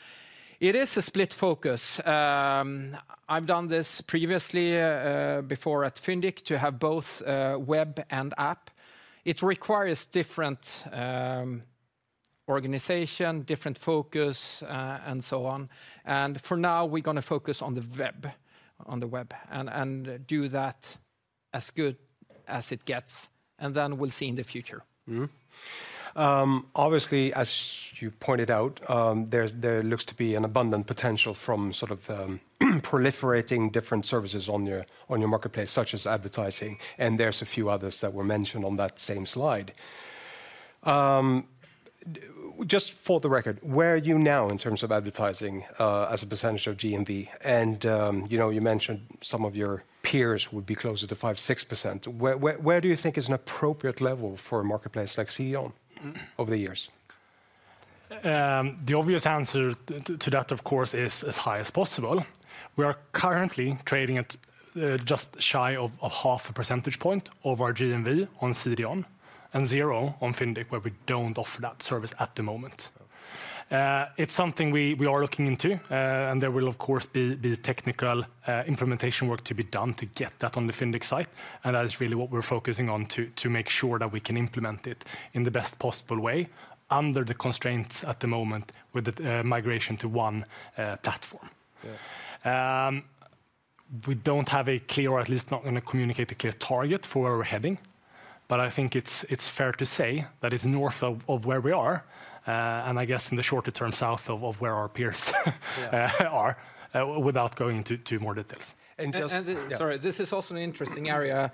It is a split focus. I've done this previously before at Fyndiq, to have both a web and app. It requires different organization, different focus, and so on, and for now, we're gonna focus on the web, on the web, and do that as good as it gets, and then we'll see in the future. Obviously, as you pointed out, there looks to be an abundant potential from sort of proliferating different services on your, on your marketplace, such as advertising, and there's a few others that were mentioned on that same slide. Just for the record, where are you now in terms of advertising as a percentage of GMV? And you know, you mentioned some of your peers would be closer to 5% to 6%. Where do you think is an appropriate level for a marketplace like CDON over the years? The obvious answer to that, of course, is as high as possible. We are currently trading at just shy of half a percentage point of our GMV on CDON and zero on Fyndiq, where we don't offer that service at the moment. It's something we are looking into, and there will, of course, be technical implementation work to be done to get that on the Fyndiq site, and that is really what we're focusing on to make sure that we can implement it in the best possible way under the constraints at the moment with the migration to one platform. Yeah. We don't have a clear, or at least not gonna communicate the clear target for where we're heading, but I think it's fair to say that it's north of where we are, and I guess in the shorter term, south of where our peers. Yeah Are, without going into too more details. And just. And, and. Yeah Sorry, this is also an interesting area.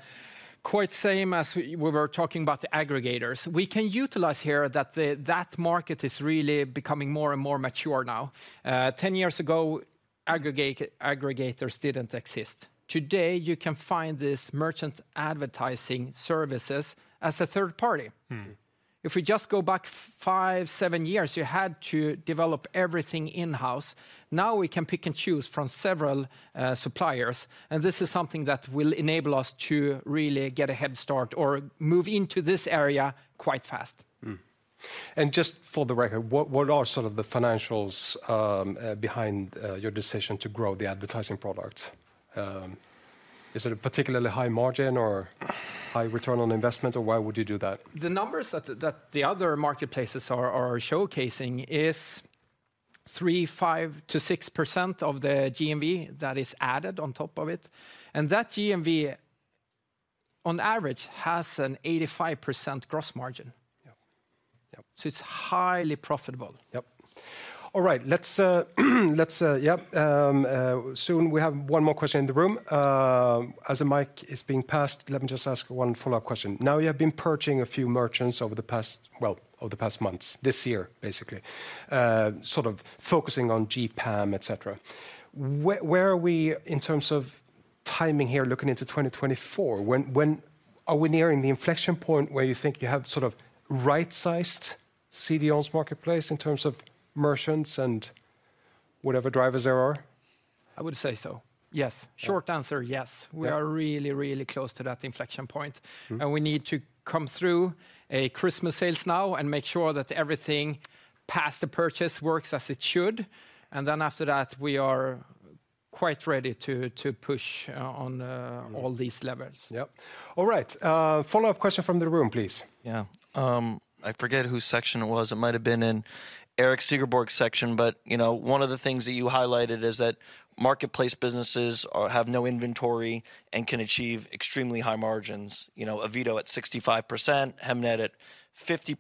Quite same as we were talking about the aggregators. We can utilize here that the market is really becoming more and more mature now. 10 years ago, aggregators didn't exist. Today, you can find this merchant advertising services as a third party. If we just go back five, seven years, you had to develop everything in-house. Now, we can pick and choose from several suppliers, and this is something that will enable us to really get a head start or move into this area quite fast. Just for the record, what are sort of the financials behind your decision to grow the advertising product? Is it a particularly high margin or high return on investment, or why would you do that? The numbers that the other marketplaces are showcasing is 3.5% to 6% of the GMV that is added on top of it, and that GMV, on average, has an 85% gross margin. Yep. Yep. It's highly profitable. Yep. All right, let's, yeah, soon we have one more question in the room. As the mic is being passed, let me just ask one follow-up question. Now, you have been purchasing a few merchants over the past, well, over the past months, this year, basically, sort of focusing on GPAM, et cetera. Where are we in terms of timing here looking into 2024? When are we nearing the inflection point where you think you have sort of right-sized CDON's marketplace in terms of merchants and whatever drivers there are? I would say so, yes. Short answer, yes. We are really, really close to that inflection point. And we need to come through a Christmas sales now, and make sure that everything past the purchase works as it should, and then after that, we are quite ready to push on all these levels. Yep. All right, follow-up question from the room, please. Yeah, I forget whose section it was. It might have been in Erik Segerborg's section, but, you know, one of the things that you highlighted is that marketplace businesses are, have no inventory and can achieve extremely high margins. You know, Avito at 65%, Hemnet at 50%,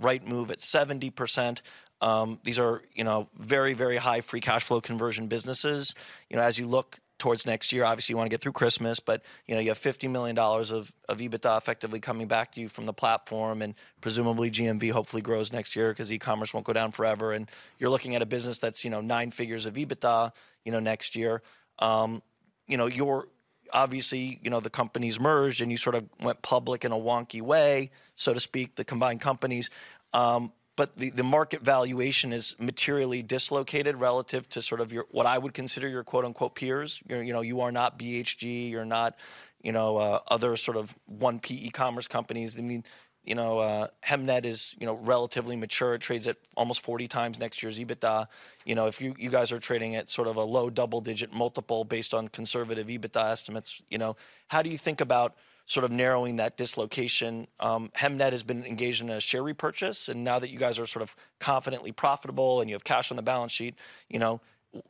Rightmove at 70%, these are, you know, very, very high free cash flow conversion businesses. You know, as you look towards next year, obviously, you wanna get through Christmas, but, you know, you have $50 million of, of EBITDA effectively coming back to you from the platform, and presumably, GMV hopefully grows next year, 'cause e-commerce won't go down forever, and you're looking at a business that's, you know, nine figures of EBITDA, you know, next year. You know, you're. Obviously, you know, the company's merged, and you sort of went public in a wonky way, so to speak, the combined companies. But the, the market valuation is materially dislocated relative to sort of your, what I would consider your quote-unquote, "peers." You know, you are not BHG, you're not, you know, other sort of 1P e-commerce companies. I mean, you know, Hemnet is, you know, relatively mature. It trades at almost 40 times next year's EBITDA. You know, if you, you guys are trading at sort of a low double-digit multiple based on conservative EBITDA estimates, you know, how do you think about sort of narrowing that dislocation? Hemnet has been engaged in a share repurchase, and now that you guys are sort of confidently profitable, and you have cash on the balance sheet, you know,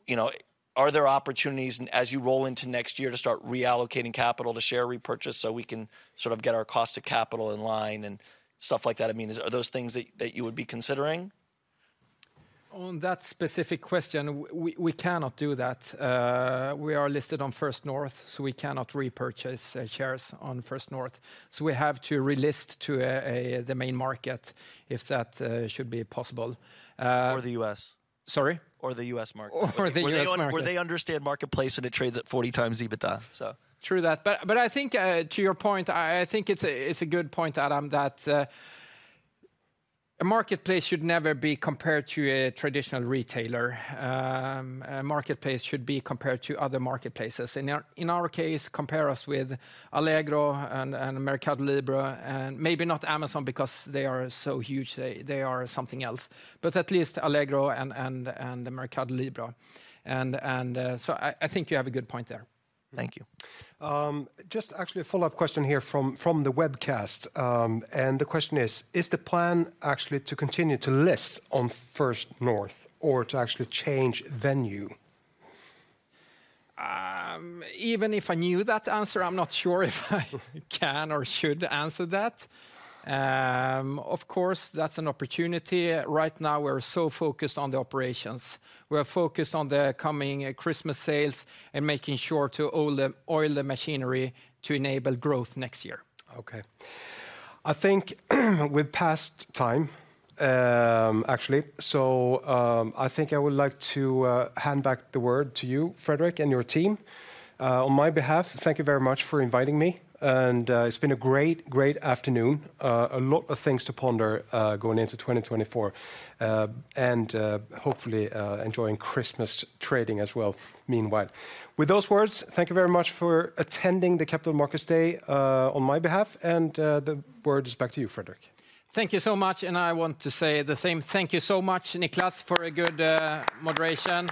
you know, are there opportunities, and as you roll into next year, to start re-allocating capital to share repurchase, so we can sort of get our cost of capital in line and stuff like that? I mean, are those things that you would be considering? On that specific question, we cannot do that. We are listed on First North, so we cannot repurchase shares on First North. So we have to re-list to the main market, if that should be possible. Or the U.S. Sorry? Or the U.S. market. Or the U.S. market. Where they understand marketplace, and it trades at 40x EBITDA, so. True that, but I think, to your point, I think it's a good point, Adam, that a marketplace should never be compared to a traditional retailer. A marketplace should be compared to other marketplaces. In our case, compare us with Allegro and Mercado Libre, and maybe not Amazon, because they are so huge, they are something else, but at least Allegro and Mercado Libre. So I think you have a good point there. Thank you. Just actually a follow-up question here from the webcast, and the question is, "Is the plan actually to continue to list on First North or to actually change venue? Even if I knew that answer, I'm not sure if I can or should answer that. Of course, that's an opportunity. Right now, we're so focused on the operations. We are focused on the coming Christmas sales and making sure to oil the machinery to enable growth next year. Okay. I think we've passed time, actually, so, I think I would like to hand back the word to you, Fredrik, and your team. On my behalf, thank you very much for inviting me, and, it's been a great, great afternoon. A lot of things to ponder, going into 2024, and, hopefully, enjoying Christmas trading as well meanwhile. With those words, thank you very much for attending the Capital Markets Day, on my behalf, and, the word is back to you, Fredrik. Thank you so much, and I want to say the same. Thank you so much, Nicklas, for a good moderation.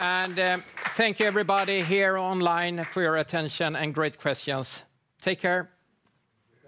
And thank you, everybody here online, for your attention and great questions. Take care!